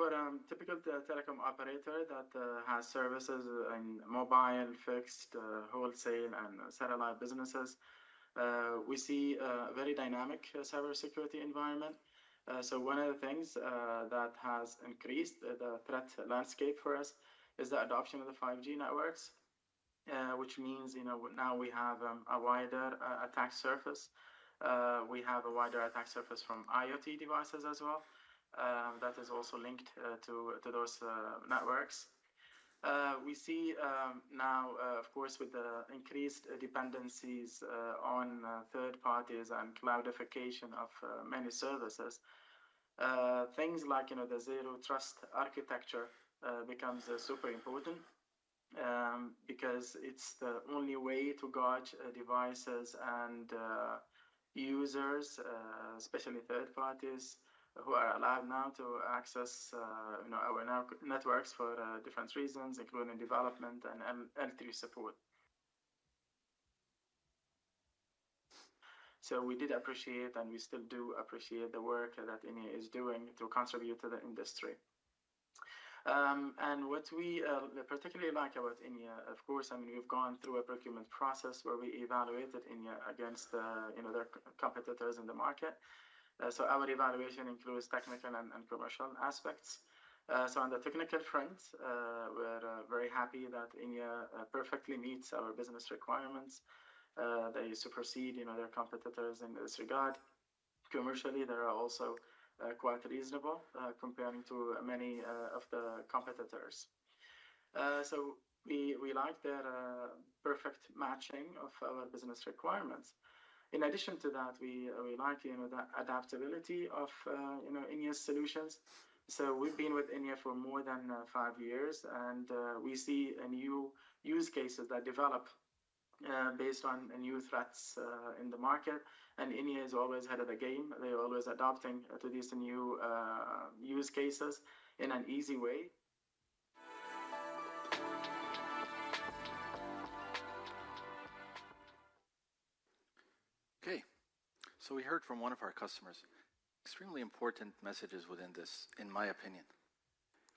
typical telecom operator that has services in mobile, fixed, wholesale, and satellite businesses, we see a very dynamic cybersecurity environment. So one of the things that has increased the threat landscape for us is the adoption of the 5G networks, which means now we have a wider attack surface. We have a wider attack surface from IoT devices as well that is also linked to those networks. We see now, of course, with the increased dependencies on third parties and cloudification of many services, things like the zero trust architecture becomes super important because it's the only way to guard devices and users, especially third parties, who are allowed now to access our networks for different reasons, including development and L3 support. So we did appreciate, and we still do appreciate the work that Enea is doing to contribute to the industry. And what we particularly like about Enea, of course, I mean, we've gone through a procurement process where we evaluated Enea against their competitors in the market. So our evaluation includes technical and commercial aspects. So on the technical front, we're very happy that Enea perfectly meets our business requirements. They supersede their competitors in this regard. Commercially, they are also quite reasonable comparing to many of the competitors. We like their perfect matching of our business requirements. In addition to that, we like the adaptability of Enea's solutions. So we've been with Enea for more than five years, and we see new use cases that develop based on new threats in the market. And Enea is always ahead of the game. They are always adapting to these new use cases in an easy way. Okay. We heard from one of our customers extremely important messages within this, in my opinion.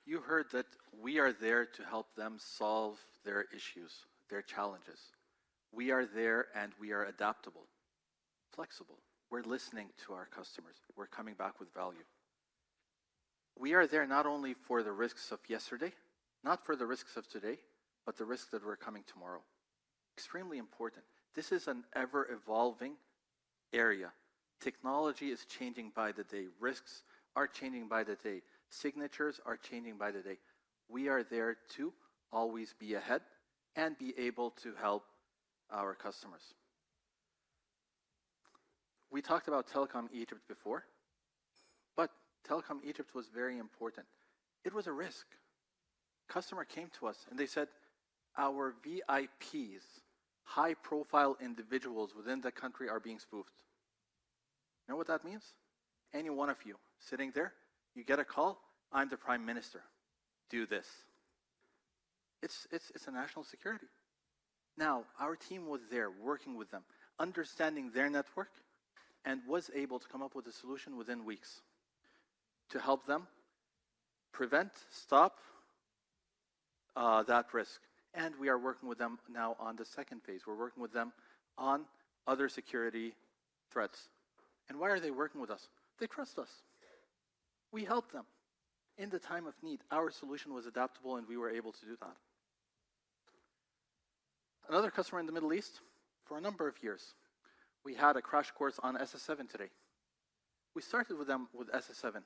You heard that we are there to help them solve their issues, their challenges. We are there, and we are adaptable, flexible. We're listening to our customers. We're coming back with value. We are there not only for the risks of yesterday, not for the risks of today, but the risks that are coming tomorrow. Extremely important. This is an ever-evolving area. Technology is changing by the day. Risks are changing by the day. Signatures are changing by the day. We are there to always be ahead and be able to help our customers. We talked about Telecom Egypt before, but Telecom Egypt was very important. It was a risk. A customer came to us, and they said, "Our VIPs, high-profile individuals within the country, are being spoofed." You know what that means? Any one of you sitting there, you get a call, "I'm the Prime Minister. Do this." It's national security. Now, our team was there working with them, understanding their network, and was able to come up with a solution within weeks to help them prevent, stop that risk, and we are working with them now on the second phase. We're working with them on other security threats, and why are they working with us? They trust us. We help them in the time of need. Our solution was adaptable, and we were able to do that. Another customer in the Middle East for a number of years. We had a crash course on SS7 today. We started with them with SS7.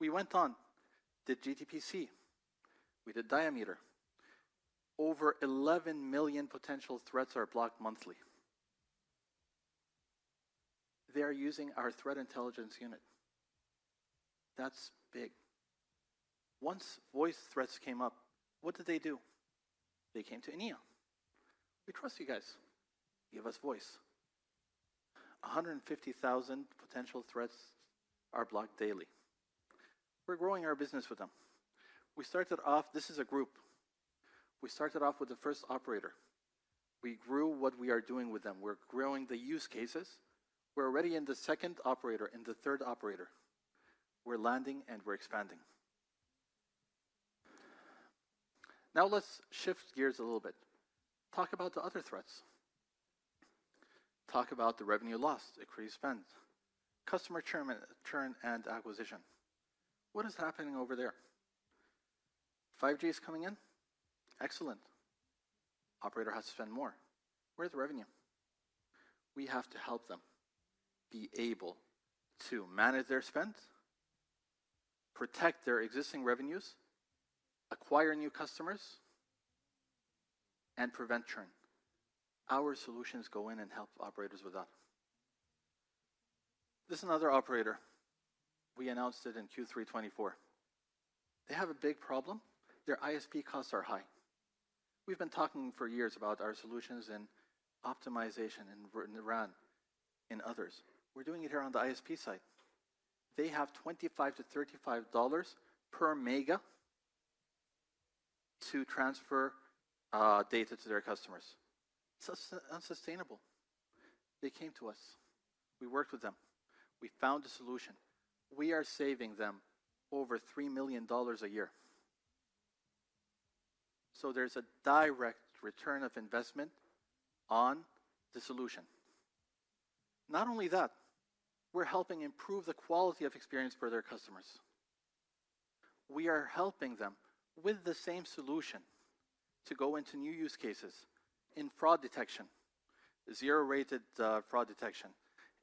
We went on, did GTPC. We did Diameter. Over 11 million potential threats are blocked monthly. They are using our threat intelligence unit. That's big. Once voice threats came up, what did they do? They came to Enea. "We trust you guys. Give us voice." 150,000 potential threats are blocked daily. We're growing our business with them. We started off. This is a group. We started off with the first operator. We grew what we are doing with them. We're growing the use cases. We're already in the second operator, in the third operator. We're landing, and we're expanding. Now let's shift gears a little bit. Talk about the other threats. Talk about the revenue lost, increased spend, customer churn and acquisition. What is happening over there? 5G is coming in. Excellent. Operator has to spend more. Where's the revenue? We have to help them be able to manage their spend, protect their existing revenues, acquire new customers, and prevent churn. Our solutions go in and help operators with that. This is another operator. We announced it in Q3 2024. They have a big problem. Their ISP costs are high. We've been talking for years about our solutions and optimization in RAN and others. We're doing it here on the ISP side. They have $25-$35 per mega to transfer data to their customers. It's unsustainable. They came to us. We worked with them. We found a solution. We are saving them over $3 million a year. There's a direct return on investment on the solution. Not only that, we're helping improve the quality of experience for their customers. We are helping them with the same solution to go into new use cases in fraud detection, zero-rated fraud detection,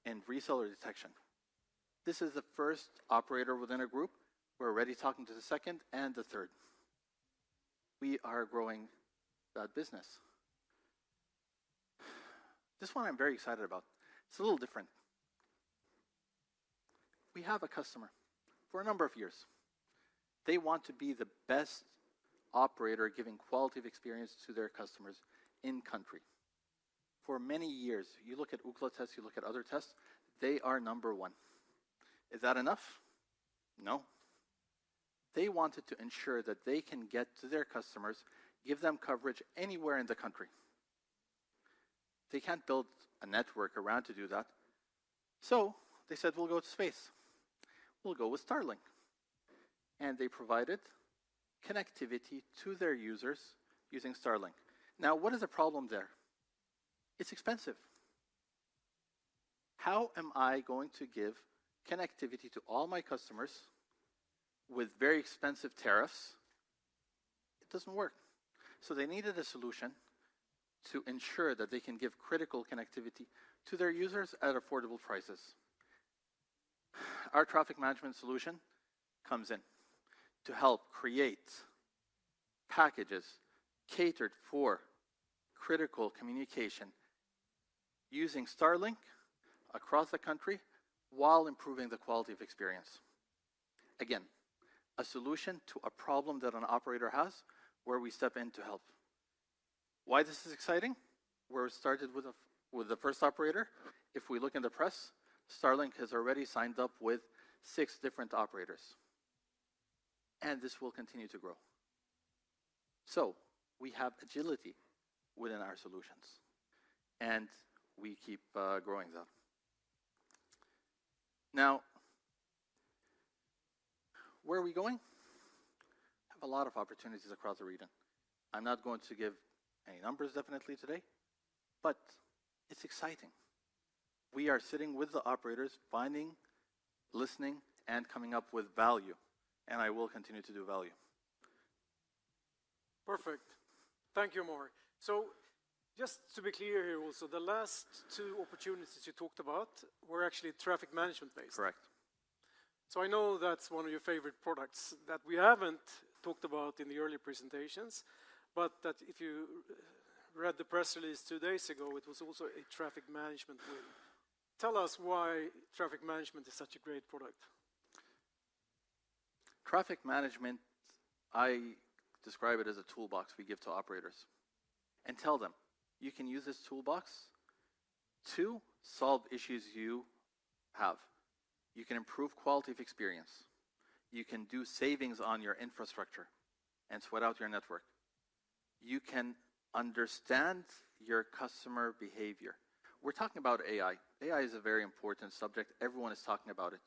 and reseller detection. This is the first operator within a group. We're already talking to the second and the third. We are growing that business. This one I'm very excited about. It's a little different. We have a customer for a number of years. They want to be the best operator giving quality of experience to their customers in country. For many years, you look at Ookla tests, you look at other tests, they are number one. Is that enough? No. They wanted to ensure that they can get to their customers, give them coverage anywhere in the country. They can't build a network around to do that, so they said, "We'll go to space. We'll go with Starlink," and they provided connectivity to their users using Starlink. Now, what is the problem there? It's expensive. How am I going to give connectivity to all my customers with very expensive tariffs? It doesn't work. So they needed a solution to ensure that they can give critical connectivity to their users at affordable prices. Our traffic management solution comes in to help create packages catered for critical communication using Starlink across the country while improving the quality of experience. Again, a solution to a problem that an operator has where we step in to help. Why this is exciting? We started with the first operator. If we look in the press, Starlink has already signed up with six different operators, and this will continue to grow. So we have agility within our solutions. And we keep growing that. Now, where are we going? We have a lot of opportunities across the region. I'm not going to give any numbers definitely today, but it's exciting. We are sitting with the operators, finding, listening, and coming up with value. And I will continue to do value. Perfect. Thank you, Amor. So just to be clear here also, the last two opportunities you talked about were actually traffic management-based. Correct. So I know that's one of your favorite products that we haven't talked about in the early presentations, but that if you read the press release two days ago, it was also a traffic management win. Tell us why traffic management is such a great product. Traffic management. I describe it as a toolbox we give to operators and tell them, "You can use this toolbox to solve issues you have. You can improve quality of experience. You can do savings on your infrastructure and sweat out your network. You can understand your customer behavior." We're talking about AI. AI is a very important subject. Everyone is talking about it.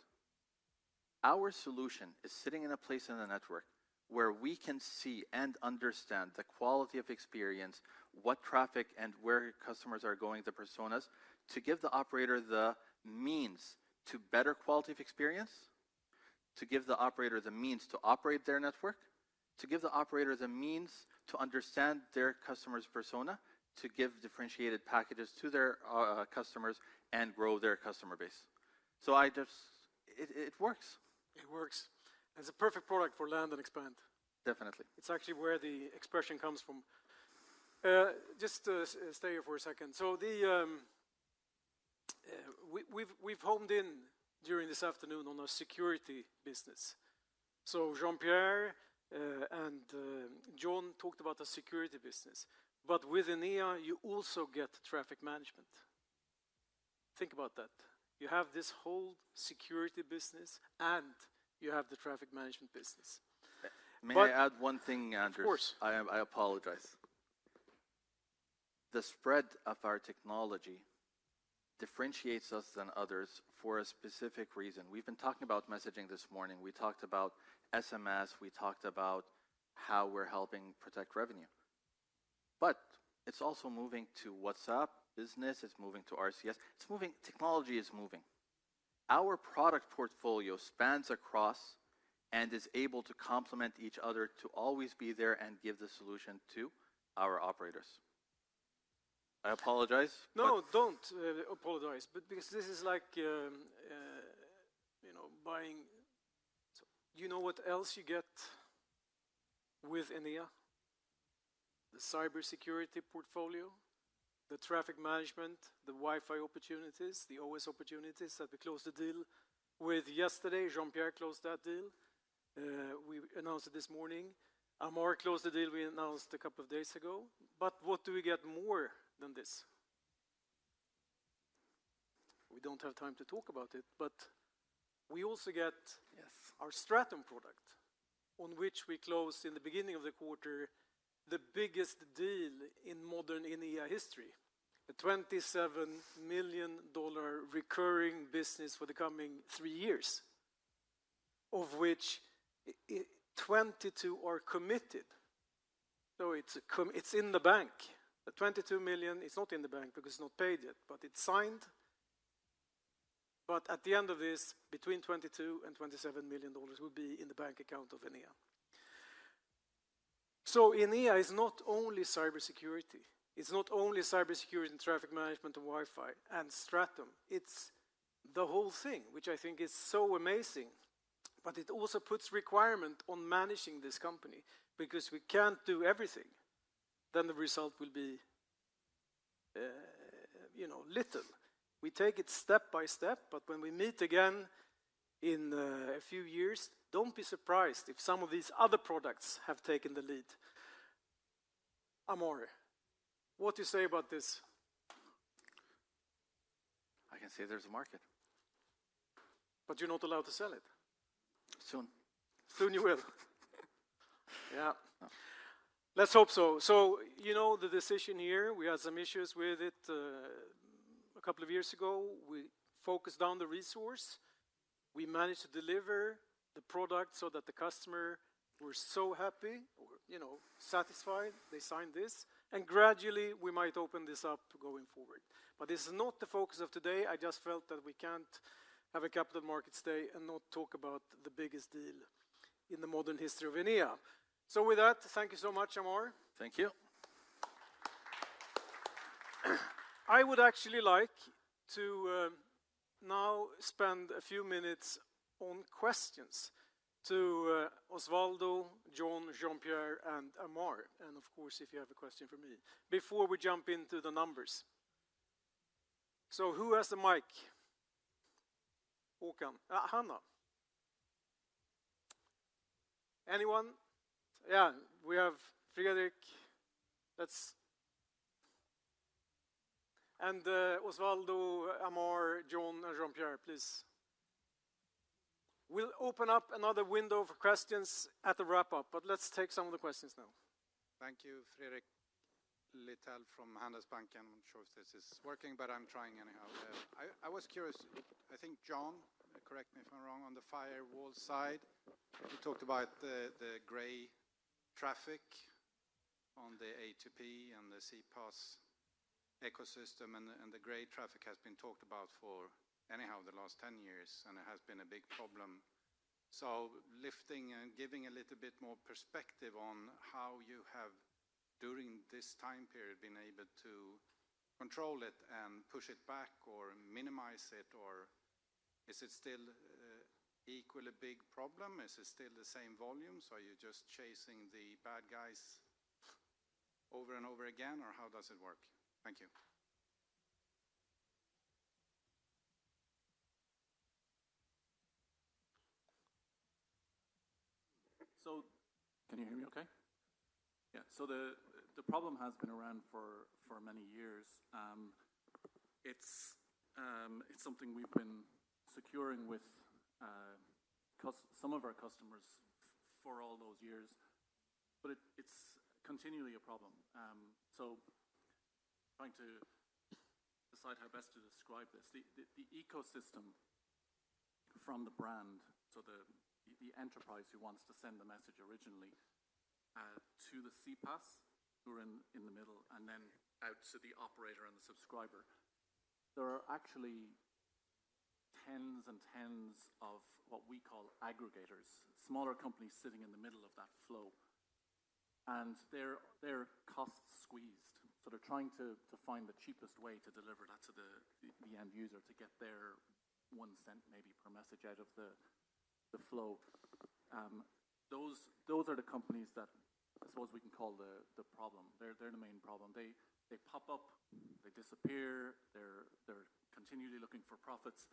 Our solution is sitting in a place in the network where we can see and understand the quality of experience, what traffic and where customers are going, the personas, to give the operator the means to better quality of experience, to give the operator the means to operate their network, to give the operator the means to understand their customer's persona, to give differentiated packages to their customers and grow their customer base, so it works. It works. It's a perfect product for land and expand. Definitely. It's actually where the expression comes from. Just stay here for a second. So we've honed in during this afternoon on a security business. So Jean-Pierre and John talked about the security business, but within Enea, you also get traffic management. Think about that. You have this whole security business, and you have the traffic management business. May I add one thing, Anders? Of course. I apologize. The spread of our technology differentiates us than others for a specific reason. We've been talking about messaging this morning. We talked about SMS. We talked about how we're helping protect revenue. But it's also moving to WhatsApp business. It's moving to RCS. Technology is moving. Our product portfolio spans across and is able to complement each other to always be there and give the solution to our operators. I apologize. No, don't apologize. But because this is like buying. Do you know what else you get with Enea? The cybersecurity portfolio, the traffic management, the Wi-Fi opportunities, the OS opportunities that we closed the deal with yesterday. Jean-Pierre closed that deal. We announced it this morning. Amar closed the deal we announced a couple of days ago. But what do we get more than this? We don't have time to talk about it, but we also get our Stratum product on which we closed in the beginning of the quarter the biggest deal in modern Enea history, a $27 million recurring business for the coming three years, of which 22 are committed. So it's in the bank. The 22 million, it's not in the bank because it's not paid yet, but it's signed. But at the end of this, between $22 and $27 million will be in the bank account of Enea. So Enea is not only cybersecurity. It's not only cybersecurity and traffic management and Wi-Fi and Stratum. It's the whole thing, which I think is so amazing, but it also puts a requirement on managing this company because we can't do everything, then the result will be little. We take it step by step, but when we meet again in a few years, don't be surprised if some of these other products have taken the lead. Amar, what do you say about this? I can say there's a market. But you're not allowed to sell it. Soon. Soon you will. Yeah. Let's hope so, so you know the decision here. We had some issues with it a couple of years ago. We focused on the resource. We managed to deliver the product so that the customer was so happy, satisfied. They signed this, and gradually, we might open this up going forward. But this is not the focus of today. I just felt that we can't have a capital markets day and not talk about the biggest deal in the modern history of Enea. So with that, thank you so much, Amar. Thank you. I would actually like to now spend a few minutes on questions to Osvaldo, John, Jean-Pierre, and Amar. And of course, if you have a question for me before we jump into the numbers. So who has the mic? Håkan. Hannah. Anyone? Yeah. We have Frederik. And Osvaldo, Amar, John, and Jean-Pierre, please. We'll open up another window for questions at the wrap-up, but let's take some of the questions now. Thank you, Frederik Littmarck from Handelsbanken. I'm not sure if this is working, but I'm trying anyhow. I was curious. I think John, correct me if I'm wrong, on the firewall side, we talked about the gray traffic on the A2P and the CPaaS ecosystem, and the gray traffic has been talked about for anyhow the last 10 years, and it has been a big problem. So, lifting and giving a little bit more perspective on how you have during this time period been able to control it and push it back or minimize it, or is it still equally a big problem? Is it still the same volume? So, are you just chasing the bad guys over and over again, or how does it work? Thank you. So, can you hear me okay? Yeah. So, the problem has been around for many years. It's something we've been securing with some of our customers for all those years, but it's continually a problem. Trying to decide how best to describe this. The ecosystem from the brand, so the enterprise who wants to send the message originally to the CPaaS, who are in the middle, and then out to the operator and the subscriber. There are actually tens and tens of what we call aggregators, smaller companies sitting in the middle of that flow. Their costs squeezed. They're trying to find the cheapest way to deliver that to the end user to get their one cent maybe per message out of the flow. Those are the companies that I suppose we can call the problem. They're the main problem. They pop up. They disappear. They're continually looking for profits.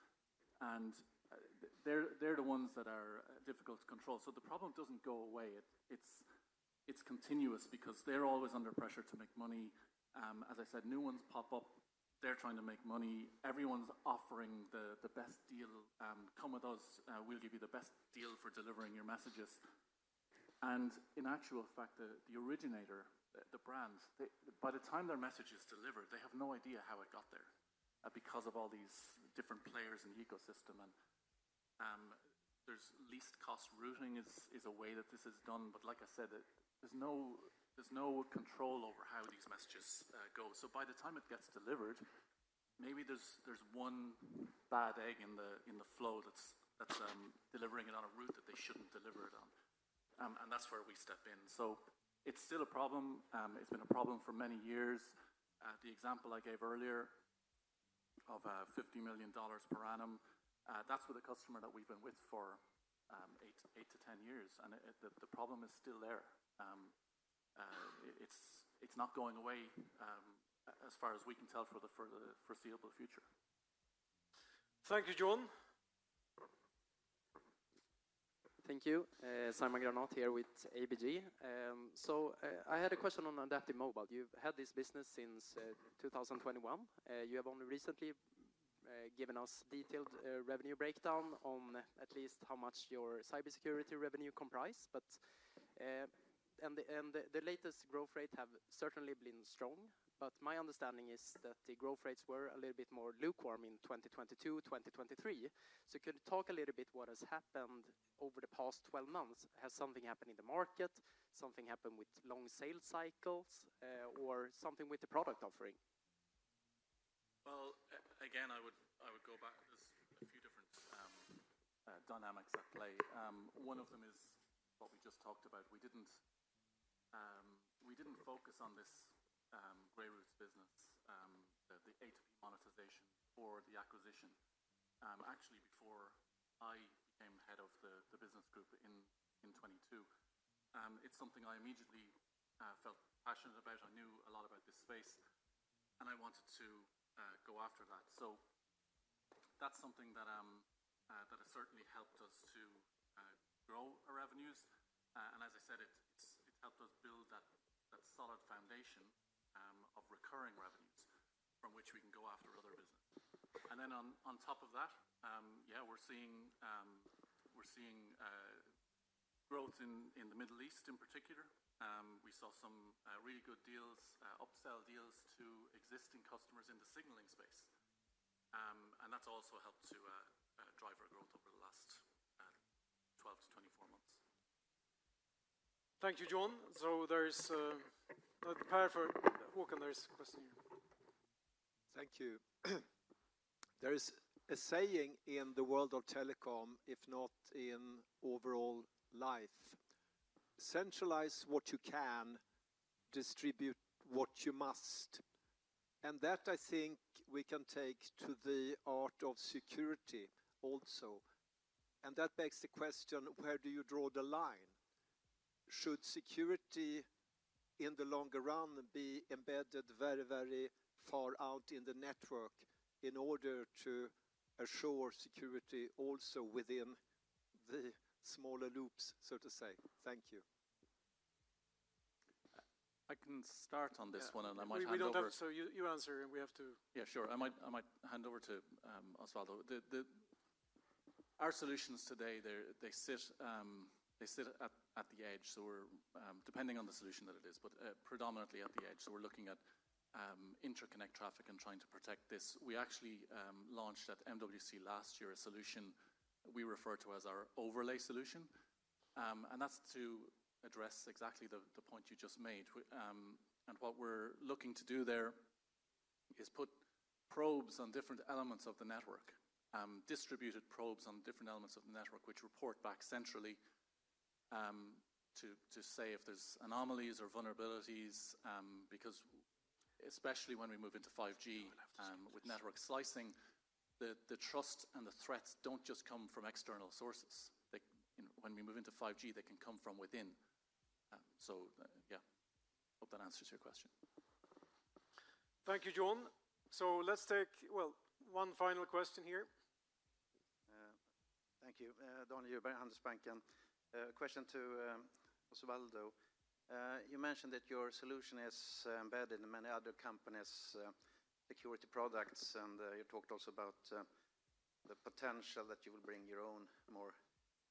They're the ones that are difficult to control. The problem doesn't go away. It's continuous because they're always under pressure to make money. As I said, new ones pop up. They're trying to make money. Everyone's offering the best deal. Come with us. We'll give you the best deal for delivering your messages, and in actual fact, the originator, the brand, by the time their message is delivered, they have no idea how it got there because of all these different players in the ecosystem, and least cost routing is a way that this is done, but like I said, there's no control over how these messages go, so by the time it gets delivered, maybe there's one bad egg in the flow that's delivering it on a route that they shouldn't deliver it on, and that's where we step in, so it's still a problem. It's been a problem for many years. The example I gave earlier of $50 million per annum, that's with a customer that we've been with for 8 to 10 years. And the problem is still there. It's not going away as far as we can tell for the foreseeable future. Thank you, John. Thank you. Simon Granath here with ABG. So I had a question on AdaptiveMobile. You've had this business since 2021. You have only recently given us detailed revenue breakdown on at least how much your cybersecurity revenue comprised. And the latest growth rates have certainly been strong. But my understanding is that the growth rates were a little bit more lukewarm in 2022, 2023. So can you talk a little bit what has happened over the past 12 months? Has something happened in the market? Something happened with long sales cycles or something with the product offering? Well, again, I would go back. There's a few different dynamics at play. One of them is what we just talked about. We didn't focus on this gray route business, the A2P monetization or the acquisition, actually before I became head of the business group in 2022. It's something I immediately felt passionate about. I knew a lot about this space, and I wanted to go after that. So that's something that has certainly helped us to grow our revenues. And as I said, it's helped us build that solid foundation of recurring revenues from which we can go after other businesses. And then on top of that, yeah, we're seeing growth in the Middle East in particular. We saw some really good deals, upsell deals to existing customers in the signaling space. And that's also helped to drive our growth over the last 12-24 months. Thank you, John. So Håkan, there's a question here. Thank you. There is a saying in the world of telecom, if not in overall life, "Centralize what you can, distribute what you must." And that, I think, we can take to the art of security also. And that begs the question, where do you draw the line? Should security in the longer run be embedded very, very far out in the network in order to assure security also within the smaller loops, so to say? Thank you. I can start on this one, and I might hand over. So you answer, and we have to. Yeah, sure. I might hand over to Osvaldo. Our solutions today, they sit at the edge. So we're depending on the solution that it is, but predominantly at the edge. So we're looking at interconnect traffic and trying to protect this. We actually launched at MWC last year a solution we refer to as our overlay solution. And that's to address exactly the point you just made. And what we're looking to do there is put probes on different elements of the network, distributed probes on different elements of the network, which report back centrally to say if there's anomalies or vulnerabilities. Because especially when we move into 5G with network slicing, the trust and the threats don't just come from external sources. When we move into 5G, they can come from within. So yeah, I hope that answers your question. Thank you, John. So let's take, well, one final question here. Thank you. Daniel Huber, Handelsbanken. Question to Osvaldo. You mentioned that your solution is embedded in many other companies' security products, and you talked also about the potential that you will bring your own more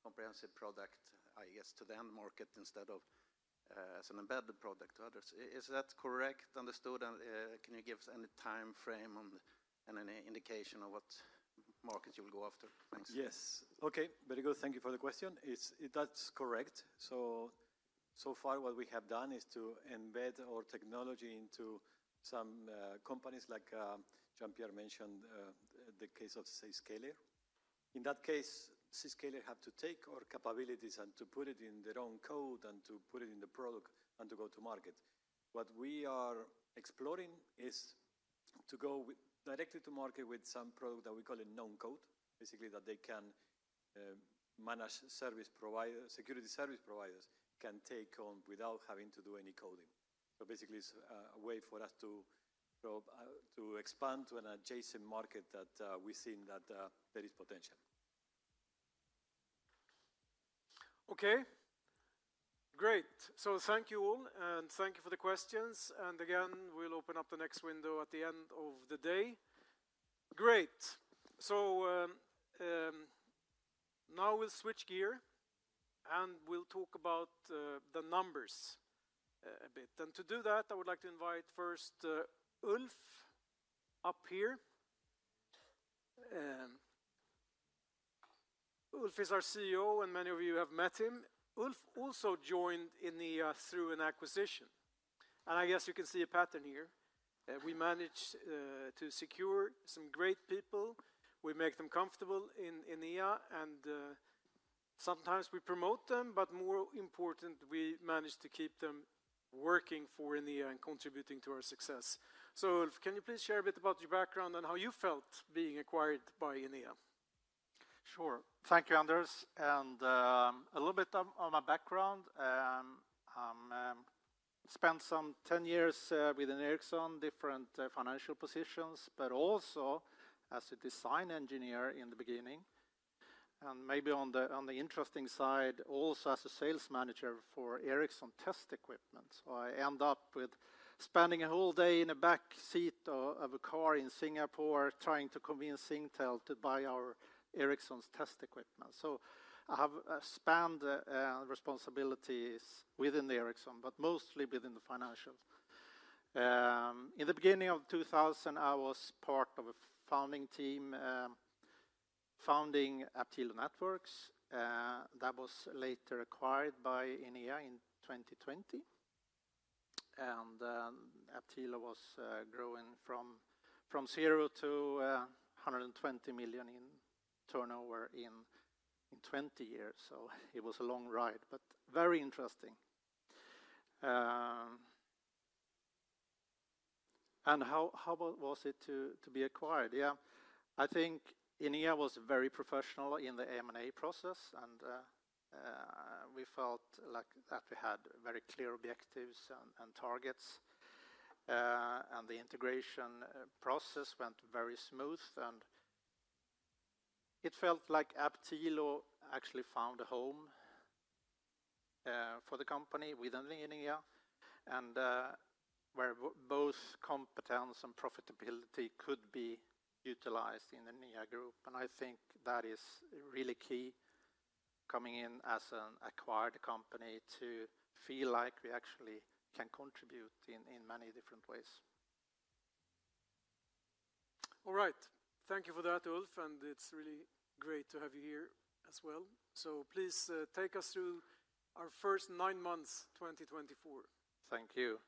comprehensive product, I guess, to the end market instead of as an embedded product to others. Is that correct? Understood. And can you give us any time frame and any indication of what markets you will go after? Thanks. Yes. Okay. Very good. Thank you for the question. That's correct. So far, what we have done is to embed our technology into some companies, like Jean-Pierre mentioned the case of Zscaler. In that case, Zscaler have to take our capabilities and to put it in their own code and to put it in the product and to go to market. What we are exploring is to go directly to market with some product that we call a known code, basically, that they can manage. Security service providers can take on without having to do any coding. So basically, it's a way for us to expand to an adjacent market that we think that there is potential. Okay. Great, so thank you all, and thank you for the questions, and again, we'll open up the next window at the end of the day. Great, so now we'll switch gear, and we'll talk about the numbers a bit, and to do that, I would like to invite first Ulf up here. Ulf is our CEO, and many of you have met him. Ulf also joined Enea through an acquisition, and I guess you can see a pattern here. We managed to secure some great people. We make them comfortable in Enea, and sometimes we promote them, but more important, we manage to keep them working for Enea and contributing to our success. So Ulf, can you please share a bit about your background and how you felt being acquired by Enea? Sure. Thank you, Anders. And a little bit of my background. I spent some 10 years with Ericsson, different financial positions, but also as a design engineer in the beginning. And maybe on the interesting side, also as a sales manager for Ericsson test equipment. So I end up spending a whole day in a back seat of a car in Singapore trying to convince Intel to buy our Ericsson's test equipment. So I have spanned responsibilities within Ericsson, but mostly within the financials. In the beginning of 2000, I was part of a founding team founding Aptilo Networks that was later acquired by Enea in 2020, and Aptilo was growing from 0 to 120 million in turnover in 20 years. So it was a long ride, but very interesting. And how was it to be acquired? Yeah. I think Enea was very professional in the M&A process, and we felt that we had very clear objectives and targets, and the integration process went very smooth, and it felt like Aptilo actually found a home for the company within Enea and where both competence and profitability could be utilized in Enea Group. And I think that is really key coming in as an acquired company to feel like we actually can contribute in many different ways. All right. Thank you for that, Ulf. And it's really great to have you here as well. So please take us through our first nine months 2024. Thank you.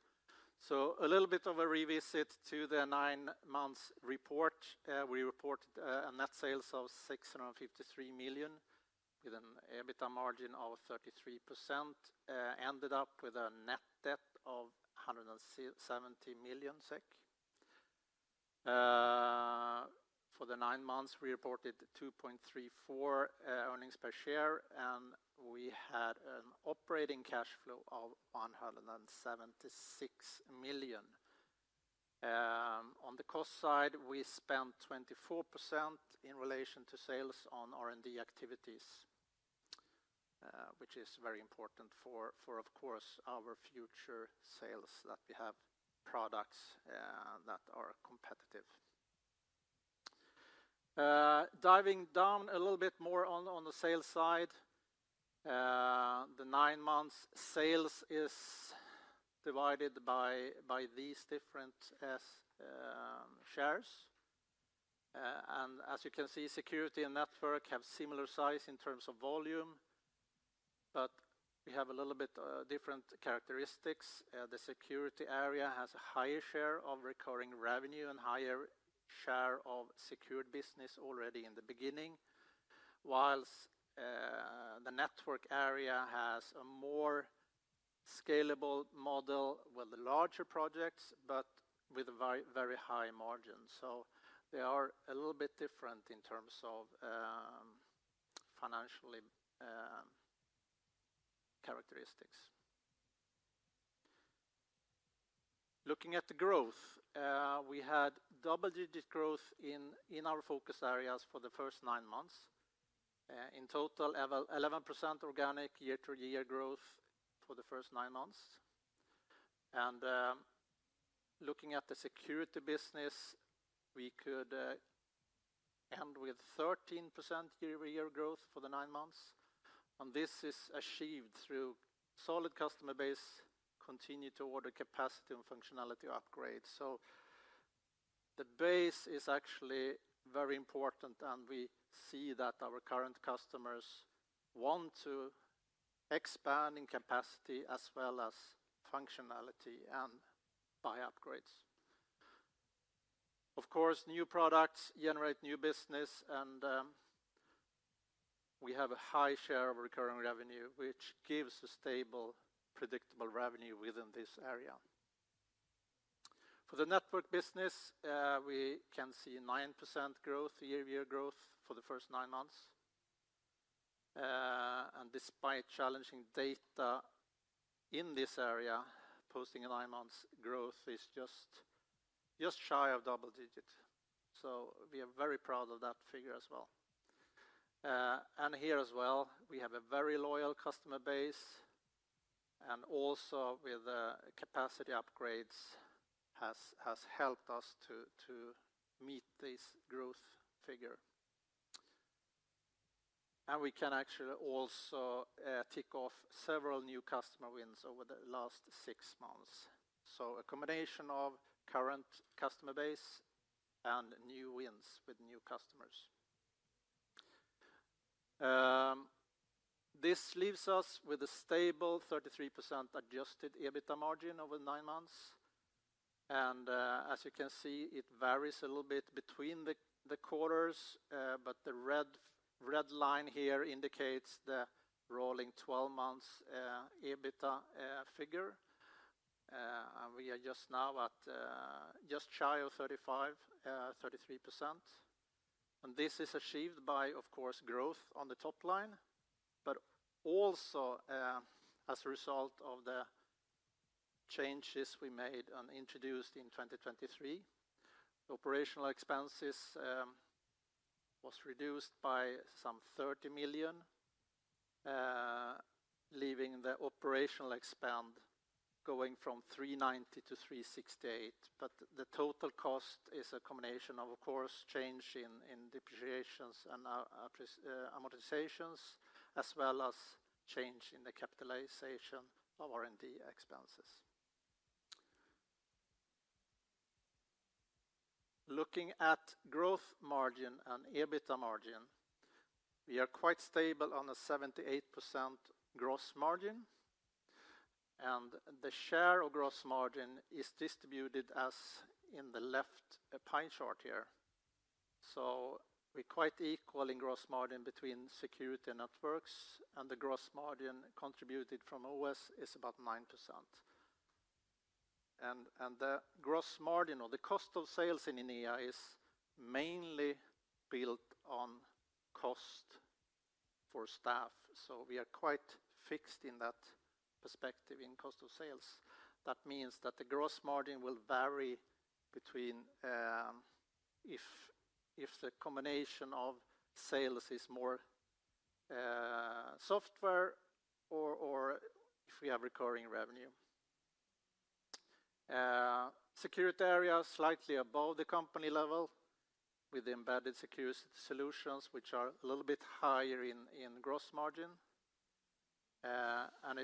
So a little bit of a revisit to the nine-month report. We reported a net sales of 653 million with an EBITDA margin of 33%, ended up with a net debt of 170 million SEK. For the nine months, we reported 2.34 earnings per share, and we had an operating cash flow of 176 million. On the cost side, we spent 24% in relation to sales on R&D activities, which is very important for, of course, our future sales that we have products that are competitive. Diving down a little bit more on the sales side, the nine-month sales is divided by these different shares. And as you can see, security and network have similar size in terms of volume, but we have a little bit different characteristics. The security area has a higher share of recurring revenue and a higher share of secured business already in the beginning, while the network area has a more scalable model with the larger projects, but with a very high margin, so they are a little bit different in terms of financial characteristics. Looking at the growth, we had double-digit growth in our focus areas for the first nine months. In total, 11% organic year-to-year growth for the first nine months, and looking at the security business, we could end with 13% year-to-year growth for the nine months. And this is achieved through solid customer base, continued order capacity, and functionality upgrades, so the base is actually very important, and we see that our current customers want to expand in capacity as well as functionality and buy upgrades. Of course, new products generate new business, and we have a high share of recurring revenue, which gives a stable, predictable revenue within this area. For the network business, we can see 9% growth, year-to-year growth for the first nine months, and despite challenging data in this area, posting a nine-month growth is just shy of double-digit, so we are very proud of that figure as well, and here as well, we have a very loyal customer base, and also with capacity upgrades has helped us to meet this growth figure, and we can actually also tick off several new customer wins over the last six months, so a combination of current customer base and new wins with new customers. This leaves us with a stable 33% adjusted EBITDA margin over nine months. As you can see, it varies a little bit between the quarters, but the red line here indicates the rolling 12-month EBITDA figure. We are just now at just shy of 35, 33%. This is achieved by, of course, growth on the top line, but also as a result of the changes we made and introduced in 2023. Operational expenses were reduced by some 30 million, leaving the operational expenditure going from 390 million to 368 million. The total cost is a combination of, of course, change in depreciations and amortizations, as well as change in the capitalization of R&D expenses. Looking at gross margin and EBITDA margin, we are quite stable on a 78% gross margin. The share of gross margin is distributed as in the left pie chart here. So, we're quite equal in gross margin between security and networks, and the gross margin contributed from OS is about 9%. And the gross margin or the cost of sales in Enea is mainly built on cost for staff. So, we are quite fixed in that perspective in cost of sales. That means that the gross margin will vary between if the combination of sales is more software or if we have recurring revenue. Security area is slightly above the company level with embedded security solutions, which are a little bit higher in gross margin. And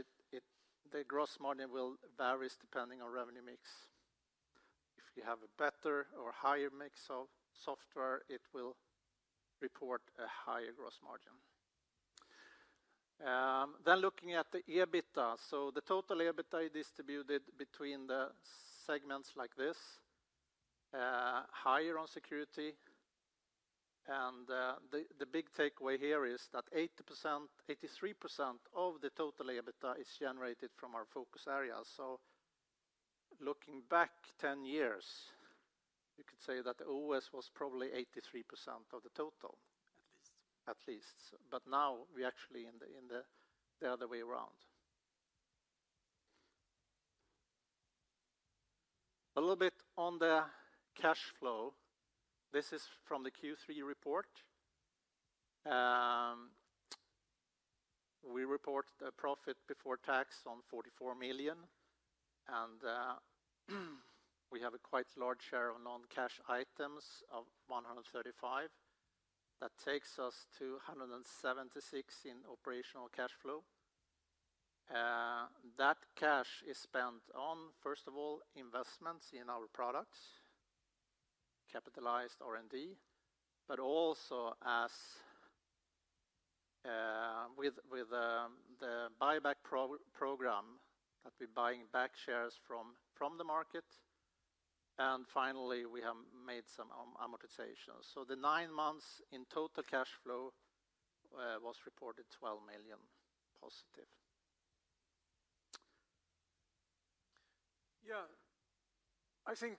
the gross margin will vary depending on revenue mix. If you have a better or higher mix of software, it will report a higher gross margin. Then, looking at the EBITDA, so the total EBITDA is distributed between the segments like this, higher on security. The big takeaway here is that 83% of the total EBITDA is generated from our focus area. Looking back 10 years, you could say that the OS was probably 83% of the total, at least. Now we actually are in the other way around. A little bit on the cash flow. This is from the Q3 report. We reported a profit before tax on 44 million. We have a quite large share of non-cash items of 135 million. That takes us to 176 million in operational cash flow. That cash is spent on, first of all, investments in our products, capitalized R&D, but also with the buyback program that we're buying back shares from the market. Finally, we have made some amortizations. The nine months in total cash flow was reported 12 million positive. Yeah. I think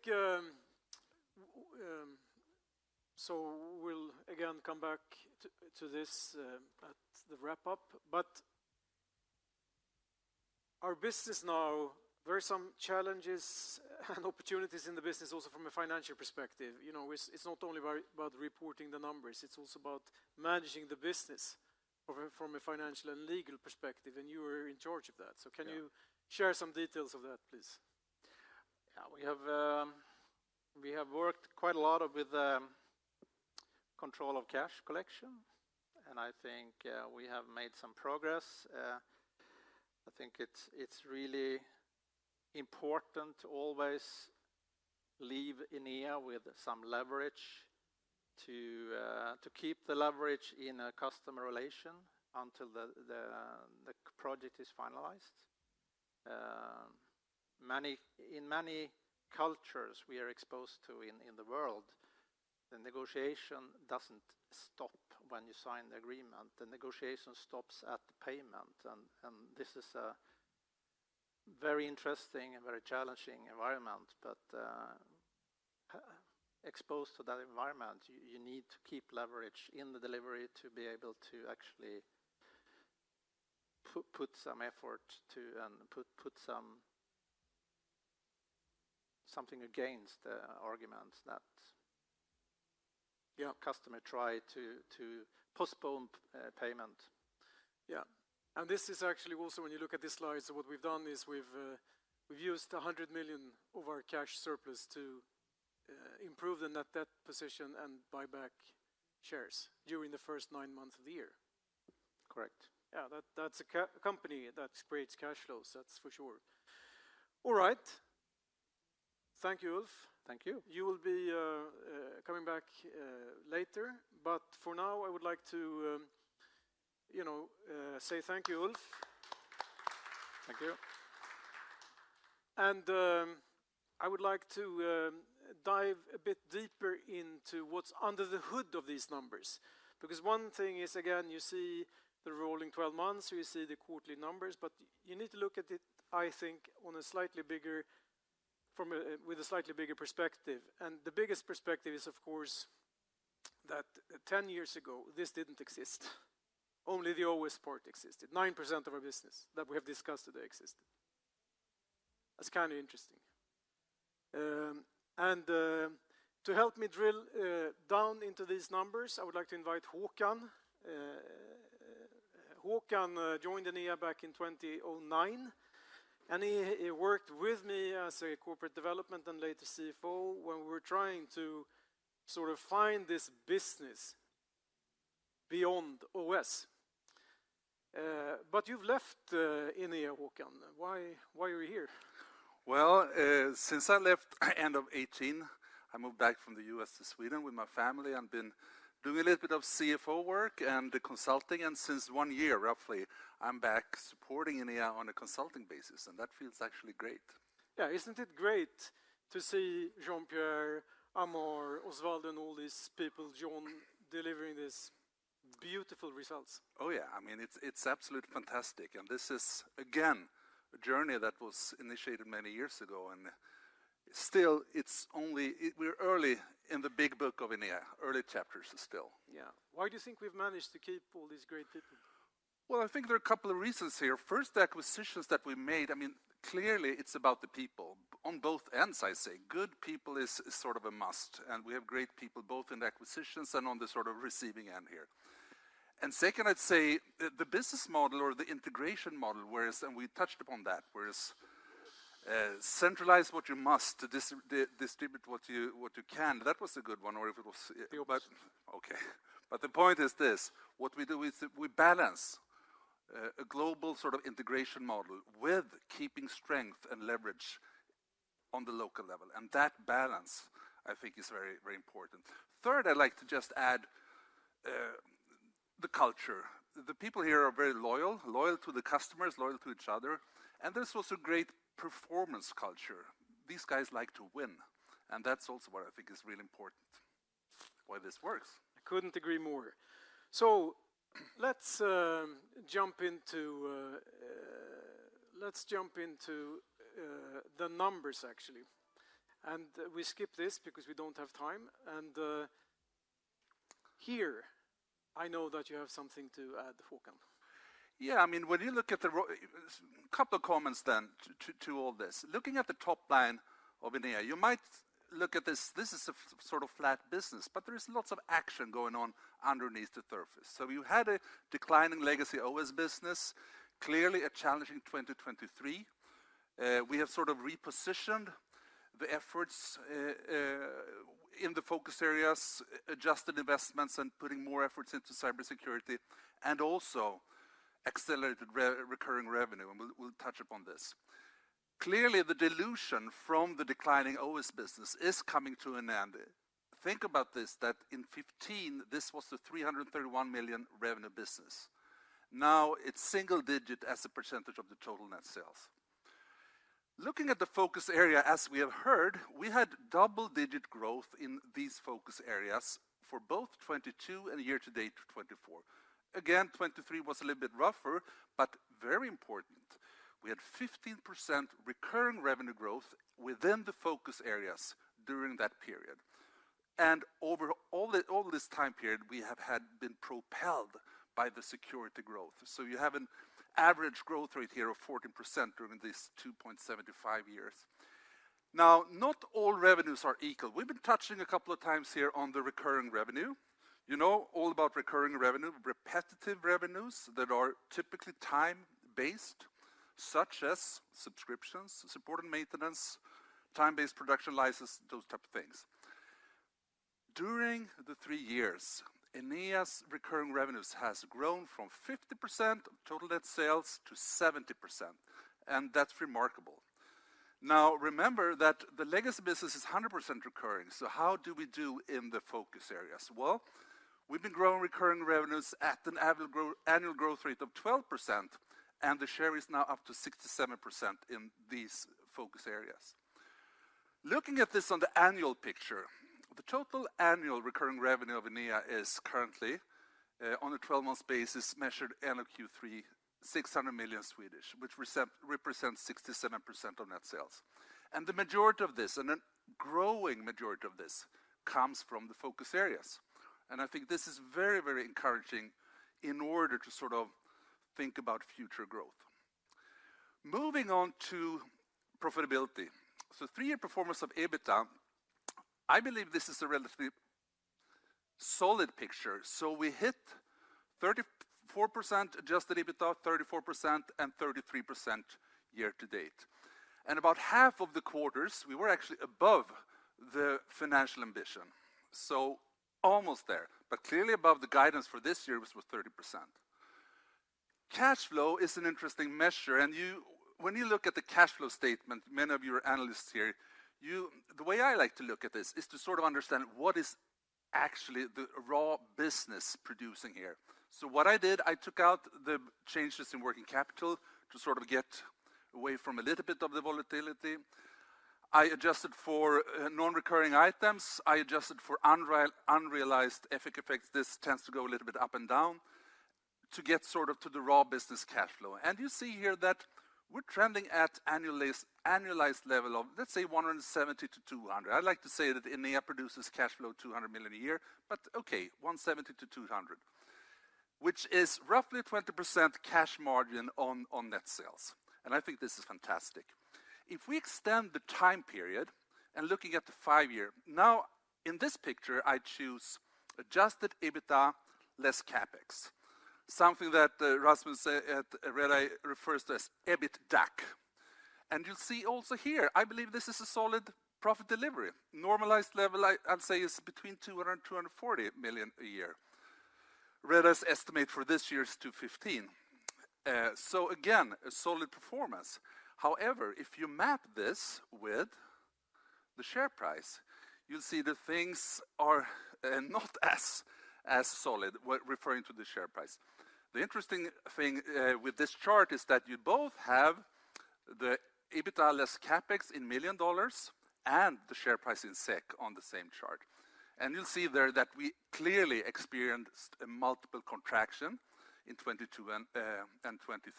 so we'll again come back to this at the wrap-up, but our business now, there are some challenges and opportunities in the business also from a financial perspective. It's not only about reporting the numbers. It's also about managing the business from a financial and legal perspective, and you are in charge of that, so can you share some details of that, please? Yeah. We have worked quite a lot with control of cash collection. And I think we have made some progress. I think it's really important to always leave Enea with some leverage to keep the leverage in a customer relation until the project is finalized. In many cultures we are exposed to in the world, the negotiation doesn't stop when you sign the agreement. The negotiation stops at the payment, and this is a very interesting and very challenging environment. But exposed to that environment, you need to keep leverage in the delivery to be able to actually put some effort to and put something against the argument that customers try to postpone payment. Yeah. And this is actually also when you look at this slide, so what we've done is we've used 100 million of our cash surplus to improve the net debt position and buyback shares during the first nine months of the year. Correct. Yeah. That's a company that creates cash flows. That's for sure. All right. Thank you, Ulf. Thank you. You will be coming back later. But for now, I would like to say thank you, Ulf. Thank you. And I would like to dive a bit deeper into what's under the hood of these numbers. Because one thing is, again, you see the rolling 12 months, you see the quarterly numbers, beautiful results? Oh, yeah. I mean, it's absolutely fantastic. And this is, again, a journey that was initiated many years ago. And still, we're early in the big book of Enea. Early chapters are still. Yeah. Why do you think we've managed to keep all these great people? Well, I think there are a couple of reasons here. First, the acquisitions that we made, I mean, clearly, it's about the people. On both ends, I say. Good people is sort of a must. And we have great people both in the acquisitions and on the sort of receiving end here. Second, I'd say the business model or the integration model, and we touched upon that, whereas centralize what you must to distribute what you can, that was a good one. If it was. Okay. The point is this. What we do is we balance a global sort of integration model with keeping strength and leverage on the local level. That balance, I think, is very, very important. Third, I'd like to just add the culture. The people here are very loyal, loyal to the customers, loyal to each other. There's also a great performance culture. These guys like to win. That's also what I think is really important why this works. I couldn't agree more. Let's jump into the numbers, actually. We skip this because we don't have time. Here, I know that you have something to add, Håkan. Yeah. I mean, when you look at the couple of comments then to all this, looking at the top line of Enea, you might look at this. This is a sort of flat business, but there is lots of action going on underneath the surface. So we had a declining legacy OS business, clearly a challenging 2023. We have sort of repositioned the efforts in the focus areas, adjusted investments, and put more efforts into cybersecurity, and also accelerated recurring revenue. And we'll touch upon this. Clearly, the dilution from the declining OS business is coming to an end. Think about this, that in 2015, this was the 331 million revenue business. Now, it's single-digit% as a percentage of the total net sales. Looking at the focus area, as we have heard, we had double-digit growth in these focus areas for both 2022 and year-to-date 2024. Again, 2023 was a little bit rougher, but very important. We had 15% recurring revenue growth within the focus areas during that period, and over all this time period, we have been propelled by the security growth, so you have an average growth rate here of 14% during these 2.75 years. Now, not all revenues are equal. We've been touching a couple of times here on the recurring revenue. You know all about recurring revenue, repetitive revenues that are typically time-based, such as subscriptions, support and maintenance, time-based production license, those types of things. During the three years, Enea's recurring revenues has grown from 50% of total net sales to 70%, and that's remarkable. Now, remember that the legacy business is 100% recurring, so how do we do in the focus areas? We've been growing recurring revenues at an annual growth rate of 12%, and the share is now up to 67% in these focus areas. Looking at this on the annual picture, the total annual recurring revenue of Enea is currently, on a 12-month basis, measured end of Q3, 600 million, which represents 67% of net sales. The majority of this, and a growing majority of this, comes from the focus areas. I think this is very, very encouraging in order to sort of think about future growth. Moving on to profitability. Three-year performance of EBITDA, I believe this is a relatively solid picture. We hit 34% adjusted EBITDA, 34%, and 33% year-to-date. About half of the quarters, we were actually above the financial ambition. Almost there, but clearly above the guidance for this year, which was 30%. Cash flow is an interesting measure. And when you look at the cash flow statement, many of your analysts here, the way I like to look at this is to sort of understand what is actually the raw business producing here. So what I did, I took out the changes in working capital to sort of get away from a little bit of the volatility. I adjusted for non-recurring items. I adjusted for unrealized FX effects. This tends to go a little bit up and down to get sort of to the raw business cash flow. And you see here that we're trending at annualized level of, let's say, 170-200. I'd like to say that Enea produces cash flow of 200 million a year, but okay, 170-200, which is roughly 20% cash margin on net sales. And I think this is fantastic. If we extend the time period and, looking at the five-year, now in this picture, I choose adjusted EBITDA less CapEx, something that Rasmus at Redeye refers to as EBITDAC, and you'll see also here. I believe this is a solid profit delivery. Normalized level, I'd say, is between $200 million and $240 million a year. Redeye's estimate for this year is 215. So again, a solid performance. However, if you map this with the share price, you'll see that things are not as solid referring to the share price. The interesting thing with this chart is that you both have the EBITDA less CapEx in millions of dollars and the share price in SEK on the same chart, and you'll see there that we clearly experienced a multiple contraction in 2022 and 2023.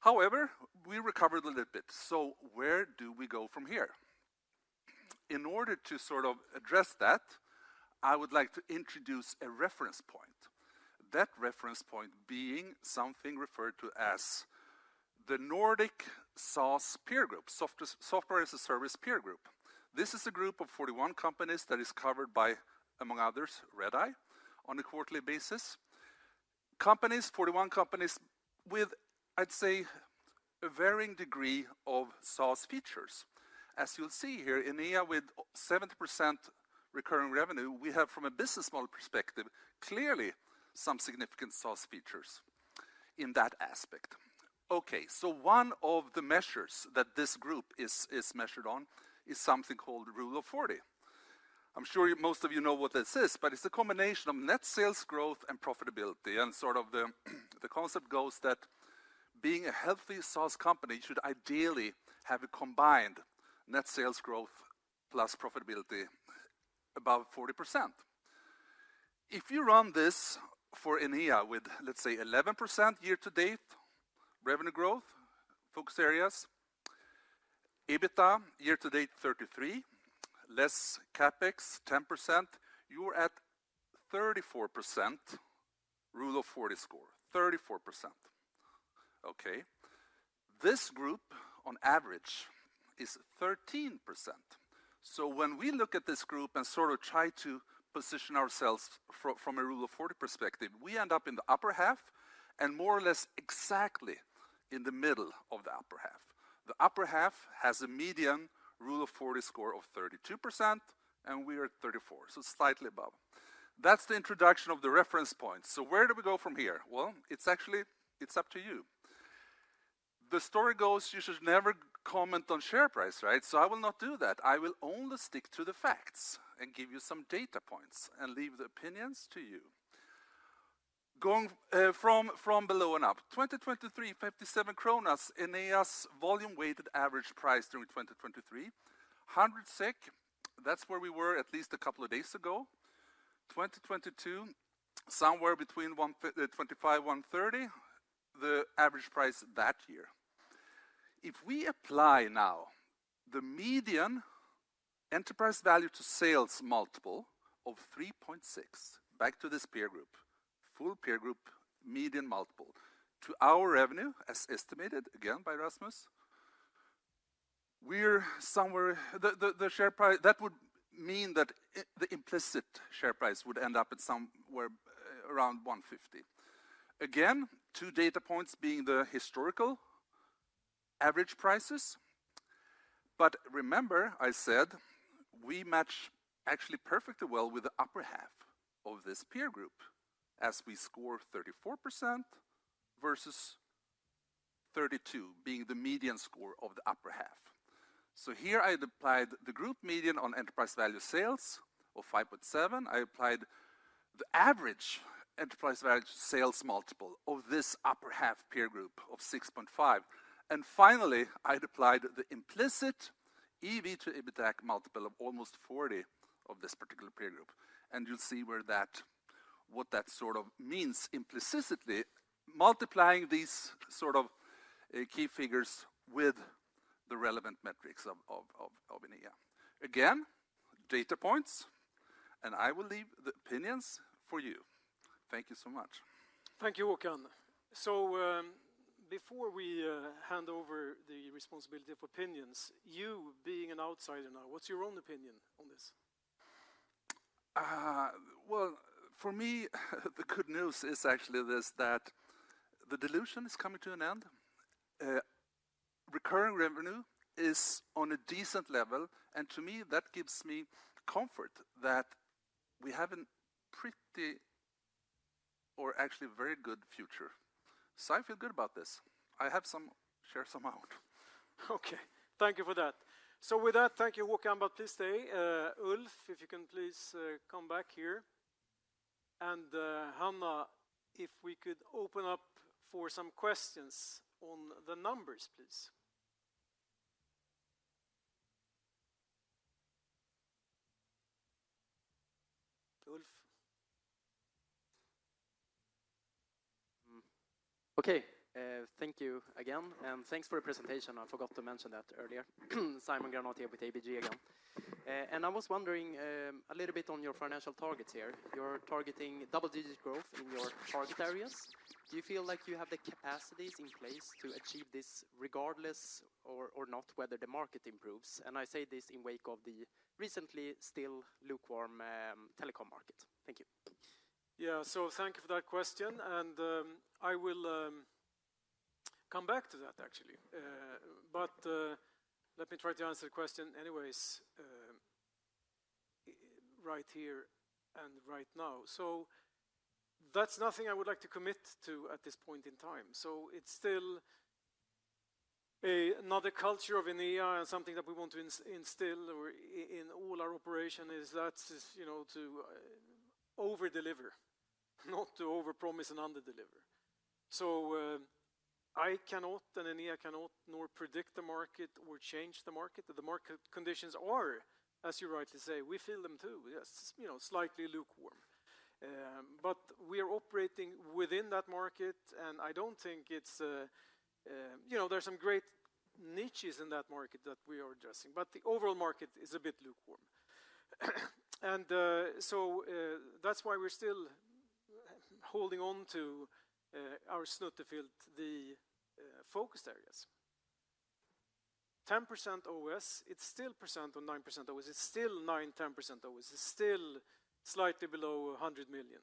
However, we recovered a little bit, so where do we go from here? In order to sort of address that, I would like to introduce a reference point. That reference point being something referred to as the Nordic SaaS peer group, software as a service peer group. This is a group of 41 companies that is covered by, among others, Redeye on a quarterly basis. 41 companies with, I'd say, a varying degree of SaaS features. As you'll see here, Enea with 70% recurring revenue, we have, from a business model perspective, clearly some significant SaaS features in that aspect. Okay, so one of the measures that this group is measured on is something called the rule of 40. I'm sure most of you know what this is, but it's a combination of net sales growth and profitability, and sort of the concept goes that being a healthy SaaS company, you should ideally have a combined net sales growth plus profitability above 40%. If you run this for Enea with, let's say, 11% year-to-date revenue growth focus areas, EBITDA year-to-date 33%, less CapEx 10%, you're at 34% rule of 40 score, 34%. Okay. This group, on average, is 13%. So when we look at this group and sort of try to position ourselves from a rule of 40 perspective, we end up in the upper half and more or less exactly in the middle of the upper half. The upper half has a median rule of 40 score of 32%, and we are at 34%, so slightly above. That's the introduction of the reference point. So where do we go from here? Well, it's actually up to you. The story goes, you should never comment on share price, right? So I will not do that. I will only stick to the facts and give you some data points and leave the opinions to you. Going from below and up, 2023, 57 kronor, Enea's volume-weighted average price during 2023, 100 SEK, that's where we were at least a couple of days ago. 2022, somewhere between 25-130, the average price that year. If we apply now the median enterprise value to sales multiple of 3.6, back to this peer group, full peer group, median multiple to our revenue as estimated, again, by Rasmus, we're somewhere that would mean that the implicit share price would end up at somewhere around 150. Again, two data points being the historical average prices. But remember, I said, we match actually perfectly well with the upper half of this peer group as we score 34% versus 32% being the median score of the upper half. So here, I'd applied the group median on enterprise value sales of 5.7. I applied the average enterprise value sales multiple of this upper half peer group of 6.5. And finally, I'd applied the implicit EBITDA to EBITDA multiple of almost 40 of this particular peer group. And you'll see what that sort of means implicitly, multiplying these sort of key figures with the relevant metrics of Enea. Again, data points, and I will leave the opinions for you. Thank you so much. Thank you, Håkan. So before we hand over the responsibility of opinions, you being an outsider now, what's your own opinion on this? Well, for me, the good news is actually this: that the dilution is coming to an end. Recurring revenue is on a decent level. And to me, that gives me comfort that we have a pretty or actually very good future. So I feel good about this. I have some share some out. Okay. Thank you for that. So with that, thank you, Håkan, about this day. Ulf, if you can please come back here. And Hannah, if we could open up for some questions on the numbers, please. Ulf. Okay. Thank you again. And thanks for the presentation. I forgot to mention that earlier. Simon Granath here with ABG again. And I was wondering a little bit on your financial targets here. You're targeting double-digit growth in your target areas. Do you feel like you have the capacities in place to achieve this regardless or not, whether the market improves? And I say this in wake of the recently still lukewarm telecom market. Thank you. Yeah. So thank you for that question. And I will come back to that, actually. But let me try to answer the question anyways right here and right now. So that's nothing I would like to commit to at this point in time. So it's still another culture of Enea and something that we want to instill in all our operations is that to overdeliver, not to overpromise and under-deliver. So I cannot and Enea cannot nor predict the market or change the market. The market conditions are, as you rightly say, we feel them too. It's slightly lukewarm. But we are operating within that market. And I don't think that there are some great niches in that market that we are addressing. But the overall market is a bit lukewarm. And so that's why we're still holding on to our snuttefilt, the focus areas. 10% OS. It's still 9% or 10% OS. It's still slightly below 100 million.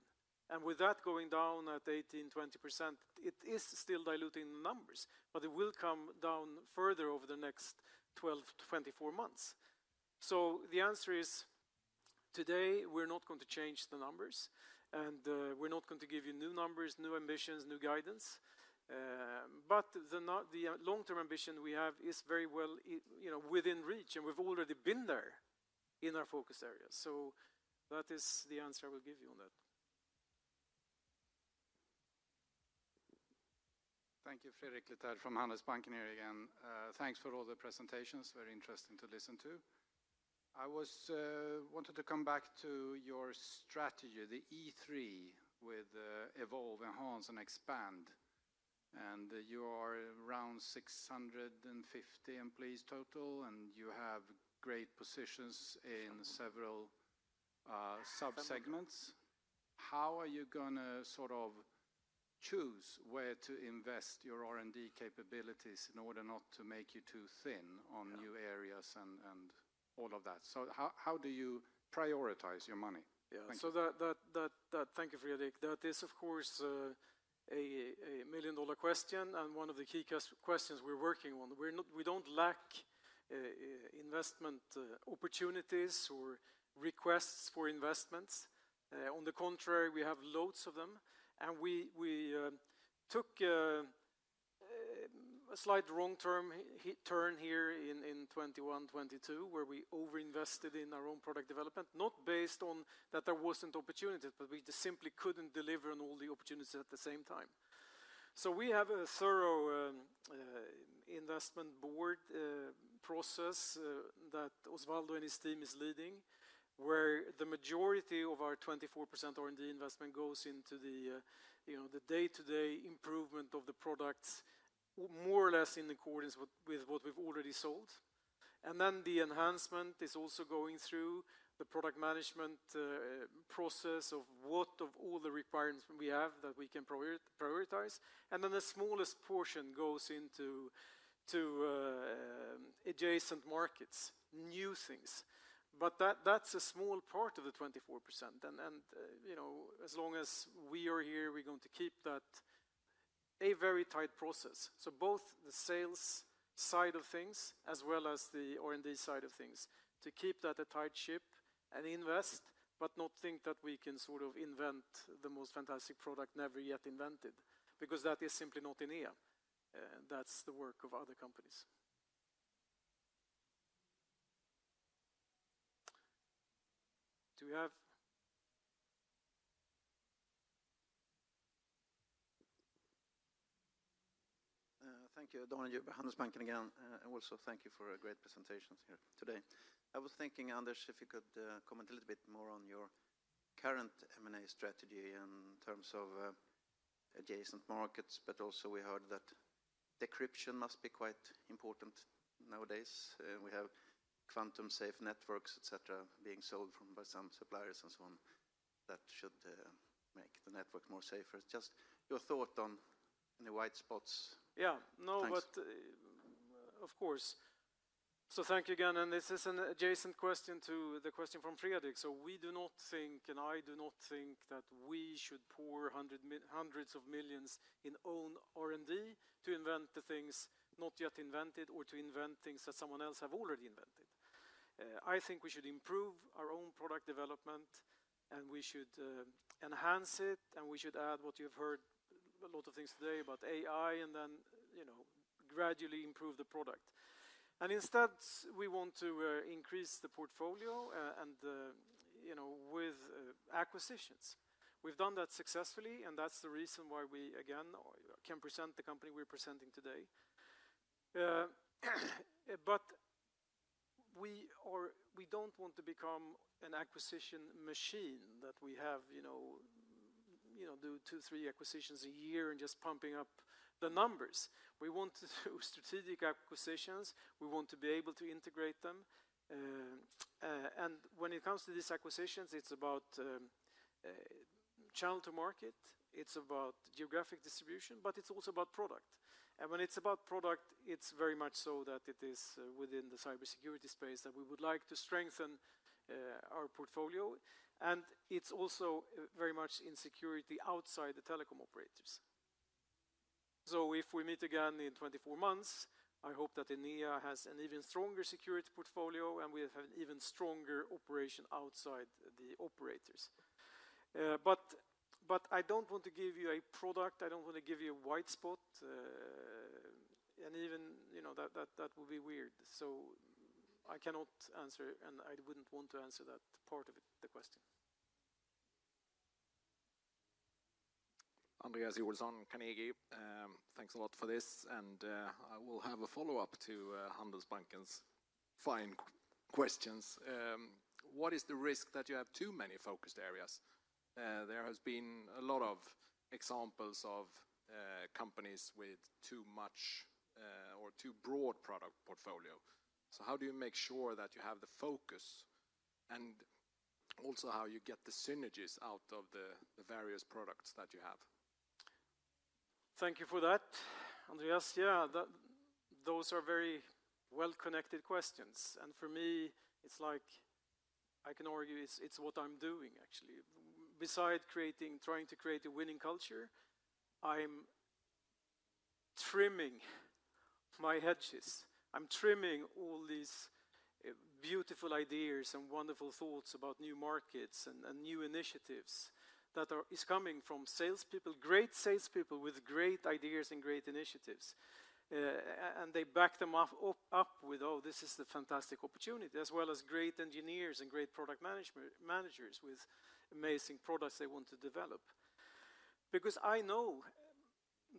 And with that going down at 18%–20%, it is still diluting the numbers, but it will come down further over the next 12-24 months. So the answer is today, we're not going to change the numbers. And we're not going to give you new numbers, new ambitions, new guidance. But the long-term ambition we have is very well within reach. And we've already been there in our focus areas. So that is the answer I will give you on that. Thank you, Fredrik Lithel from Handelsbanken here again. Thanks for all the presentations. Very interesting to listen to. I wanted to come back to your strategy, the E3 with evolve, enhance, and expand. And you are around 650 employees total, and you have great positions in several subsegments. How are you going to sort of choose where to invest your R&D capabilities in order not to make you too thin on new areas and all of that? So how do you prioritize your money? Yeah. So Yeah. No, but of course, so thank you again, and this is an adjacent question to the question from Fredrik, so we do not think, and I do not think that we should pour hundreds of millions in own R&D to invent the things not yet invented or to invent things that someone else has already invented. I think we should improve our own product development, and we should enhance it, and we should add what you've heard, a lot of things today about AI, and then gradually improve the product, and instead, we want to increase the portfolio with acquisitions. We've done that successfully, and that's the reason why we, again, can present the company we're presenting today, but we don't want to become an acquisition machine that we have do two, three acquisitions a year and just pumping up the numbers. We want to do strategic acquisitions. We want to be able to integrate them, and when it comes to these acquisitions, it's about channel to market. It's about geographic distribution, but it's also about product, and when it's about product, it's very much so that it is within the cybersecurity space that we would like to strengthen our portfolio. It's also very much in security outside the telecom operators. So if we meet again in 24 months, I hope that Enea has an even stronger security portfolio, and we have an even stronger operation outside the operators. But I don't want to give you a product. I don't want to give you a white spot. And even that would be weird. So I cannot answer, and I wouldn't want to answer that part of the question. Andreas Jorsson, Carnegie. Thanks a lot for this. I will have a follow-up to Handelsbanken's fine questions. What is the risk that you have too many focused areas? There has been a lot of examples of companies with too much or too broad product portfolio. So how do you make sure that you have the focus and also how you get the synergies out of the various products that you have? Thank you for that, Andreas. Yeah, those are very well-connected questions. And for me, it's like I can argue it's what I'm doing, actually. Besides trying to create a winning culture, I'm trimming my hedges. I'm trimming all these beautiful ideas and wonderful thoughts about new markets and new initiatives that are coming from salespeople, great salespeople with great ideas and great initiatives. And they back them up with, "Oh, this is a fantastic opportunity," as well as great engineers and great product managers with amazing products they want to develop. Because I know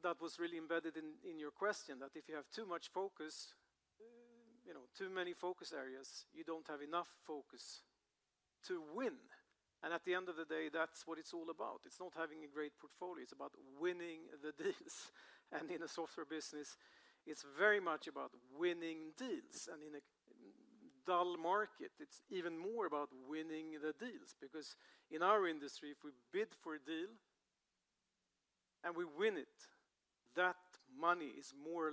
that was really embedded in your question, that if you have too much focus, too many focus areas, you don't have enough focus to win. And at the end of the day, that's what it's all about. It's not having a great portfolio. It's about winning the deals. And in a software business, it's very much about winning deals. And in a dull market, it's even more about winning the deals. Because in our industry, if we bid for a deal and we win it, that money is more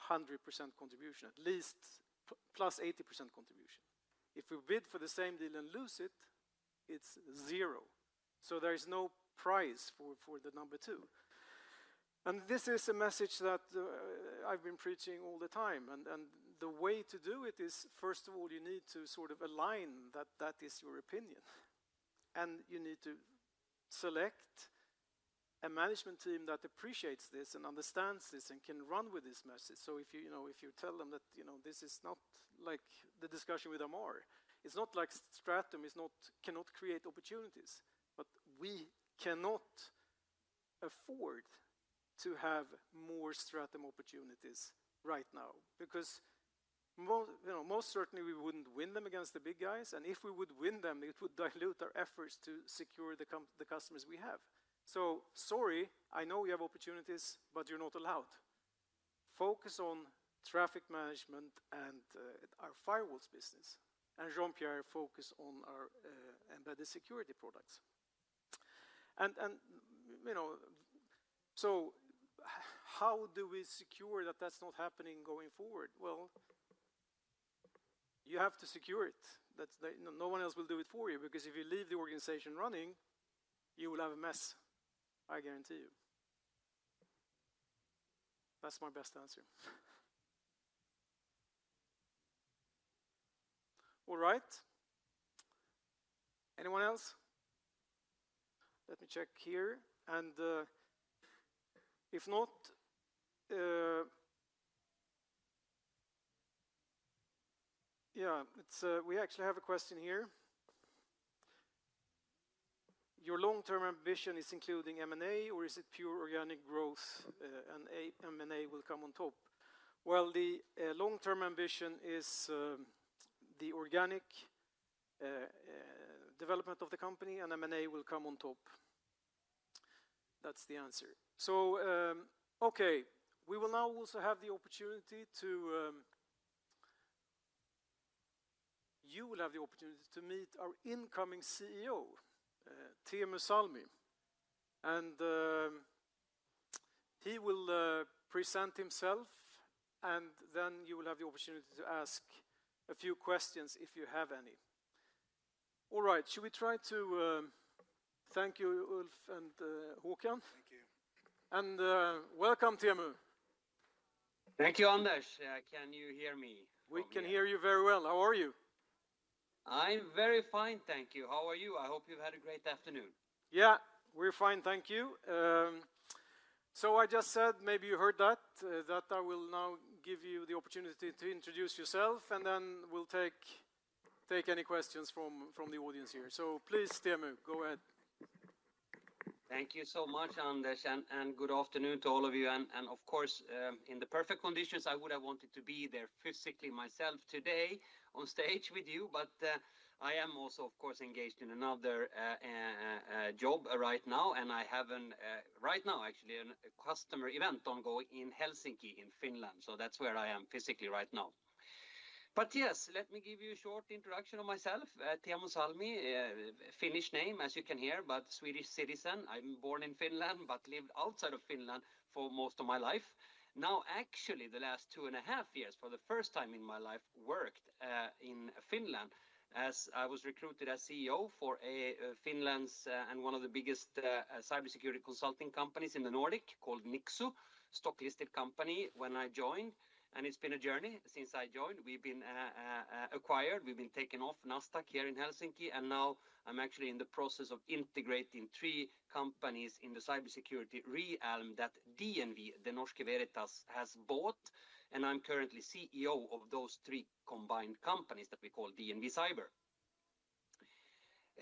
or less 100% contribution, at least plus 80% contribution. If we bid for the same deal and lose it, it's zero. So there is no price for the number two. And this is a message that I've been preaching all the time. And the way to do it is, first of all, you need to sort of align that that is your opinion. And you need to select a management team that appreciates this and understands this and can run with this message. If you tell them that this is not like the discussion with Omar, it's not like Stratum cannot create opportunities, but we cannot afford to have more Stratum opportunities right now. Because most certainly, we wouldn't win them against the big guys. And if we would win them, it would dilute our efforts to secure the customers we have. So sorry, I know you have opportunities, but you're not allowed. Focus on traffic management and our firewalls business. And Jean-Pierre, focus on our embedded security products. And so how do we secure that that's not happening going forward? Well, you have to secure it. No one else will do it for you. Because if you leave the organization running, you will have a mess, I guarantee you. That's my best answer. All right. Anyone else? Let me check here. And if not, yeah, we actually have a question here. Your long-term ambition is including M&A, or is it pure organic growth, and M&A will come on top? Well, the long-term ambition is the organic development of the company, and M&A will come on top. That's the answer. So okay, we will now also have the opportunity. You will have the opportunity to meet our incoming CEO, Teemu Salmi, and he will present himself, and then you will have the opportunity to ask a few questions if you have any. All right, should we try to thank you, Ulf and Håkan? Thank you and welcome, Teemu. Thank you, Anders. Can you hear me? We can hear you very well. How are you? I'm very fine, thank you. How are you? I hope you've had a great afternoon. Yeah, we're fine, thank you. So I just said, maybe you heard that, that I will now give you the opportunity to introduce yourself, and then we'll take any questions from the audience here. So please, Teemu, go ahead. Thank you so much, Anders. And good afternoon to all of you. And of course, in the perfect conditions, I would have wanted to be there physically myself today on stage with you. But I am also, of course, engaged in another job right now. And I have, right now, actually, a customer event ongoing in Helsinki, Finland. So that's where I am physically right now. But yes, let me give you a short introduction of myself. Teemu Salmi, Finnish name, as you can hear, but Swedish citizen. I'm born in Finland but lived outside of Finland for most of my life. Now, actually, the last two and a half years, for the first time in my life, worked in Finland as I was recruited as CEO for Finland's and one of the biggest cybersecurity consulting companies in the Nordic called Nixu, a stock-listed company when I joined. And it's been a journey since I joined. We've been acquired. We've been taken off Nasdaq here in Helsinki. And now I'm actually in the process of integrating three companies in the cybersecurity realm that DNV, Det Norske Veritas, has bought. And I'm currently CEO of those three combined companies that we call DNV Cyber.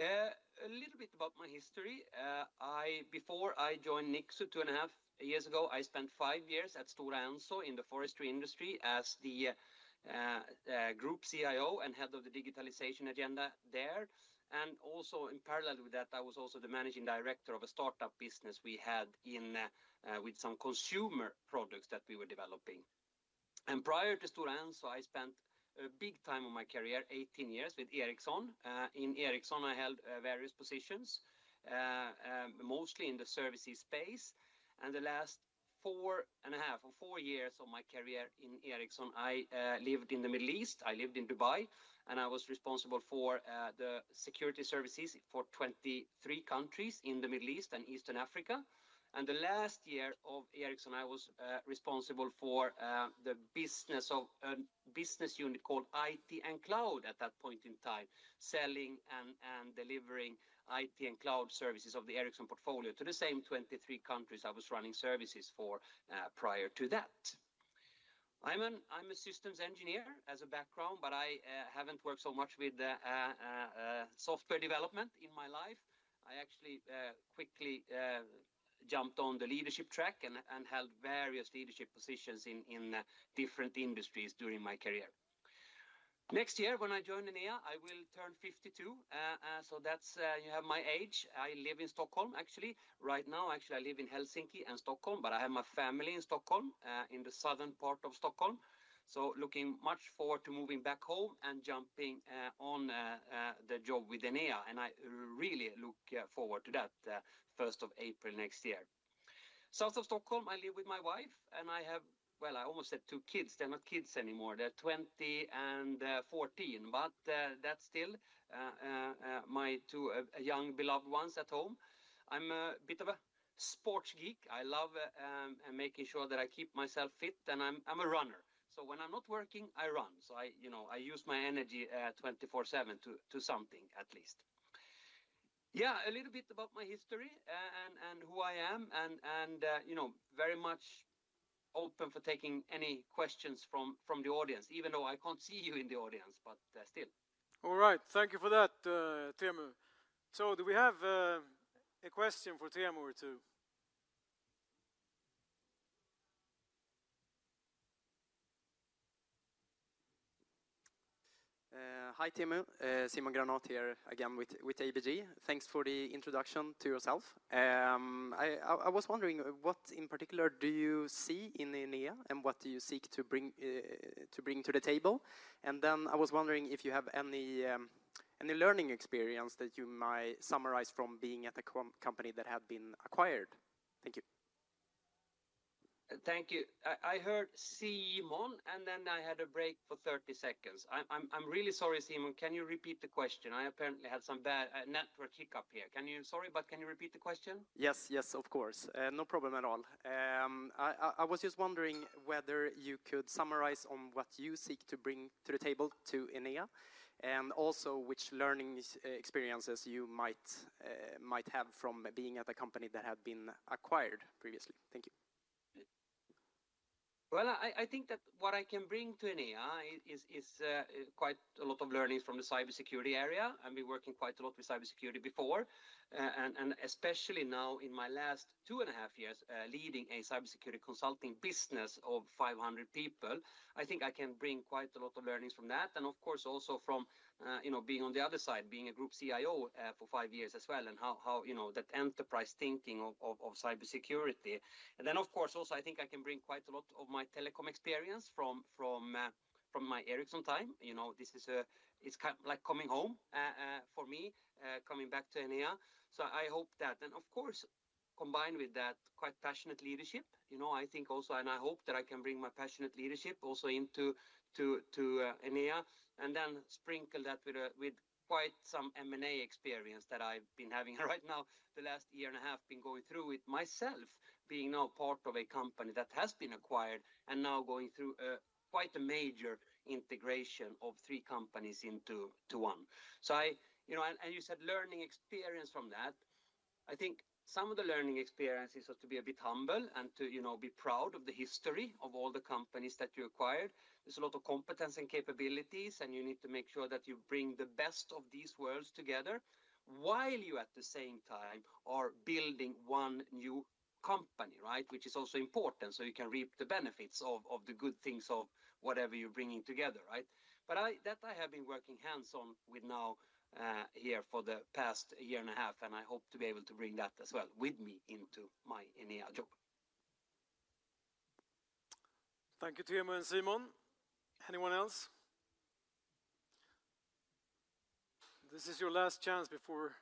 A little bit about my history. Before I joined Nixu two and a half years ago, I spent five years at Stora Enso in the forestry industry as the group CIO and head of the digitalization agenda there. And also in parallel with that, I was also the managing director of a startup business we had with some consumer products that we were developing. And prior to Stora Enso, I spent a big time of my career, 18 years, with Ericsson. In Ericsson, I held various positions, mostly in the services space. And the last four and a half or four years of my career in Ericsson, I lived in the Middle East. I lived in Dubai, and I was responsible for the security services for 23 countries in the Middle East and Eastern Africa. And the last year of Ericsson, I was responsible for the business of a business unit called IT and Cloud at that point in time, selling and delivering IT and Cloud services of the Ericsson portfolio to the same 23 countries I was running services for prior to that. I'm a systems engineer as a background, but I haven't worked so much with software development in my life. I actually quickly jumped on the leadership track and held various leadership positions in different industries during my career. Next year, when I join Enea, I will turn 52. So you have my age. I live in Stockholm, actually. Right now, actually, I live in Helsinki and Stockholm, but I have my family in Stockholm, in the southern part of Stockholm. So looking much forward to moving back home and jumping on the job with Enea. And I really look forward to that 1st of April next year. South of Stockholm, I live with my wife. And I have, well, I almost said two kids. They're not kids anymore. They're 20 and 14, but that's still my two young beloved ones at home. I'm a bit of a sports geek. I love making sure that I keep myself fit, and I'm a runner, so when I'm not working, I run, so I use my energy 24/7 to something, at least. Yeah, a little bit about my history and who I am, and very much open for taking any questions from the audience, even though I can't see you in the audience, but still. All right. Thank you for that, Teemu, so do we have a question for Teemu or two? Hi, Teemu. Simon Granath here again with ABG. Thanks for the introduction to yourself. I was wondering, what in particular do you see in Enea and what do you seek to bring to the table, and then I was wondering if you have any learning experience that you might summarize from being at a company that had been acquired. Thank you. Thank you. I heard Simon, and then I had a break for 30 seconds. I'm really sorry, Simon. Can you repeat the question? I apparently had some bad network hiccup here. Sorry, but can you repeat the question? Yes, yes, of course. No problem at all. I was just wondering whether you could summarize on what you seek to bring to the table to Enea and also which learning experiences you might have from being at a company that had been acquired previously. Thank you. Well, I think that what I can bring to Enea is quite a lot of learnings from the cybersecurity area. I've been working quite a lot with cybersecurity before. And especially now in my last two and a half years leading a cybersecurity consulting business of 500 people, I think I can bring quite a lot of learnings from that. And of course, also from being on the other side, being a group CIO for five years as well, and that enterprise thinking of cybersecurity. And then, of course, also I think I can bring quite a lot of my telecom experience from my Ericsson time. This is like coming home for me, coming back to Enea. So I hope that. And of course, combined with that, quite passionate leadership. I think also, and I hope that I can bring my passionate leadership also into Enea, and then sprinkle that with quite some M&A experience that I've been having right now the last year and a half, been going through with myself, being now part of a company that has been acquired and now going through quite a major integration of three companies into one. So you said learning experience from that. I think some of the learning experiences are to be a bit humble and to be proud of the history of all the companies that you acquired. There's a lot of competence and capabilities, and you need to make sure that you bring the best of these worlds together while you, at the same time, are building one new company, right, which is also important so you can reap the benefits of the good things of whatever you're bringing together, right? But that I have been working hands-on with now here for the past year and a half, and I hope to be able to bring that as well with me into my Enea job. Thank you, Teemu and Simon. Anyone else? This is your last chance before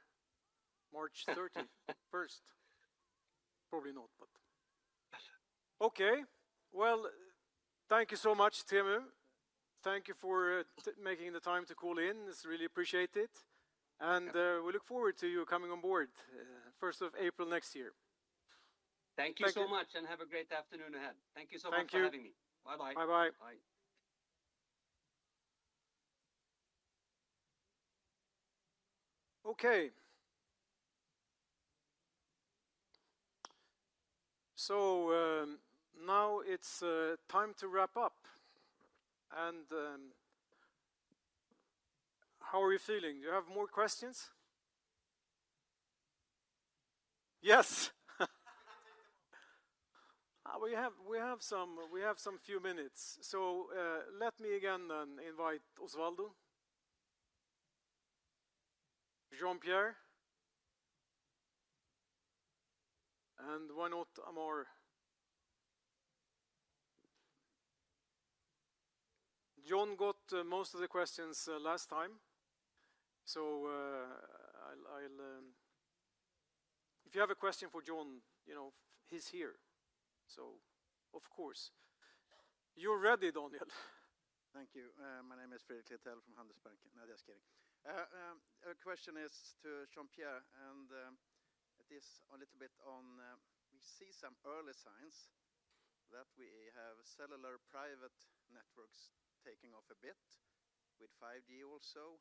March 31st. Probably not, but okay. Well, thank you so much, Teemu. Thank you for making the time to call in. It's really appreciated. And we look forward to you coming on board 1st of April next year. Thank you so much and have a great afternoon ahead. Thank you so much for having me. Bye-bye. Bye-bye. Bye. Okay. So now it's time to wrap up. And how are you feeling? Do you have more questions? Yes. We have some few minutes. So let me again invite Osvaldo, Jean-Pierre, and why not Omar? John got most of the questions last time. So if you have a question for John, he's here. So of course. You're ready, Daniel. Thank you. My name is Fredrik Lithell from Handelsbanken. A question is to Jean-Pierre. And it is a little bit on we see some early signs that we have cellular private networks taking off a bit with 5G also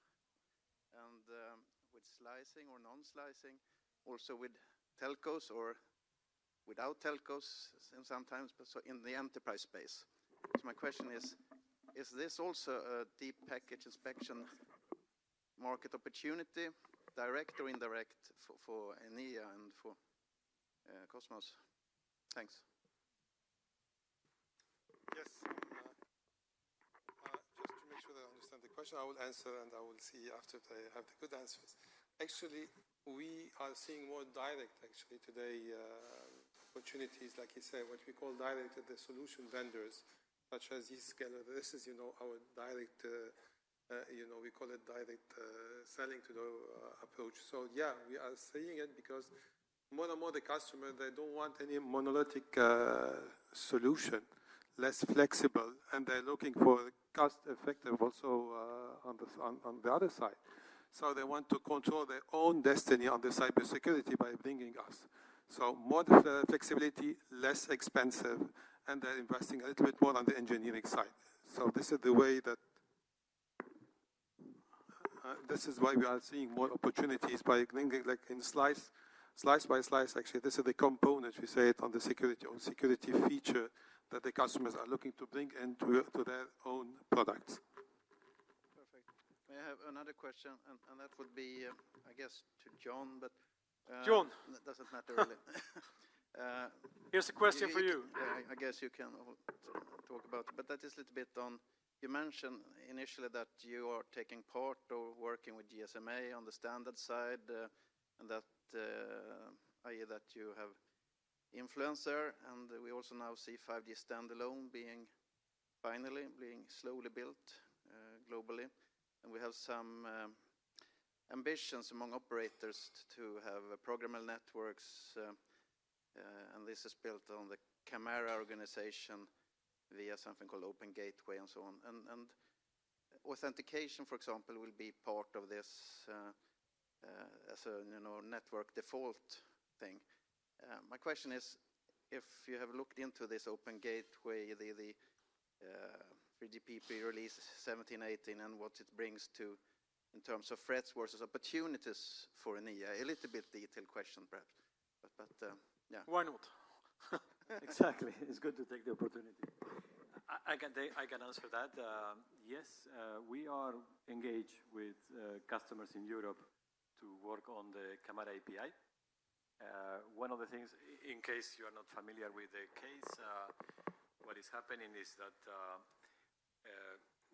and with slicing or non-slicing, also with telcos or without telcos sometimes, but in the enterprise space. So my question is, is this also a deep packet inspection market opportunity, direct or indirect, for Enea and for Cosmos? Thanks. Yes. Just to make sure that I understand the question, I will answer, and I will see after they have the good answers. Actually, we are seeing more direct, actually, today opportunities, like you say, what we call direct solution vendors, such as these slicers. This is our direct we call it direct selling to the approach. So yeah, we are seeing it because more and more the customers, they don't want any monolithic solution, less flexible, and they're looking for cost-effective also on the other side. So they want to control their own destiny on the cybersecurity by bringing us. So more flexibility, less expensive, and they're investing a little bit more on the engineering side. So this is the way that this is why we are seeing more opportunities by bringing like in slice by slice, actually. This is the component, we say, on the security feature that the customers are looking to bring into their own products. Perfect. May I have another question? And that would be, I guess, to John, but it doesn't matter really. Here's a question for you. I guess you can talk about it, but that is a little bit on you mentioned initially that you are taking part or working with GSMA on the standard side and that i.e. that you have influence there, and we also now see 5G standalone being finally slowly built globally, and we have some ambitions among operators to have programmable networks, and this is built on the CAMARA organization via something called Open Gateway and so on, and authentication, for example, will be part of this as a network default thing. My question is, if you have looked into this Open Gateway, the 3GPP release 1718, and what it brings to in terms of threats versus opportunities for Enea, a little bit detailed question, perhaps, but yeah. Why not? Exactly. It's good to take the opportunity. I can answer that. Yes, we are engaged with customers in Europe to work on the CAMARA API. One of the things, in case you are not familiar with the case, what is happening is that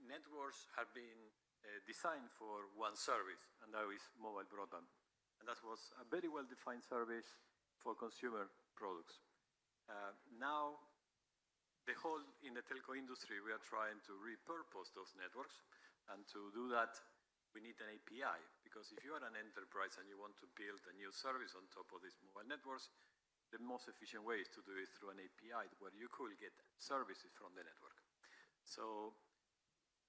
networks have been designed for one service, and that is mobile broadband, and that was a very well-defined service for consumer products. Now, in the telco industry, we are trying to repurpose those networks, and to do that, we need an API. Because if you are an enterprise and you want to build a new service on top of these mobile networks, the most efficient way is to do it through an API where you could get services from the network. So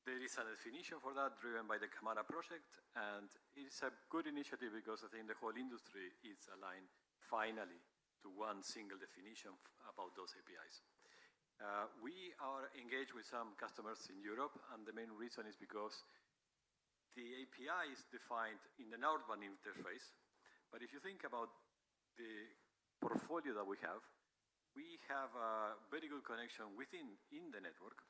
there is a definition for that driven by the CAMARA project, and it's a good initiative because I think the whole industry is aligned finally to one single definition about those APIs. We are engaged with some customers in Europe, and the main reason is because the API is defined in the outbound interface but if you think about the portfolio that we have, we have a very good connection within the network,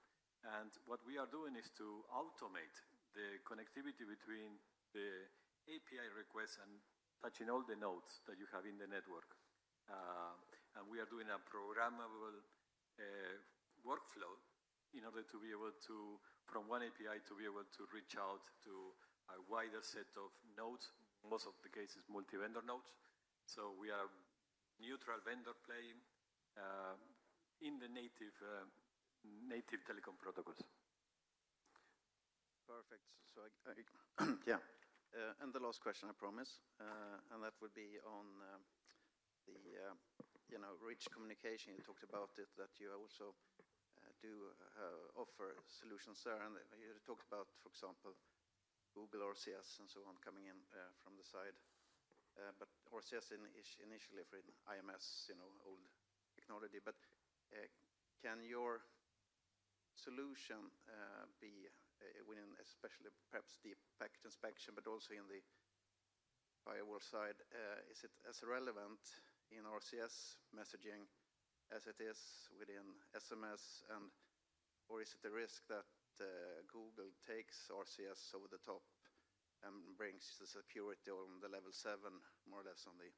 and what we are doing is to automate the connectivity between the API requests and touching all the nodes that you have in the network, and we are doing a programmable workflow in order to be able to, from one API, to be able to reach out to a wider set of nodes, most of the cases multi-vendor nodes, so we are neutral vendor playing in the native telecom protocols. Perfect, so yeah, and the last question, I promise, and that would be on the rich communication. You talked about it, that you also do offer solutions there. You talked about, for example, Google RCS and so on coming in from the side. RCS initially for IMS, old technology. Can your solution be within especially perhaps deep packet inspection, but also in the firewall side? Is it as relevant in RCS messaging as it is within SMS? Or is it a risk that Google takes RCS over the top and brings the security on the level seven, more or less on the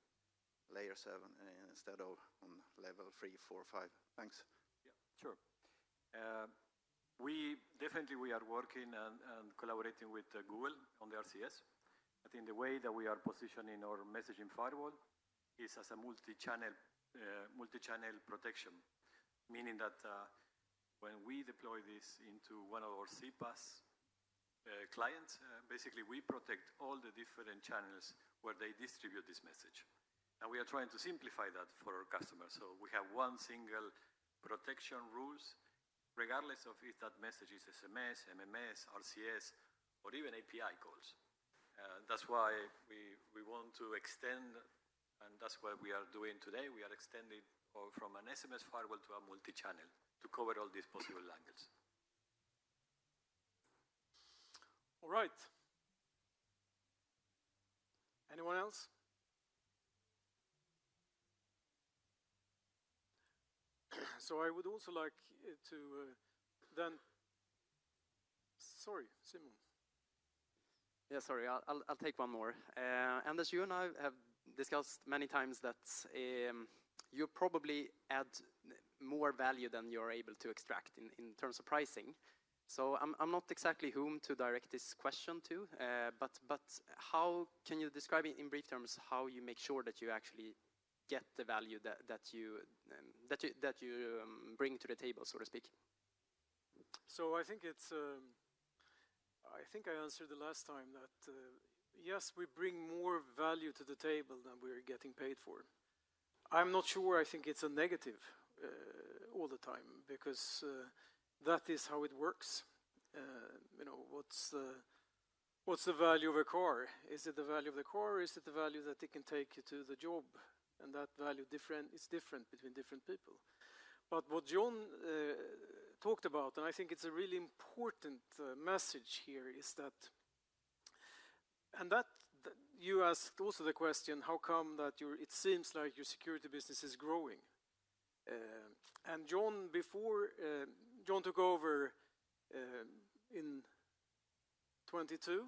layer seven instead of on level three, four, five? Thanks. Yeah, sure. Definitely, we are working and collaborating with Google on the RCS. I think the way that we are positioning our messaging firewall is as a multi-channel protection, meaning that when we deploy this into one of our CPaaS clients, basically, we protect all the different channels where they distribute this message. We are trying to simplify that for our customers. So we have one single protection rules, regardless of if that message is SMS, MMS, RCS, or even API calls. That's why we want to extend, and that's what we are doing today. We are extending from an SMS firewall to a multi-channel to cover all these possible angles. All right. Anyone else? So I would also like to then sorry, Simon. Yeah, sorry. I'll take one more. And as you and I have discussed many times that you probably add more value than you're able to extract in terms of pricing. So I'm not exactly whom to direct this question to, but how can you describe in brief terms how you make sure that you actually get the value that you bring to the table, so to speak? So I think I answered the last time that, yes, we bring more value to the table than we're getting paid for. I'm not sure. I think it's a negative all the time because that is how it works. What's the value of a car? Is it the value of the car? Is it the value that it can take you to the job? And that value is different between different people. But what John talked about, and I think it's a really important message here, is that you asked also the question, how come that it seems like your security business is growing? And John took over in 2022,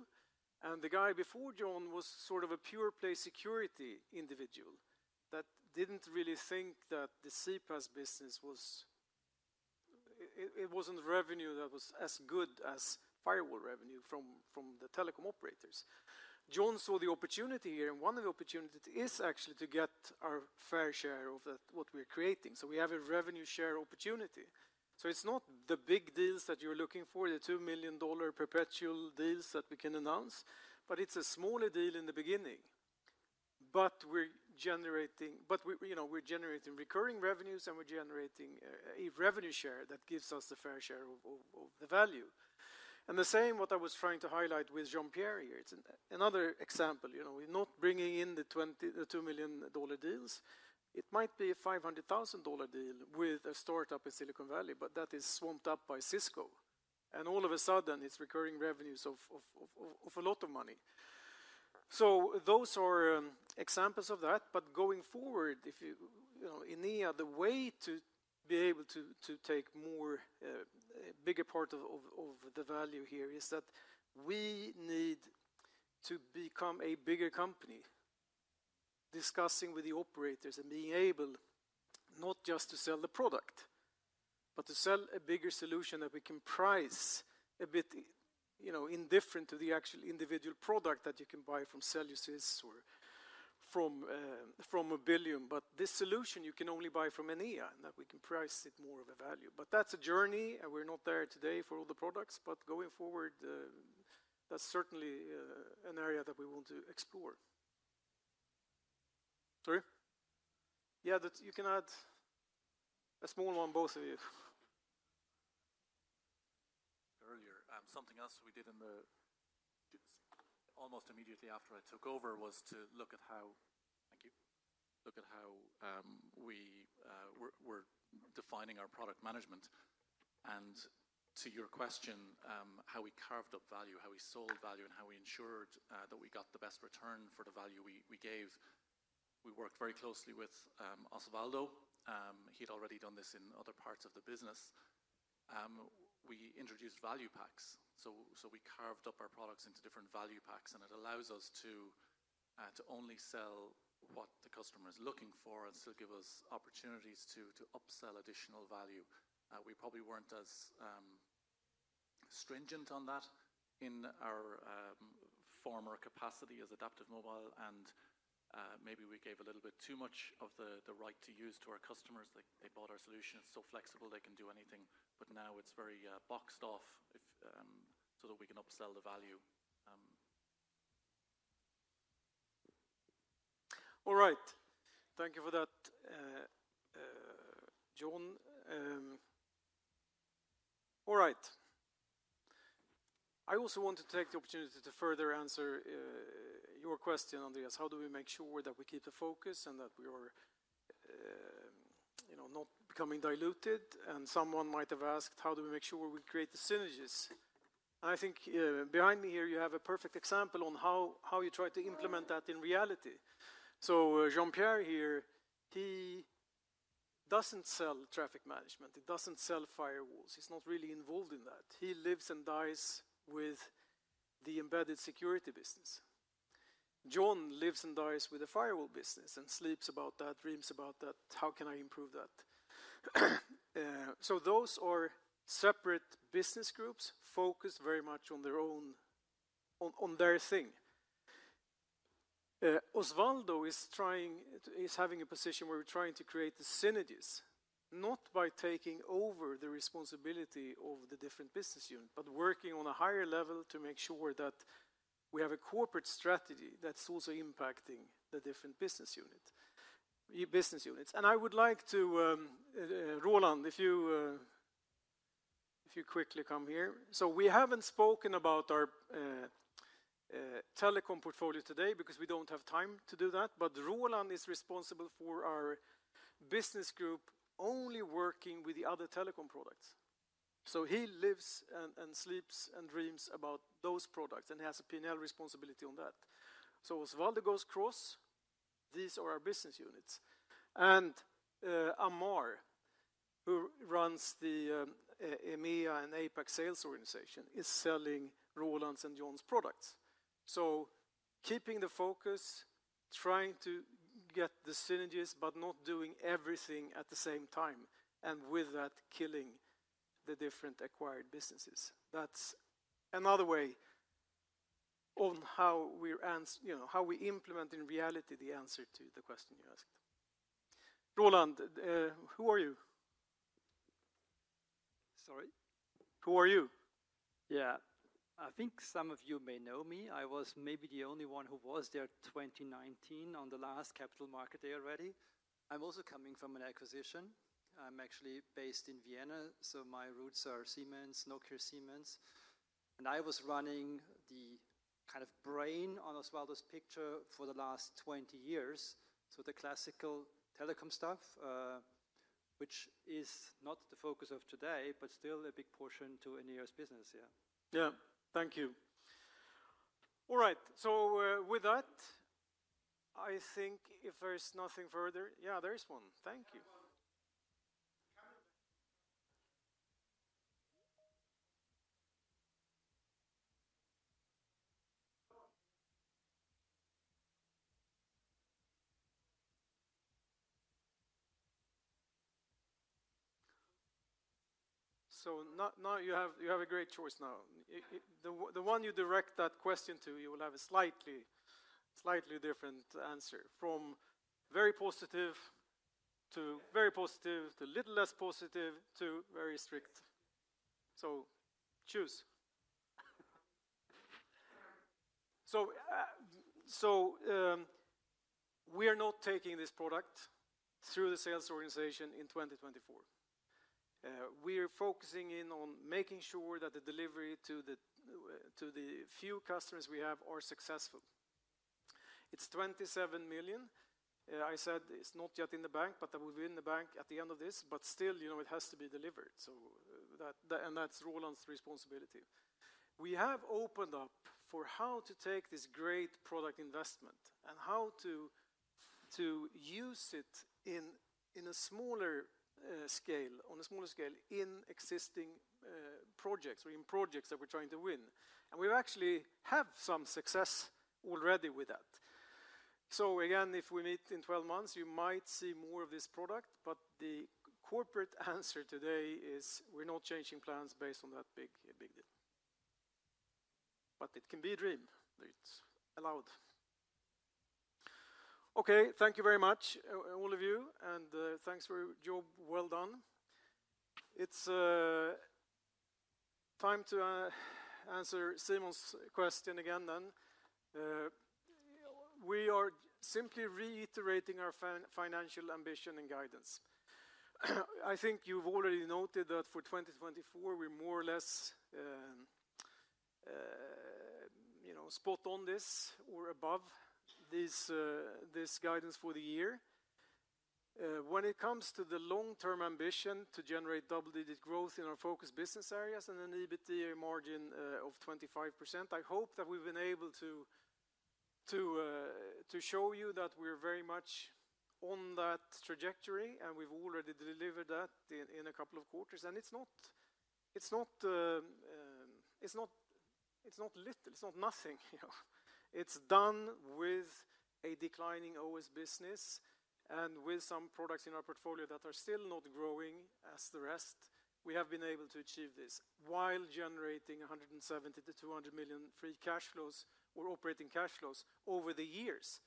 and the guy before John was sort of a pure play security individual that didn't really think that the CPaaS business wasn't revenue that was as good as firewall revenue from the telecom operators. John saw the opportunity here, and one of the opportunities is actually to get our fair share of what we're creating. So we have a revenue share opportunity. So it's not the big deals that you're looking for, the $2 million perpetual deals that we can announce, but it's a smaller deal from Mobileum. But this solution, you can only buy from Enea, and that we can price it more of a value. But that's a journey, and we're not there today for all the products. But going forward, that's certainly an area that we want to explore. Sorry? Yeah, you can add a small one, both of you. Earlier, something else we did almost immediately after I took over was to look at how we were defining our product management. And to your question, how we carved up value, how we sold value, and how we ensured that we got the best return for the value we gave, we worked very closely with Osvaldo. He'd already done this in other parts of the business. We introduced value packs. So we carved up our products into different value packs, and it allows us to only sell what the customer is looking for and still give us opportunities to upsell additional value. We probably weren't as stringent on that in our former capacity as Adaptive Mobile. And maybe we gave a little bit too much of the right to use to our customers. They bought our solution. It's so flexible. They can do anything. But now it's very boxed off so that we can upsell the value. All right. Thank you for that, John. All right. I also want to take the opportunity to further answer your question, Anders. How do we make sure that we keep the focus and that we are not becoming diluted, and someone might have asked, how do we make sure we create the synergies, and I think behind me here, you have a perfect example on how you try to implement that in reality, so Jean-Pierre here, he doesn't sell traffic management. He doesn't sell firewalls. He's not really involved in that. He lives and dies with the embedded security business. John lives and dies with the firewall business and sleeps about that, dreams about that. How can I improve that, so those are separate business groups focused very much on their own thing. Osvaldo is having a position where we're trying to create the synergies not by taking over the responsibility of the different business units, but working on a higher level to make sure that we have a corporate strategy that's also impacting the different business units, and I would like to Roland, if you quickly come here, so we haven't spoken about our telecom portfolio today because we don't have time to do that, but Roland is responsible for our business group only working with the other telecom products, so he lives and sleeps and dreams about those products, and he has a P&L responsibility on that, so Osvaldo goes across. These are our business units, and Amar, who runs the EMEA and APAC sales organization, is selling Roland's and John's products. So keeping the focus, trying to get the synergies but not doing everything at the same time, and with that, killing the different acquired businesses. That's another way on how we implement in reality the answer to the question you asked. Roland, who are you? Sorry? Who are you? Yeah. I think some of you may know me. I was maybe the only one who was there in 2019 on the last capital market day already. I'm also coming from an acquisition. I'm actually based in Vienna, so my roots are Siemens, Nokia Siemens. And I was running the kind of brain on Osvaldo's picture for the last 20 years. So the classical telecom stuff, which is not the focus of today, but still a big portion of Enea's business, yeah. Yeah. Thank you. All right. So with that, I think if there is nothing further, yeah, there is one. Thank you. So now you have a great choice now. The one you direct that question to, you will have a slightly different answer from very positive to very positive to little less positive to very strict. So choose. So we are not taking this product through the sales organization in 2024. We are focusing in on making sure that the delivery to the few customers we have are successful. It's 27 million. I said it's not yet in the bank, but that will be in the bank at the end of this. But still, it has to be delivered. And that's Roland's responsibility. We have opened up for how to take this great product investment and how to use it on a smaller scale in existing projects or in projects that we're trying to win. And we actually have some success already with that. So again, if we meet in 12 months, you might see more of this product. But the corporate answer today is we're not changing plans based on that big deal. But it can be a dream. It's allowed. Okay. Thank you very much, all of you. And thanks for your job well done. It's time to answer Simon's question again then. We are simply reiterating our financial ambition and guidance. I think you've already noted that for 2024, we're more or less spot on this or above this guidance for the year. When it comes to the long-term ambition to generate double-digit growth in our focus business areas and an EBITDA margin of 25%, I hope that we've been able to show you that we're very much on that trajectory, and we've already delivered that in a couple of quarters. And it's not little. It's not nothing. It's done with a declining OS business and with some products in our portfolio that are still not growing as the rest. We have been able to achieve this while generating 170 million-200 million free cash flows or operating cash flows over the years.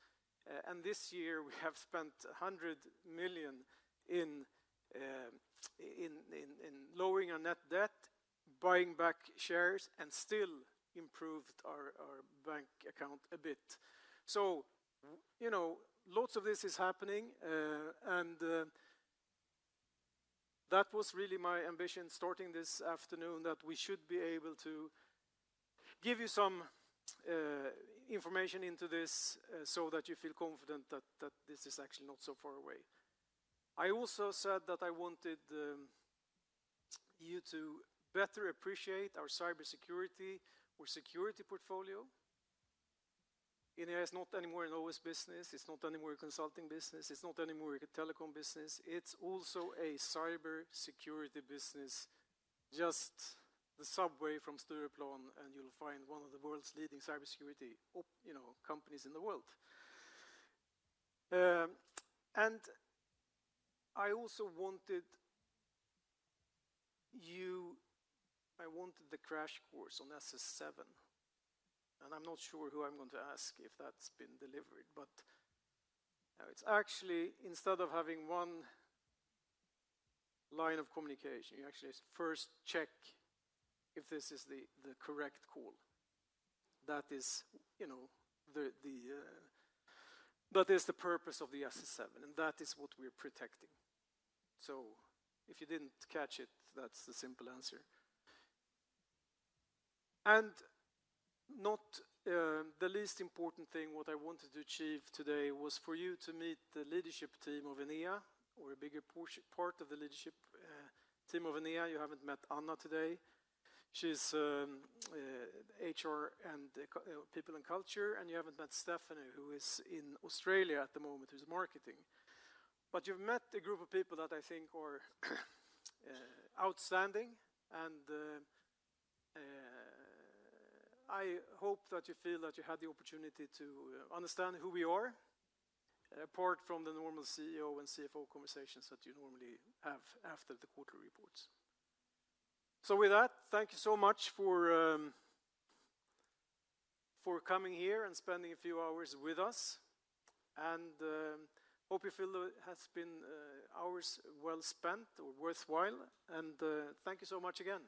And this year, we have spent 100 million in lowering our net debt, buying back shares, and still improved our bank account a bit. So lots of this is happening. And that was really my ambition starting this afternoon that we should be able to give you some information into this so that you feel confident that this is actually not so far away. I also said that I wanted you to better appreciate our cybersecurity or security portfolio. Enea is not anymore an OS business. It's not anymore a consulting business. It's not anymore a telecom business. It's also a cybersecurity business just the subway from Stureplan, and you'll find one of the world's leading cybersecurity companies in the world. And I also wanted you the crash course on SS7. And I'm not sure who I'm going to ask if that's been delivered. But it's actually instead of having one line of communication, you actually first check if this is the correct call. That is the purpose of the SS7, and that is what we're protecting. So if you didn't catch it, that's the simple answer. And not the least important thing, what I wanted to achieve today was for you to meet the leadership team of Enea or a bigger part of the leadership team of Enea. You haven't met Anna today. She's HR and people and culture. And you haven't met Stephanie, who is in Australia at the moment, who's marketing. But you've met a group of people that I think are outstanding. And I hope that you feel that you had the opportunity to understand who we are apart from the normal CEO and CFO conversations that you normally have after the quarterly reports. So with that, thank you so much for coming here and spending a few hours with us. And hope you feel it has been hours well spent or worthwhile. And thank you so much again.